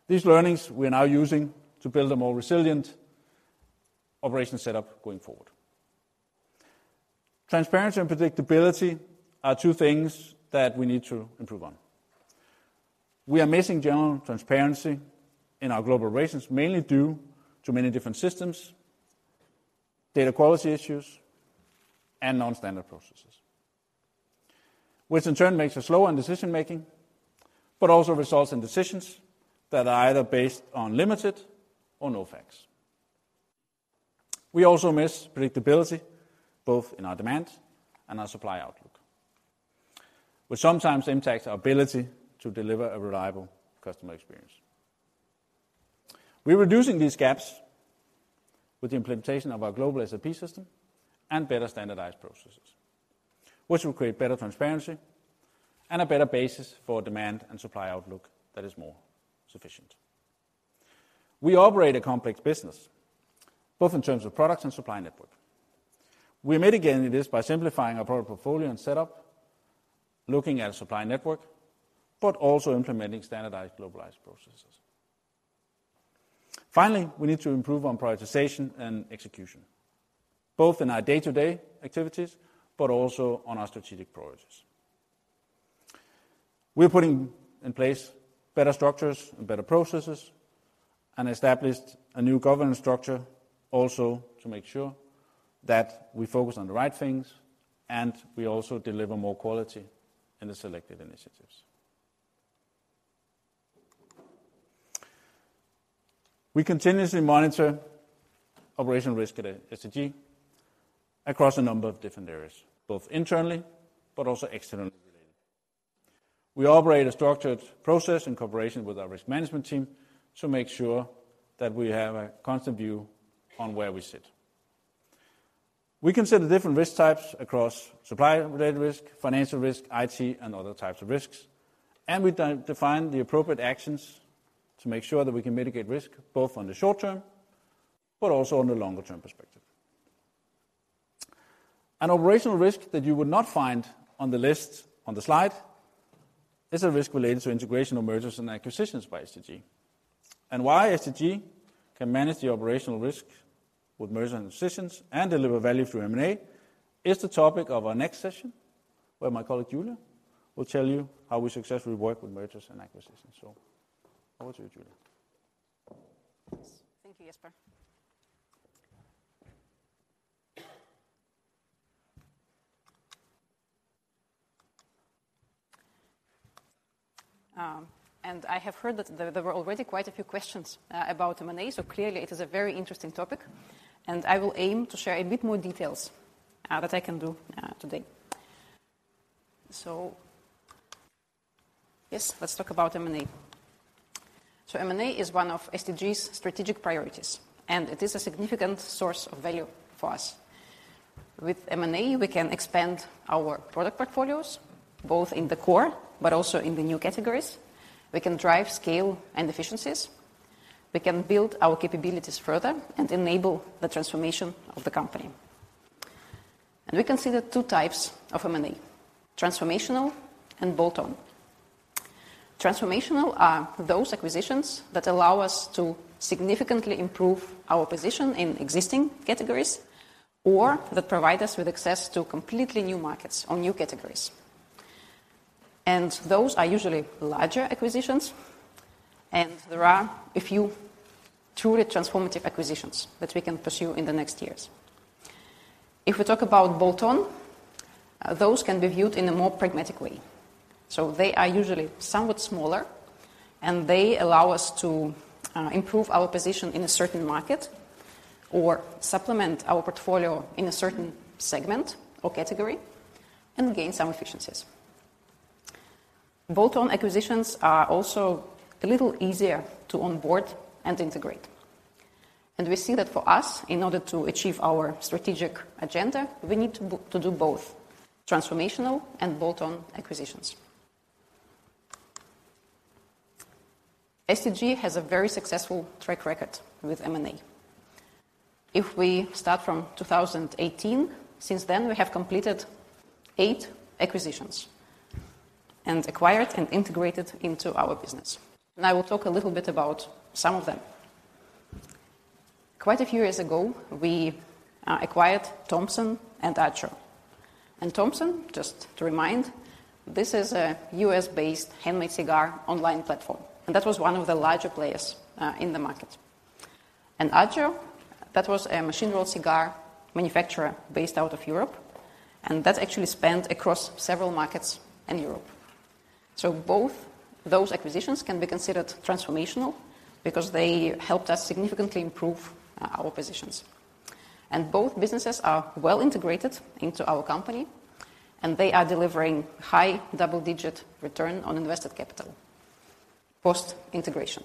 These learnings we are now using to build a more resilient operation setup going forward. Transparency and predictability are two things that we need to improve on. We are missing general transparency in our global operations, mainly due to many different systems, data quality issues, and non-standard processes, which in turn makes us slow in decision-making, but also results in decisions that are either based on limited or no facts. We also miss predictability, both in our demand and our supply outlook, which sometimes impacts our ability to deliver a reliable customer experience. We're reducing these gaps with the implementation of our global SAP system and better standardized processes, which will create better transparency and a better basis for demand and supply outlook that is more sufficient. We operate a complex business, both in terms of products and supply network. We are mitigating this by simplifying our product portfolio and setup, looking at our supply network, but also implementing standardized, globalized processes. Finally, we need to improve on prioritization and execution, both in our day-to-day activities, but also on our strategic priorities. We're putting in place better structures and better processes, and established a new governance structure also to make sure that we focus on the right things, and we also deliver more quality in the selected initiatives. We continuously monitor operational risk at STG across a number of different areas, both internally but also externally related. We operate a structured process in cooperation with our risk management team, to make sure that we have a constant view on where we sit. We consider different risk types across supplier-related risk, financial risk, IT, and other types of risks, and we define the appropriate actions to make sure that we can mitigate risk, both on the short term, but also on the longer term perspective. An operational risk that you would not find on the list on the slide is a risk related to integration of mergers and acquisitions by STG. Why STG can manage the operational risk with mergers and acquisitions and deliver value through M&A is the topic of our next session, where my colleague, Yulia, will tell you how we successfully work with mergers and acquisitions. Over to you, Yulia. Please. Thank you, Jesper. And I have heard that there were already quite a few questions about M&A, so clearly it is a very interesting topic, and I will aim to share a bit more details that I can do today. Yes, let's talk about M&A. M&A is one of STG's strategic priorities, and it is a significant source of value for us. With M&A, we can expand our product portfolios, both in the core but also in the new categories. We can drive scale and efficiencies. We can build our capabilities further and enable the transformation of the company. And we consider two types of M&A, transformational and bolt-on. Transformational are those acquisitions that allow us to significantly improve our position in existing categories, or that provide us with access to completely new markets or new categories. And those are usually larger acquisitions, and there are a few truly transformative acquisitions that we can pursue in the next years. If we talk about bolt-on, those can be viewed in a more pragmatic way. So they are usually somewhat smaller, and they allow us to improve our position in a certain market or supplement our portfolio in a certain segment or category and gain some efficiencies. Bolt-on acquisitions are also a little easier to onboard and integrate, and we see that for us, in order to achieve our strategic agenda, we need to do both transformational and bolt-on acquisitions. STG has a very successful track record with M&A. If we start from 2018, since then, we have completed eight acquisitions and acquired and integrated into our business, and I will talk a little bit about some of them. Quite a few years ago, we acquired Thompson and Agio. Thompson, just to remind, this is a U.S.-based handmade cigar online platform, and that was one of the larger players in the market, and Agio that was a machine-rolled cigar manufacturer based out of Europe, and that actually spanned across several markets in Europe. So both those acquisitions can be considered transformational because they helped us significantly improve our positions. Both businesses are well integrated into our company, and they are delivering high double-digit return on invested capital, post-integration.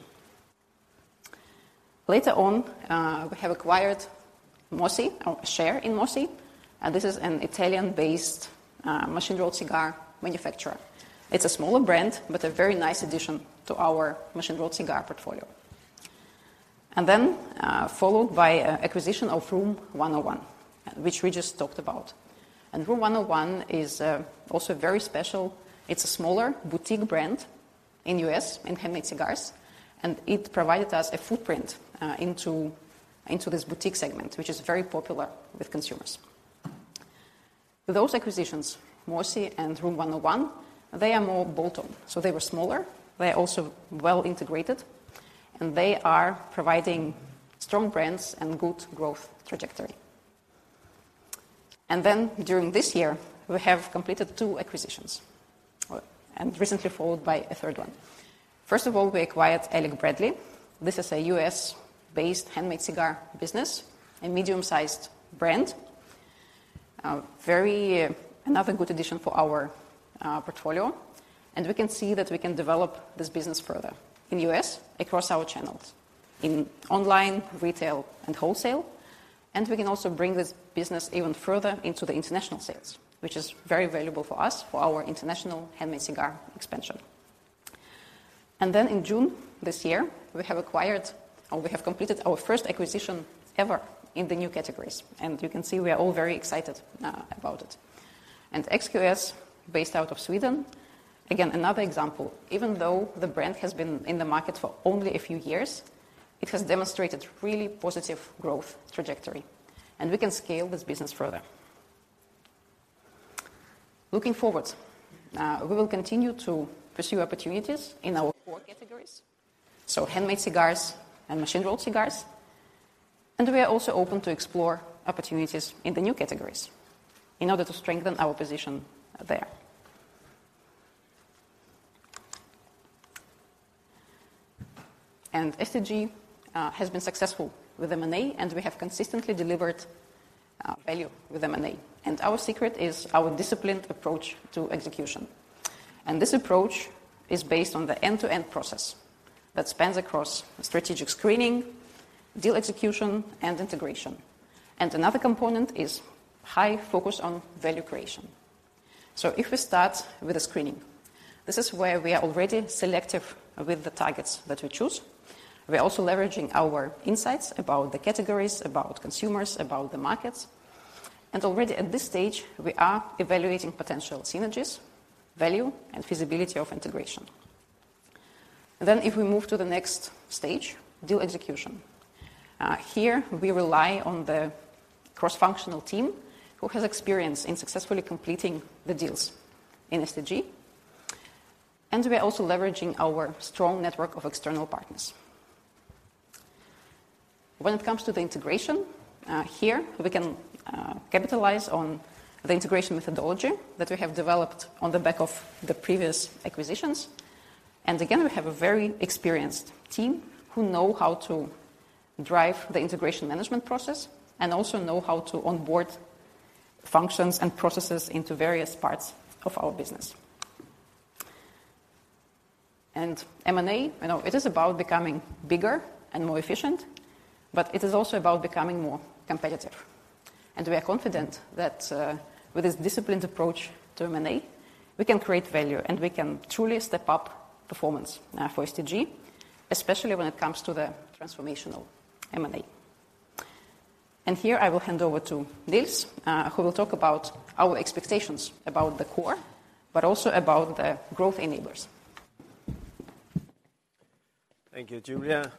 Later on, we have acquired MOSI, or a share in MOSI, and this is an Italian-based machine-rolled cigar manufacturer. It's a smaller brand, but a very nice addition to our machine-rolled cigar portfolio. Then, followed by acquisition of Room101, which we just talked about. And Room101 is also very special. It's a smaller boutique brand in U.S. in handmade cigars, and it provided us a footprint into, into this boutique segment, which is very popular with consumers. Those acquisitions, MOSI and Room101, they are more bolt-on, so they were smaller, they are also well integrated, and they are providing strong brands and good growth trajectory. And then during this year, we have completed two acquisitions, and recently followed by a third one. First of all, we acquired Alec Bradley. This is a U.S.-based handmade cigar business and medium-sized brand. Very, another good addition for our portfolio, and we can see that we can develop this business further in U.S. across our channels, in online, retail, and wholesale, and we can also bring this business even further into the international sales, which is very valuable for us, for our international handmade cigar expansion. And then in June this year, we have acquired, or we have completed our first acquisition ever in the new categories, and you can see we are all very excited about it. And XQS, based out of Sweden, again, another example, even though the brand has been in the market for only a few years, it has demonstrated really positive growth trajectory, and we can scale this business further. Looking forward, we will continue to pursue opportunities in our four categories, so handmade cigars and machine-rolled cigars, and we are also open to explore opportunities in the new categories in order to strengthen our position there. STG has been successful with M&A, and we have consistently delivered value with M&A. Our secret is our disciplined approach to execution. This approach is based on the end-to-end process that spans across strategic screening, deal execution, and integration. Another component is high focus on value creation. So if we start with the screening, this is where we are already selective with the targets that we choose. We are also leveraging our insights about the categories, about consumers, about the markets. Already at this stage, we are evaluating potential synergies, value, and feasibility of integration. Then if we move to the next stage, deal execution. Here, we rely on the cross-functional team, who has experience in successfully completing the deals in STG, and we are also leveraging our strong network of external partners. When it comes to the integration, here, we can capitalize on the integration methodology that we have developed on the back of the previous acquisitions. And again, we have a very experienced team who know how to drive the integration management process and also know how to onboard functions and processes into various parts of our business. And M&A, I know it is about becoming bigger and more efficient, but it is also about becoming more competitive. And we are confident that, with this disciplined approach to M&A, we can create value, and we can truly step up performance for STG, especially when it comes to the transformational M&A. Here I will hand over to Niels, who will talk about our expectations about the core, but also about the Growth Enablers. Thank you, Yulia.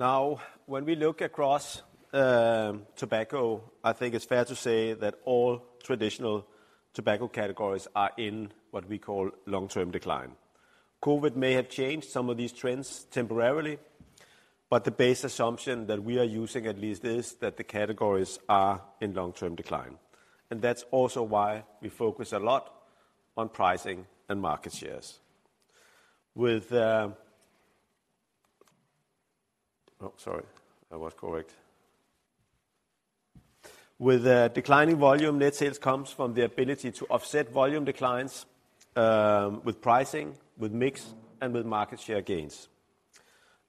Now, when we look across tobacco, I think it's fair to say that all traditional tobacco categories are in what we call long-term decline. COVID may have changed some of these trends temporarily, but the base assumption that we are using at least, is that the categories are in long-term decline, and that's also why we focus a lot on pricing and market shares. With declining volume, net sales comes from the ability to offset volume declines with pricing, with mix, and with market share gains.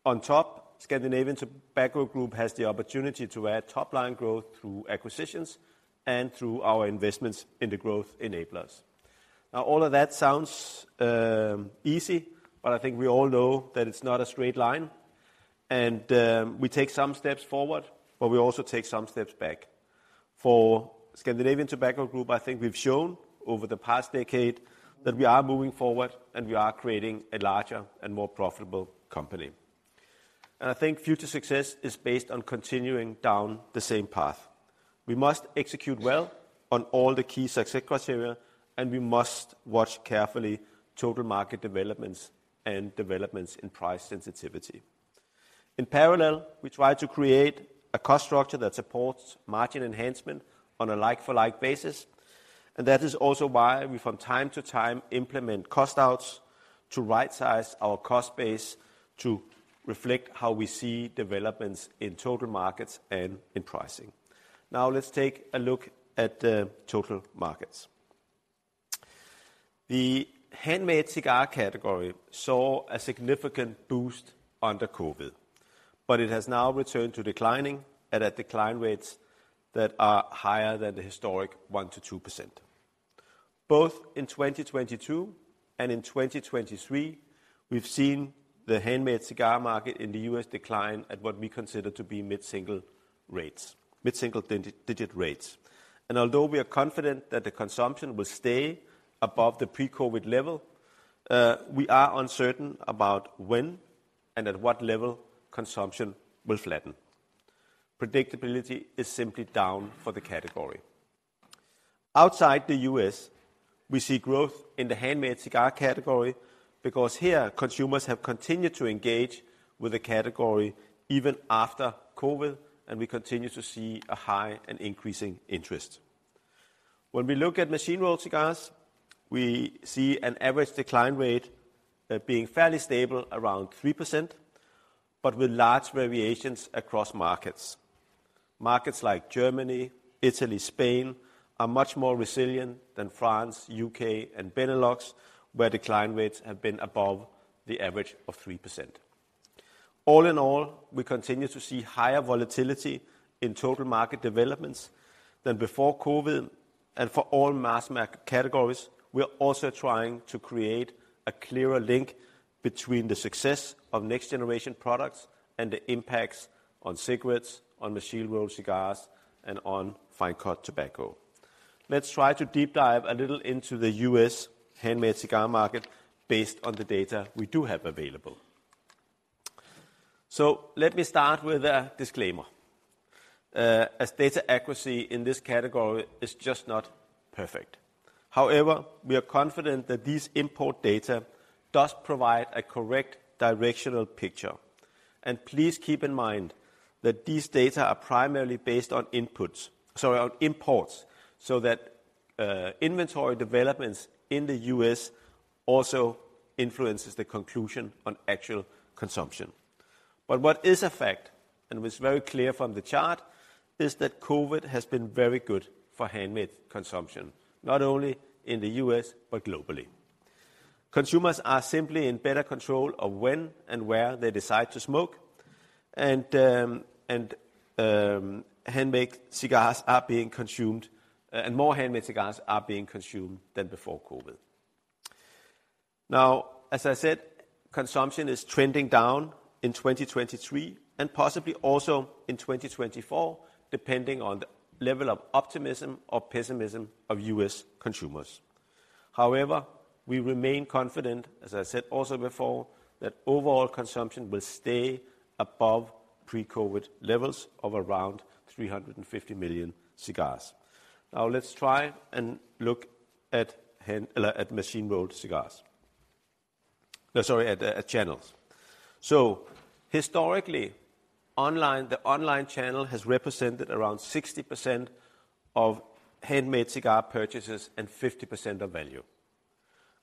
On top, Scandinavian Tobacco Group has the opportunity to add top-line growth through acquisitions and through our investments in the Growth Enablers. Now, all of that sounds easy, but I think we all know that it's not a straight line, and we take some steps forward, but we also take some steps back. For Scandinavian Tobacco Group, I think we've shown over the past decade that we are moving forward, and we are creating a larger and more profitable company. I think future success is based on continuing down the same path. We must execute well on all the key success criteria, and we must watch carefully total market developments and developments in price sensitivity. In parallel, we try to create a cost structure that supports margin enhancement on a like-for-like basis, and that is also why we from time to time implement cost outs to rightsize our cost base to reflect how we see developments in total markets and in pricing. Now let's take a look at the total markets. The handmade cigar category saw a significant boost under COVID, but it has now returned to declining and at decline rates that are higher than the historic 1%-2%. Both in 2022 and in 2023, we've seen the handmade cigar market in the U.S. decline at what we consider to be mid-single-digit rates. And although we are confident that the consumption will stay above the pre-COVID level, we are uncertain about when and at what level consumption will flatten. Predictability is simply down for the category. Outside the U.S., we see growth in the handmade cigar category because here, consumers have continued to engage with the category even after COVID, and we continue to see a high and increasing interest. When we look at machine-rolled cigars, we see an average decline rate being fairly stable around 3%, but with large variations across markets. Markets like Germany, Italy, Spain, are much more resilient than France, U.K., and Benelux, where decline rates have been above the average of 3%. All in all, we continue to see higher volatility in total market developments than before COVID, and for all mass market categories, we are also trying to create a clearer link between the success of next-generation products and the impacts on cigarettes, on machine-rolled cigars, and on fine-cut tobacco. Let's try to deep dive a little into the U.S. handmade cigar market based on the data we do have available. So let me start with a disclaimer. As data accuracy in this category is just not perfect. However, we are confident that these import data does provide a correct directional picture. And please keep in mind that these data are primarily based on inputs, sorry, on imports, so that, inventory developments in the U.S. also influences the conclusion on actual consumption. But what is a fact, and what's very clear from the chart, is that COVID has been very good for handmade consumption, not only in the U.S., but globally. Consumers are simply in better control of when and where they decide to smoke, and, handmade cigars are being consumed, and more handmade cigars are being consumed than before COVID. Now, as I said, consumption is trending down in 2023 and possibly also in 2024, depending on the level of optimism or pessimism of U.S. consumers. However, we remain confident, as I said also before, that overall consumption will stay above pre-COVID levels of around 350 million cigars. Now let's try and look at handmade, at machine-rolled cigars. Sorry, at channels. So historically, online, the online channel has represented around 60% of handmade cigar purchases and 50% of value.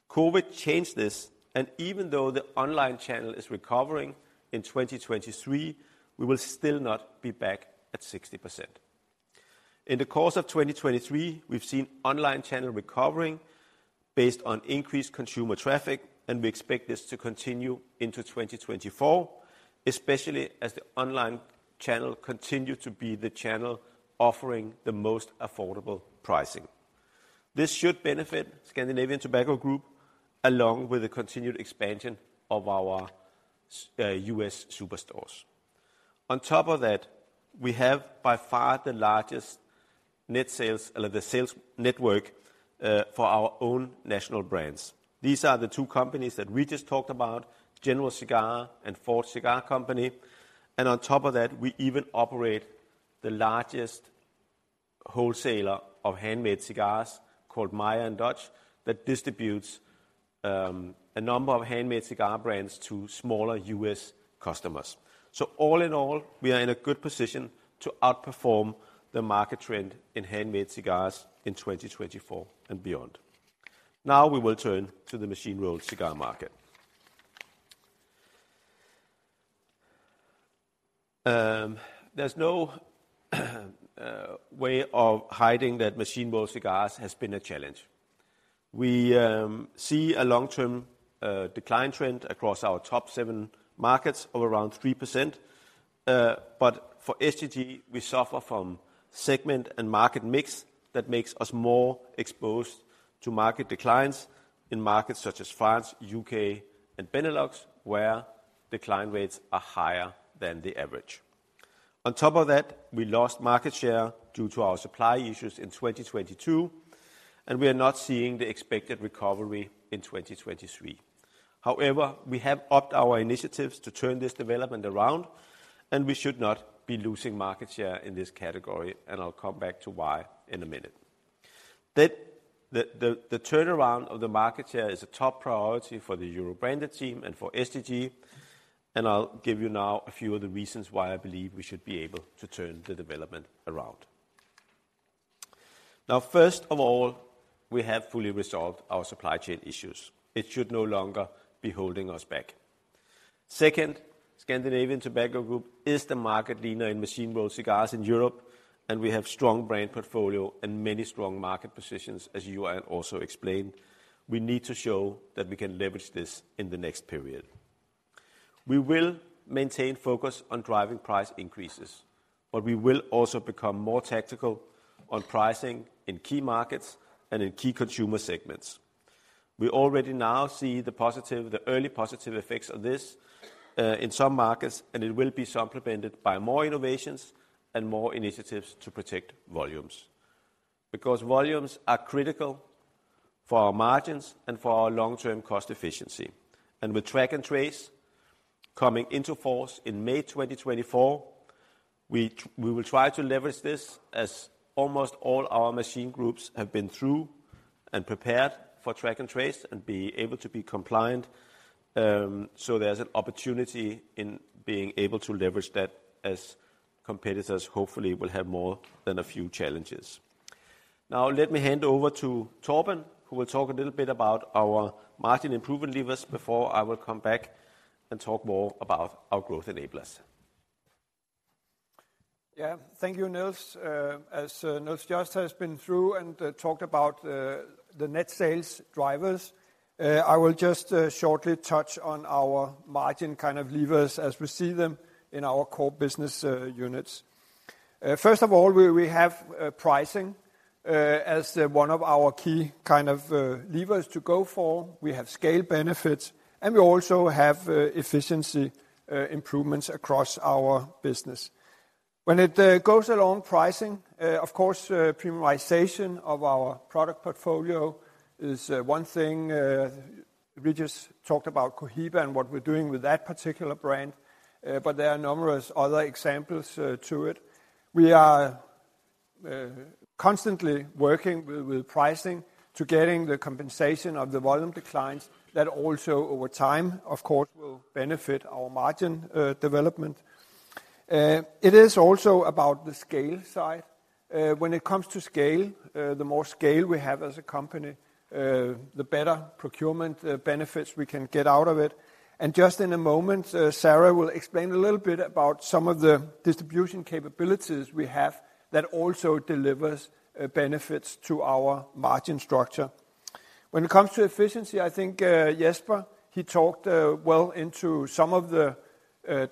COVID changed this, and even though the online channel is recovering in 2023, we will still not be back at 60%. In the course of 2023, we've seen online channel recovering based on increased consumer traffic, and we expect this to continue into 2024, especially as the online channel continues to be the channel offering the most affordable pricing. This should benefit Scandinavian Tobacco Group, along with the continued expansion of our U.S. superstores. On top of that, we have by far the largest net sales, or the sales network, for our own national brands. These are the two companies that we just talked about, General Cigar Company and Forged Cigar Company. And on top of that, we even operate the largest wholesaler of handmade cigars called Meier & Dutch, that distributes, a number of handmade cigar brands to smaller U.S. customers. So all in all, we are in a good position to outperform the market trend in handmade cigars in 2024 and beyond. Now, we will turn to the machine-rolled cigar market. There's no, way of hiding that machine-rolled cigars has been a challenge. We see a long-term decline trend across our top seven markets of around 3%, but for STG, we suffer from segment and market mix that makes us more exposed to market declines in markets such as France, U.K., and Benelux, where decline rates are higher than the average. On top of that, we lost market share due to our supply issues in 2022, and we are not seeing the expected recovery in 2023. However, we have upped our initiatives to turn this development around, and we should not be losing market share in this category, and I'll come back to why in a minute. The turnaround of the market share is a top priority for the Euro Branded team and for STG, and I'll give you now a few of the reasons why I believe we should be able to turn the development around. Now, first of all, we have fully resolved our supply chain issues. It should no longer be holding us back. Second, Scandinavian Tobacco Group is the market leader in machine-rolled cigars in Europe, and we have strong brand portfolio and many strong market positions, as Johan also explained. We need to show that we can leverage this in the next period. We will maintain focus on driving price increases, but we will also become more tactical on pricing in key markets and in key consumer segments. We already now see the positive, the early positive effects of this in some markets, and it will be supplemented by more innovations and more initiatives to protect volumes. Because volumes are critical for our margins and for our long-term cost efficiency. And with Track and Trace coming into force in May 2024, we will try to leverage this as almost all our machine groups have been through and prepared for Track and Trace and be able to be compliant. So there's an opportunity in being able to leverage that as competitors hopefully will have more than a few challenges. Now, let me hand over to Torben, who will talk a little bit about our margin improvement levers before I will come back and talk more about our Growth Enablers. Yeah. Thank you, Niels. As Niels just has been through and talked about the net sales drivers, I will just shortly touch on our margin kind of levers as we see them in our core business units. First of all, we have pricing as one of our key kind of levers to go for. We have scale benefits, and we also have efficiency improvements across our business. When it goes along pricing, of course, premiumization of our product portfolio is one thing. We just talked about Cohiba and what we're doing with that particular brand, but there are numerous other examples to it. We are constantly working with, with pricing to getting the compensation of the volume declines that also, over time, of course, will benefit our margin development. It is also about the scale side. When it comes to scale, the more scale we have as a company, the better procurement benefits we can get out of it. And just in a moment, Sarah will explain a little bit about some of the distribution capabilities we have that also delivers benefits to our margin structure. When it comes to efficiency, I think, Jesper, he talked well into some of the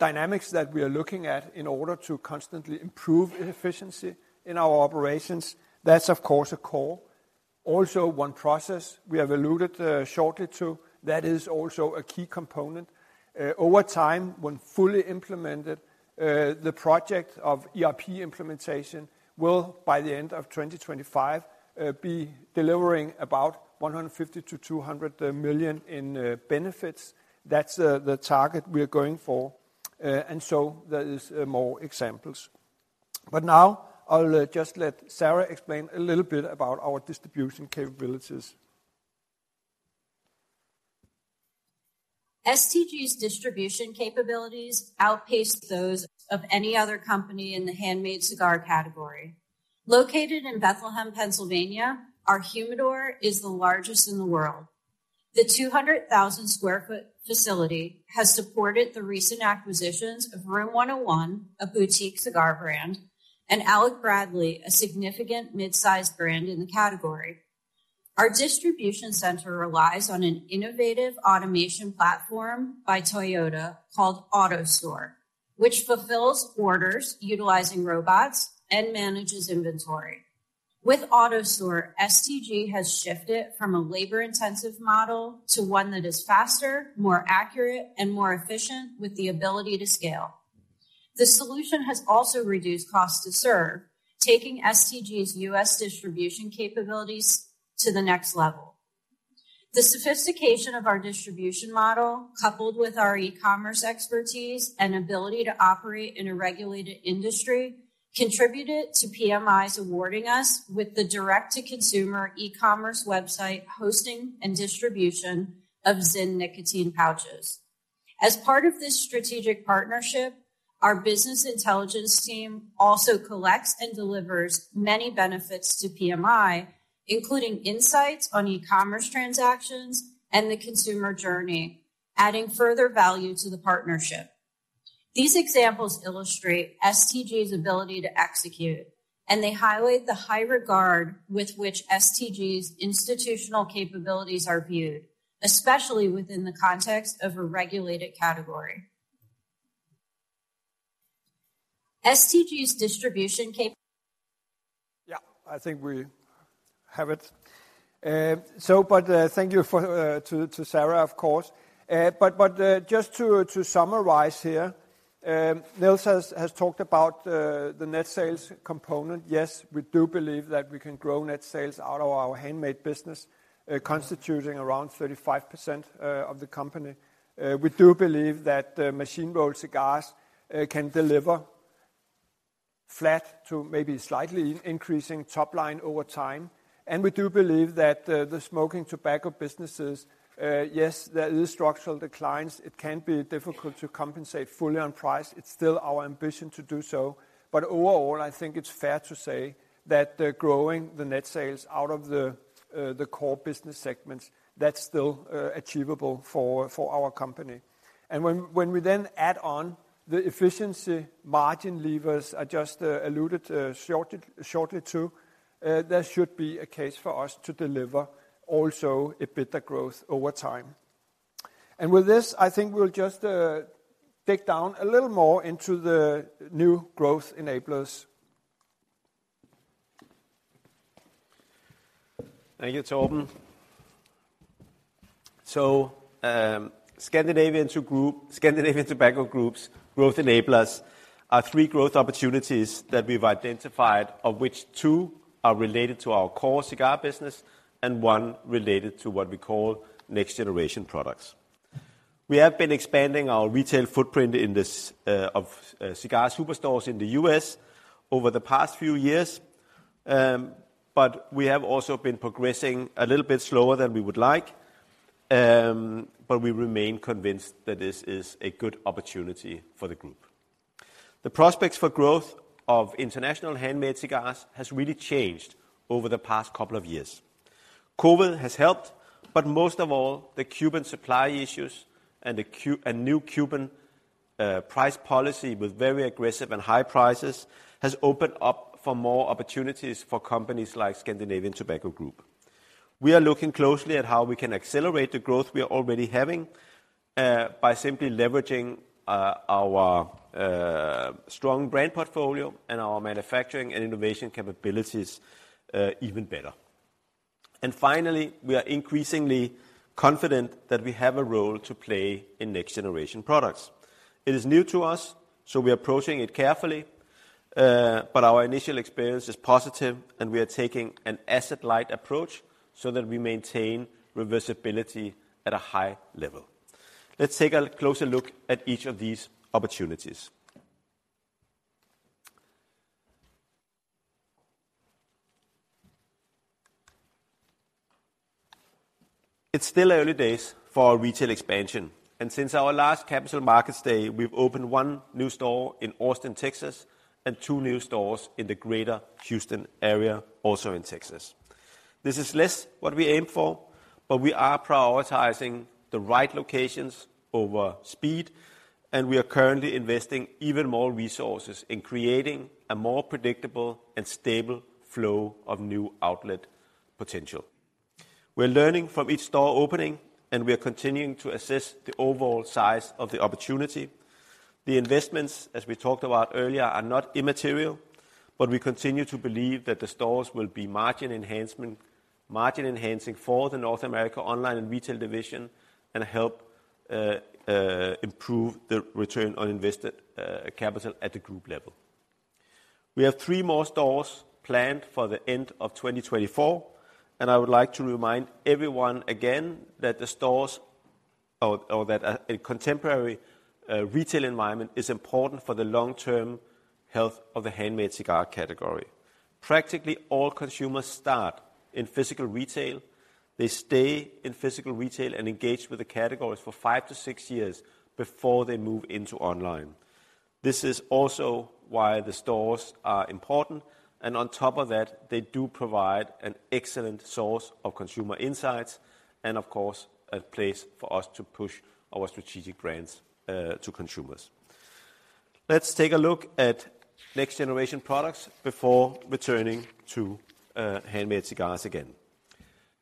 dynamics that we are looking at in order to constantly improve efficiency in our operations. That's, of course, a core. Also, OneProcess we have alluded shortly to that is also a key component. Over time, when fully implemented, the project of ERP implementation will, by the end of 2025, be delivering about 150-200 million in benefits. That's the target we are going for, and so there is more examples. But now I'll just let Sarah explain a little bit about our distribution capabilities. STG's distribution capabilities outpace those of any other company in the handmade cigar category. Located in Bethlehem, Pennsylvania, our humidor is the largest in the world. The 200,000 sq ft facility has supported the recent acquisitions of Room101, a boutique cigar brand, and Alec Bradley, a significant mid-size brand in the category. Our distribution center relies on an innovative automation platform by Toyota called AutoStore, which fulfills orders utilizing robots and manages inventory. With AutoStore, STG has shifted from a labor-intensive model to one that is faster, more accurate, and more efficient with the ability to scale. The solution has also reduced cost to serve, taking STG's U.S. distribution capabilities to the next level. The sophistication of our distribution model, coupled with our e-commerce expertise and ability to operate in a regulated industry, contributed to PMI's awarding us with the direct-to-consumer e-commerce website hosting and distribution of ZYN nicotine pouches. As part of this strategic partnership, our business intelligence team also collects and delivers many benefits to PMI, including insights on e-commerce transactions and the consumer journey, adding further value to the partnership. These examples illustrate STG's ability to execute, and they highlight the high regard with which STG's institutional capabilities are viewed, especially within the context of a regulated category. STG's distribution cap- I think we have it. So, but thank you to Sarah, of course. But just to summarize here, Niels has talked about the net sales component. Yes, we do believe that we can grow net sales out of our handmade business, constituting around 35% of the company. We do believe that the machine-rolled cigars can deliver flat to maybe slightly increasing top line over time. And we do believe that the smoking tobacco businesses, yes, there is structural declines. It can be difficult to compensate fully on price. It's still our ambition to do so. But overall, I think it's fair to say that growing the net sales out of the core business segments, that's still achievable for our company. When we then add on the efficiency margin levers I just alluded shortly to, there should be a case for us to deliver also EBITDA growth over time. With this, I think we'll just dig down a little more into the new Growth Enablers. Thank you, Torben. So, Scandinavian Tobacco Group's Growth Enablers are three growth opportunities that we've identified, of which two are related to our core cigar business and one related to what we call next-generation products. We have been expanding our retail footprint in this cigar superstores in the U.S. over the past few years. But we have also been progressing a little bit slower than we would like. But we remain convinced that this is a good opportunity for the group. The prospects for growth of international handmade cigars has really changed over the past couple of years. COVID has helped, but most of all, the Cuban supply issues and the new Cuban price policy with very aggressive and high prices has opened up for more opportunities for companies like Scandinavian Tobacco Group. We are looking closely at how we can accelerate the growth we are already having, by simply leveraging our strong brand portfolio and our manufacturing and innovation capabilities, even better. And finally, we are increasingly confident that we have a role to play in next-generation products. It is new to us, so we are approaching it carefully, but our initial experience is positive, and we are taking an asset-light approach so that we maintain reversibility at a high level. Let's take a closer look at each of these opportunities. It's still early days for our retail expansion, and since our last Capital Markets Day, we've opened one new store in Austin, Texas, and two new stores in the greater Houston area, also in Texas. This is less what we aim for, but we are prioritizing the right locations over speed, and we are currently investing even more resources in creating a more predictable and stable flow of new outlet potential. We're learning from each store opening, and we are continuing to assess the overall size of the opportunity. The investments, as we talked about earlier, are not immaterial, but we continue to believe that the stores will be margin enhancing for the North America Online and Retail Division and help improve the return on invested capital at the group level. We have three more stores planned for the end of 2024, and I would like to remind everyone again that the stores, or that a contemporary retail environment is important for the long-term health of the handmade cigar category. Practically all consumers start in physical retail. They stay in physical retail and engage with the categories for five to six years before they move into online. This is also why the stores are important, and on top of that, they do provide an excellent source of consumer insights and of course, a place for us to push our strategic brands to consumers. Let's take a look at next-generation products before returning to handmade cigars again.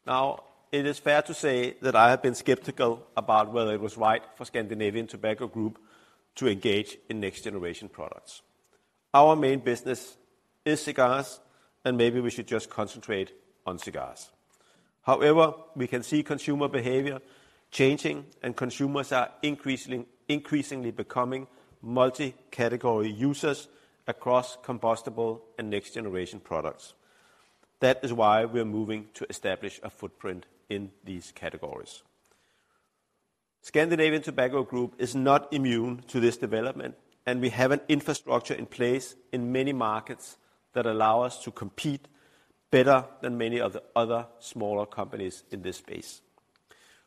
Now, it is fair to say that I have been skeptical about whether it was right for Scandinavian Tobacco Group to engage in next-generation products. Our main business is cigars, and maybe we should just concentrate on cigars. However, we can see consumer behavior changing, and consumers are increasingly, increasingly becoming multi-category users across combustible and next-generation products. That is why we are moving to establish a footprint in these categories. Scandinavian Tobacco Group is not immune to this development, and we have an infrastructure in place in many markets that allow us to compete better than many other smaller companies in this space.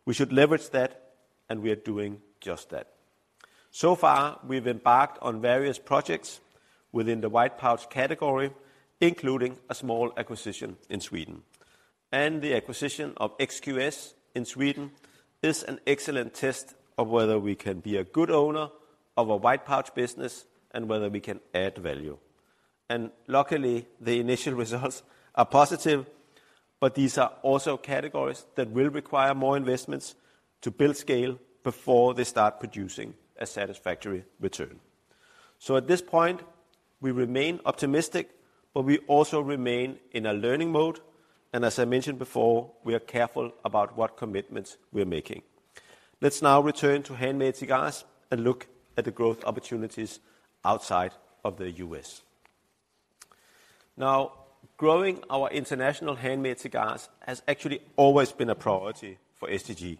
We should leverage that, and we are doing just that. So far, we've embarked on various projects within the white pouch category, including a small acquisition in Sweden. And the acquisition of XQS in Sweden is an excellent test of whether we can be a good owner of a white pouch business and whether we can add value. And luckily, the initial results are positive... but these are also categories that will require more investments to build scale before they start producing a satisfactory return. So at this point, we remain optimistic, but we also remain in a learning mode, and as I mentioned before, we are careful about what commitments we're making. Let's now return to handmade cigars and look at the growth opportunities outside of the U.S. Now, growing our international handmade cigars has actually always been a priority for STG,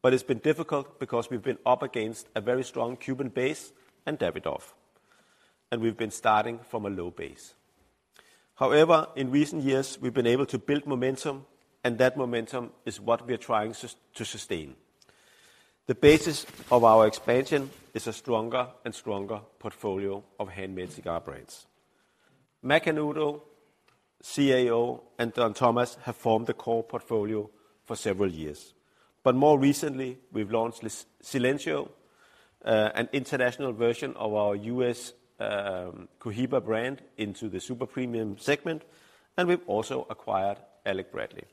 but it's been difficult because we've been up against a very strong Cuban base and Davidoff, and we've been starting from a low base. However, in recent years, we've been able to build momentum, and that momentum is what we are trying to sustain. The basis of our expansion is a stronger and stronger portfolio of handmade cigar brands. Macanudo, CAO, and Don Tomás have formed the core portfolio for several years, but more recently, we've launched Silencio, an international version of our U.S. Cohiba brand into the super premium segment, and we've also acquired Alec Bradley.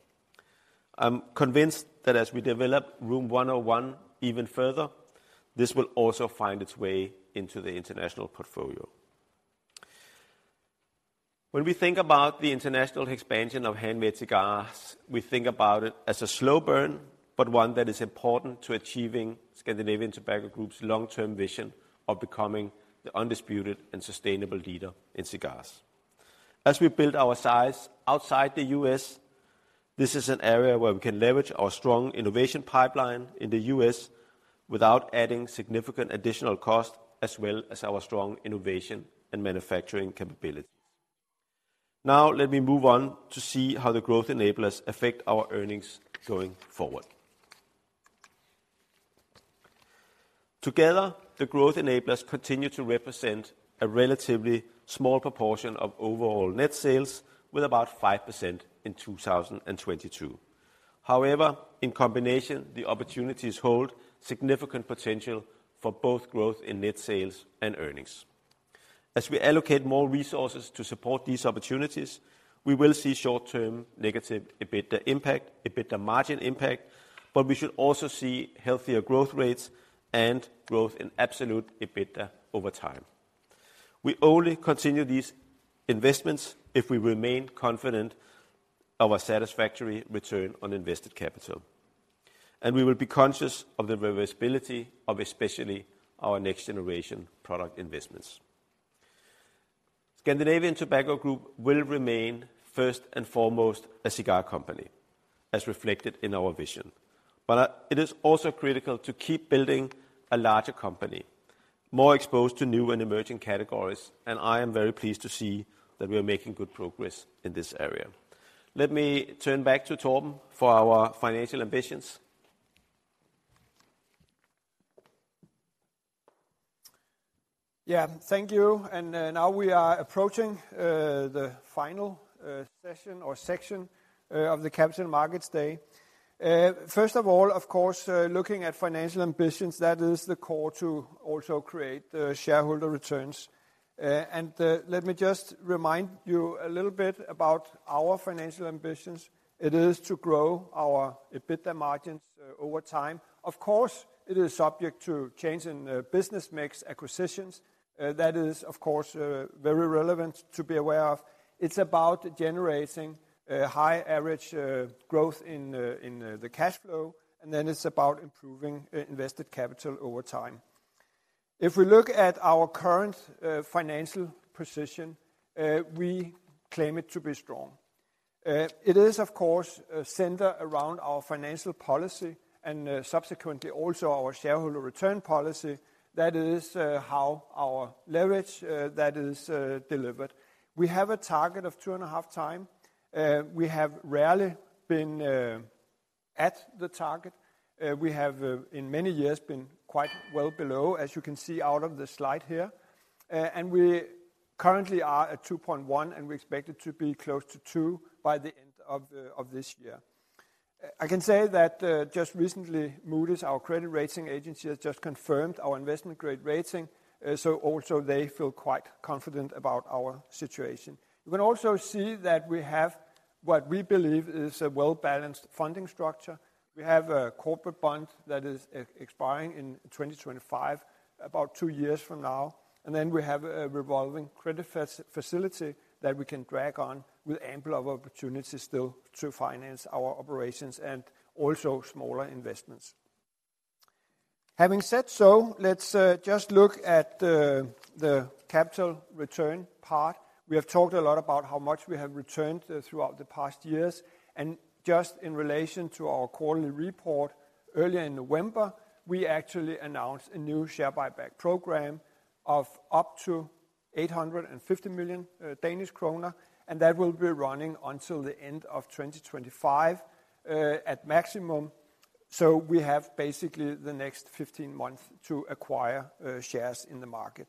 I'm convinced that as we develop Room101 even further, this will also find its way into the international portfolio. When we think about the international expansion of handmade cigars, we think about it as a slow burn, but one that is important to achieving Scandinavian Tobacco Group's long-term vision of becoming the undisputed and sustainable leader in cigars. As we build our size outside the U.S., this is an area where we can leverage our strong innovation pipeline in the U.S. without adding significant additional cost, as well as our strong innovation and manufacturing capabilities. Now let me move on to see how the Growth Enablers affect our earnings going forward. Together, the Growth Enablers continue to represent a relatively small proportion of overall net sales with about 5% in 2022. However, in combination, the opportunities hold significant potential for both growth in net sales and earnings. As we allocate more resources to support these opportunities, we will see short-term negative EBITDA impact, EBITDA margin impact, but we should also see healthier growth rates and growth in absolute EBITDA over time. We only continue these investments if we remain confident of a satisfactory return on invested capital, and we will be conscious of the reversibility of especially our next-generation product investments. Scandinavian Tobacco Group will remain first and foremost a cigar company, as reflected in our vision. But, it is also critical to keep building a larger company, more exposed to new and emerging categories, and I am very pleased to see that we are making good progress in this area. Let me turn back to Torben for our financial ambitions. Yeah, thank you. Now we are approaching the final session or section of the Capital Markets Day. First of all, of course, looking at financial ambitions, that is the core to also create shareholder returns. Let me just remind you a little bit about our financial ambitions. It is to grow our EBITDA margins over time. Of course, it is subject to change in business mix acquisitions. That is of course very relevant to be aware of. It's about generating high average growth in the cash flow, and then it's about improving invested capital over time. If we look at our current financial position, we claim it to be strong. It is of course centered around our financial policy and subsequently also our shareholder return policy. That is, how our leverage, that is, delivered. We have a target of 2.5 times. We have rarely been at the target. We have in many years been quite well below, as you can see out of the slide here. And we currently are at 2.1, and we expect it to `be close to two by the end of this year. I can say that just recently Moody's, our credit rating agency, has just confirmed our investment-grade rating, so also they feel quite confident about our situation. You can also see that we have what we believe is a well-balanced funding structure. We have a corporate bond that is expiring in 2025, about two years from now, and then we have a revolving credit facility that we can draw on with ample opportunities still to finance our operations and also smaller investments. Having said so, let's just look at the capital return part. We have talked a lot about how much we have returned throughout the past years, and just in relation to our quarterly report earlier in November, we actually announced a new share buyback program of up to 850 million Danish kroner, and that will be running until the end of 2025 at maximum. So we have basically the next 15 months to acquire shares in the market.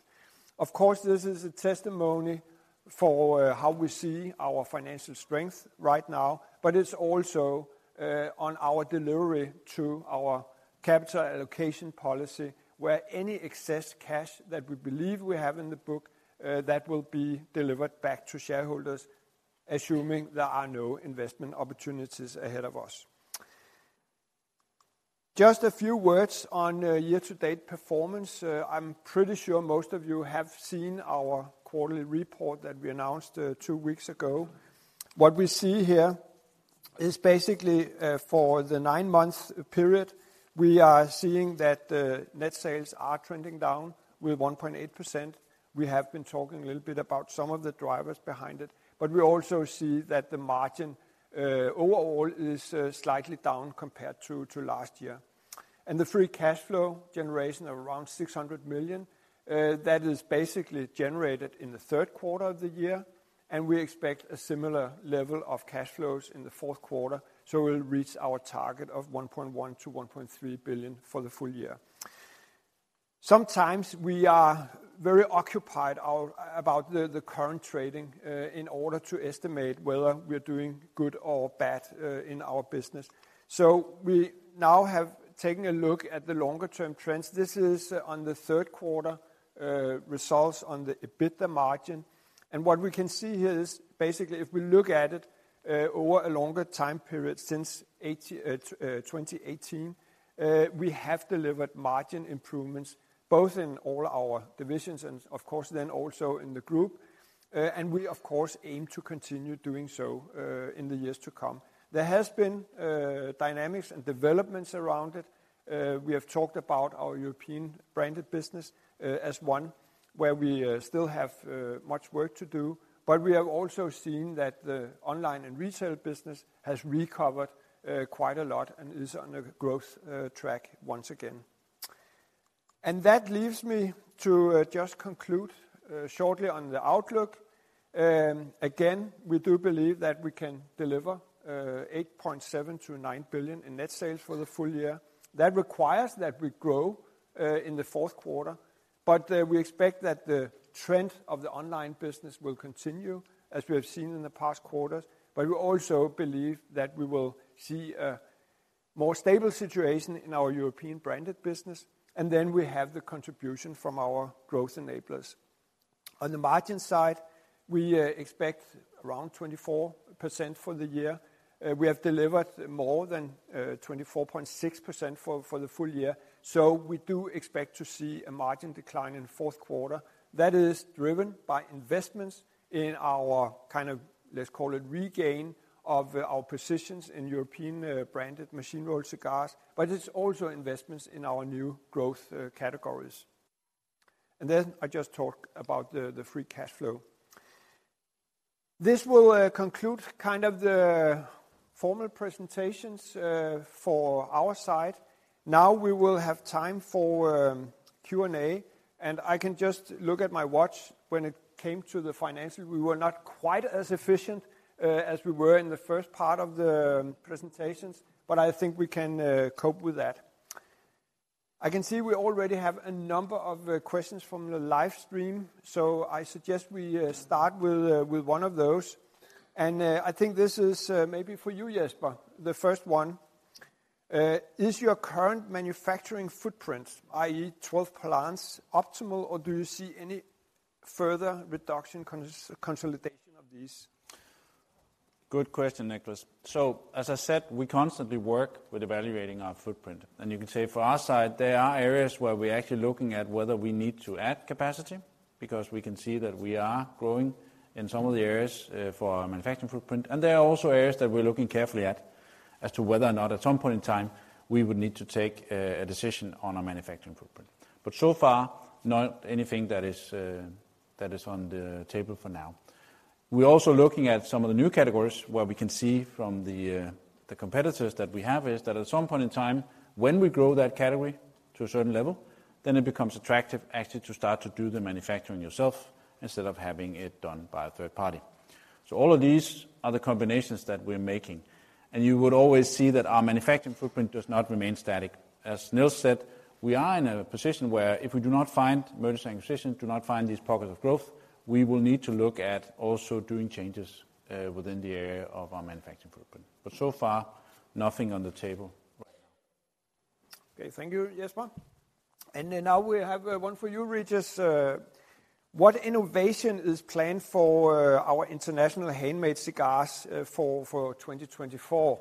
Of course, this is a testimony for how we see our financial strength right now, but it's also on our delivery to our capital allocation policy, where any excess cash that we believe we have in the book that will be delivered back to shareholders, assuming there are no investment opportunities ahead of us. Just a few words on year-to-date performance. I'm pretty sure most of you have seen our quarterly report that we announced two weeks ago. What we see here is basically for the nine-month period, we are seeing that net sales are trending down with 1.8%. We have been talking a little bit about some of the drivers behind it, but we also see that the margin overall is slightly down compared to last year. The free cash flow generation of around 600 million, that is basically generated in the third quarter of the year, and we expect a similar level of cash flows in the fourth quarter, so we'll reach our target of 1.1 billion-1.3 billion for the full year. Sometimes we are very occupied about the current trading, in order to estimate whether we're doing good or bad, in our business. So we now have taken a look at the longer-term trends. This is on the third quarter results on the EBITDA margin. And what we can see here is basically, if we look at it, over a longer time period since 2018, we have delivered margin improvements both in all our divisions and of course then also in the group. We of course aim to continue doing so, in the years to come. There has been, dynamics and developments around it. We have talked about our European branded business, as one where we still have much work to do. But we have also seen that the online and retail business has recovered, quite a lot and is on a growth track once again. And that leaves me to just conclude, shortly on the outlook. Again, we do believe that we can deliver 8.7 billion-9 billion in net sales for the full year. That requires that we grow in the fourth quarter, but we expect that the trend of the online business will continue, as we have seen in the past quarters. But we also believe that we will see a more stable situation in our European branded business, and then we have the contribution from our Growth Enablers. On the margin side, we expect around 24% for the year. We have delivered more than 24.6% for the full year, so we do expect to see a margin decline in the fourth quarter. That is driven by investments in our kind of, let's call it, regain of our positions in European branded machine-rolled cigars, but it's also investments in our new growth categories. And then I just talked about the free cash flow. This will conclude kind of the formal presentations for our side. Now, we will have time for Q&A, and I can just look at my watch. When it came to the finances, we were not quite as efficient as we were in the first part of the presentations, but I think we can cope with that. I can see we already have a number of questions from the live stream, so I suggest we start with one of those. I think this is maybe for you, Jesper, the first one. Is your current manufacturing footprint, i.e. 12 plants, optimal, or do you see any further reduction consolidation of these? Good question, Niklas. So as I said, we constantly work with evaluating our footprint, and you can say for our side, there are areas where we're actually looking at whether we need to add capacity, because we can see that we are growing in some of the areas, for our manufacturing footprint. There are also areas that we're looking carefully at, as to whether or not at some point in time, we would need to take a decision on our manufacturing footprint. So far, not anything that is, that is on the table for now. We're also looking at some of the new categories where we can see from the, the competitors that we have, is that at some point in time, when we grow that category to a certain level, then it becomes attractive actually to start to do the manufacturing yourself, instead of having it done by a third party. So all of these are the combinations that we're making, and you would always see that our manufacturing footprint does not remain static. As Niels said, we are in a position where if we do not find emerging positions, do not find these pockets of growth, we will need to look at also doing changes within the area of our manufacturing footprint. But so far, nothing on the table right now. Okay. Thank you, Jesper. Now we have one for you, Régis. What innovation is planned for our international handmade cigars for 2024?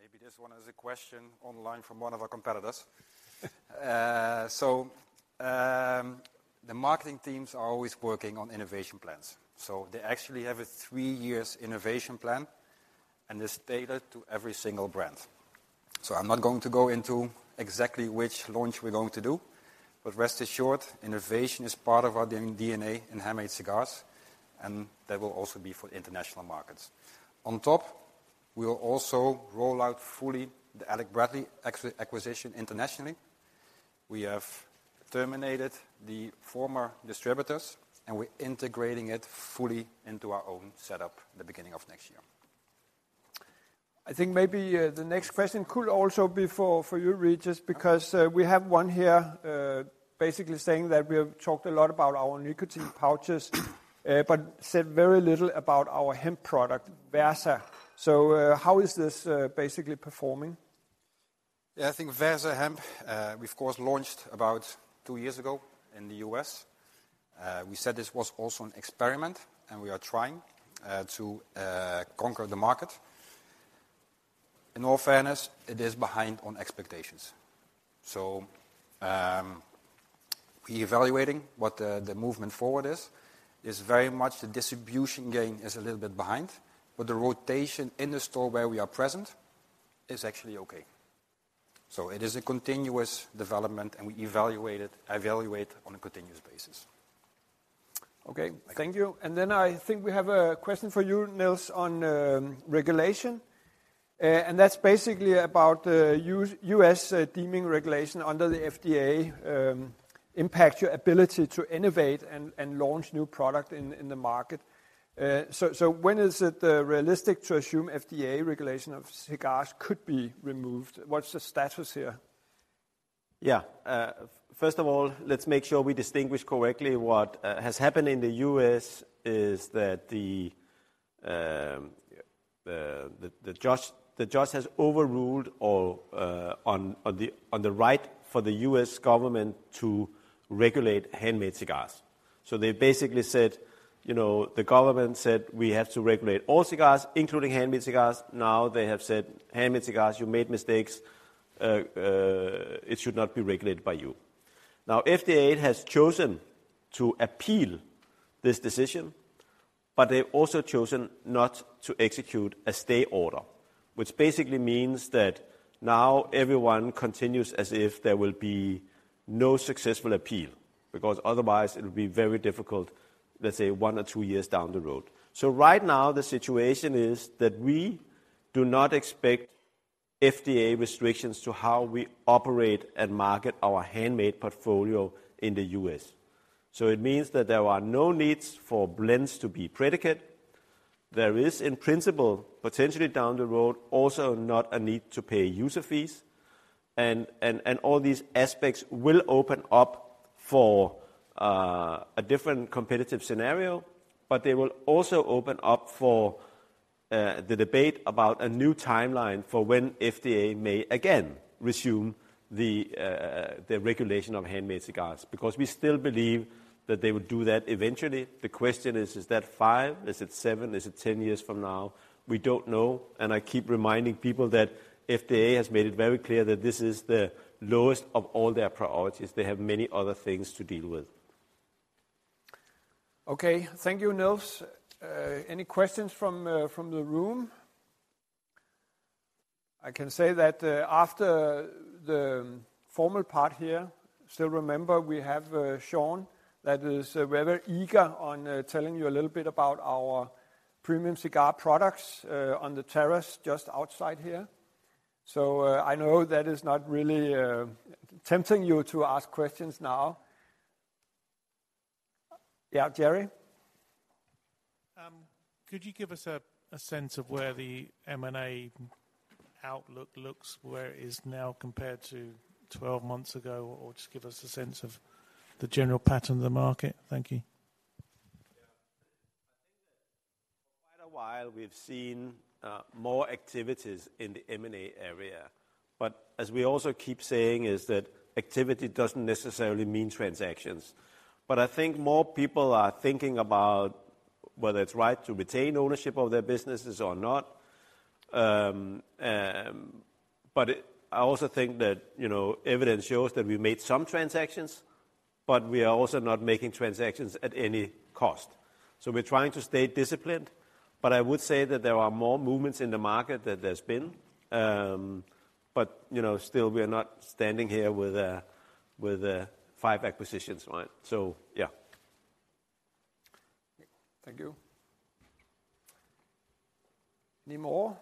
Maybe this one is a question online from one of our competitors. So, the marketing teams are always working on innovation plans. So they actually have a three years innovation plan, and it's tailored to every single brand. So I'm not going to go into exactly which launch we're going to do, but rest assured, innovation is part of our DNA in handmade cigars, and that will also be for international markets. On top, we will also roll out fully the Alec Bradley acquisition internationally. We have terminated the former distributors, and we're integrating it fully into our own setup in the beginning of next year. I think maybe the next question could also be for, for you, Régis, because we have one here, basically saying that we have talked a lot about our nicotine pouches, but said very little about our hemp product, Versa. So, how is this basically performing? Yeah, I think Versa Hemp, we of course launched about two years ago in the U.S. We said this was also an experiment, and we are trying to conquer the market. In all fairness, it is behind on expectations. So, we're evaluating what the movement forward is. It's very much the distribution game is a little bit behind, but the rotation in the store where we are present is actually okay. So it is a continuous development, and we evaluate it, evaluate on a continuous basis. Okay, thank you. And then I think we have a question for you, Niels, on regulation. And that's basically about U.S. deeming regulation under the FDA impact your ability to innovate and launch new product in the market. So when is it realistic to assume FDA regulation of cigars could be removed? What's the status here? Yeah. First of all, let's make sure we distinguish correctly. What has happened in the U.S. is that the judge has overruled all on the right for the U.S. government to regulate handmade cigars. So they basically said, you know, the government said we have to regulate all cigars, including handmade cigars. Now, they have said, "Handmade cigars, you made mistakes. It should not be regulated by you." Now, FDA has chosen to appeal this decision, but they've also chosen not to execute a stay order, which basically means that now everyone continues as if there will be no successful appeal, because otherwise it would be very difficult, let's say, one or two years down the road. So right now, the situation is that we do not expect FDA restrictions to how we operate and market our handmade portfolio in the U.S. So it means that there are no needs for blends to be predicate. There is, in principle, potentially down the road, also not a need to pay user fees. And, and, and all these aspects will open up for a different competitive scenario, but they will also open up for the debate about a new timeline for when FDA may again resume the regulation of handmade cigars, because we still believe that they would do that eventually. The question is, is that five? Is it seven? Is it 10 years from now? We don't know, and I keep reminding people that FDA has made it very clear that this is the lowest of all their priorities. They have many other things to deal with. Okay. Thank you, Niels. Any questions from the room? I can say that after the formal part here, still remember we have Sean, that is very eager on telling you a little bit about our premium cigar products on the terrace just outside here. So I know that is not really tempting you to ask questions now. Yeah, Jerry? Could you give us a sense of where the M&A outlook looks, where it is now compared to 12 months ago, or just give us a sense of the general pattern of the market? Thank you. Yeah. I think that quite a while we've seen more activities in the M&A area, but as we also keep saying, is that activity doesn't necessarily mean transactions. But I think more people are thinking about whether it's right to retain ownership of their businesses or not. But I also think that, you know, evidence shows that we made some transactions, but we are also not making transactions at any cost. So we're trying to stay disciplined, but I would say that there are more movements in the market than there's been. But, you know, still we are not standing here with five acquisitions, right? So, yeah. Thank you. Any more?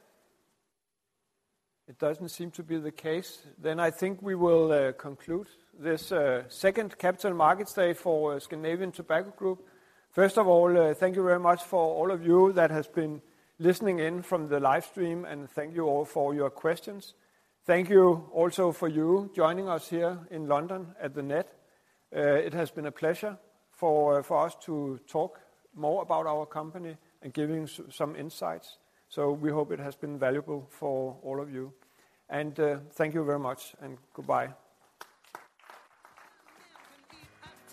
It doesn't seem to be the case. Then I think we will conclude this second Capital Markets Day for Scandinavian Tobacco Group. First of all, thank you very much for all of you that has been listening in from the live stream, and thank you all for your questions. Thank you also for your joining us here in London at The Ned. It has been a pleasure for us to talk more about our company and giving some insights. So we hope it has been valuable for all of you. And thank you very much, and goodbye.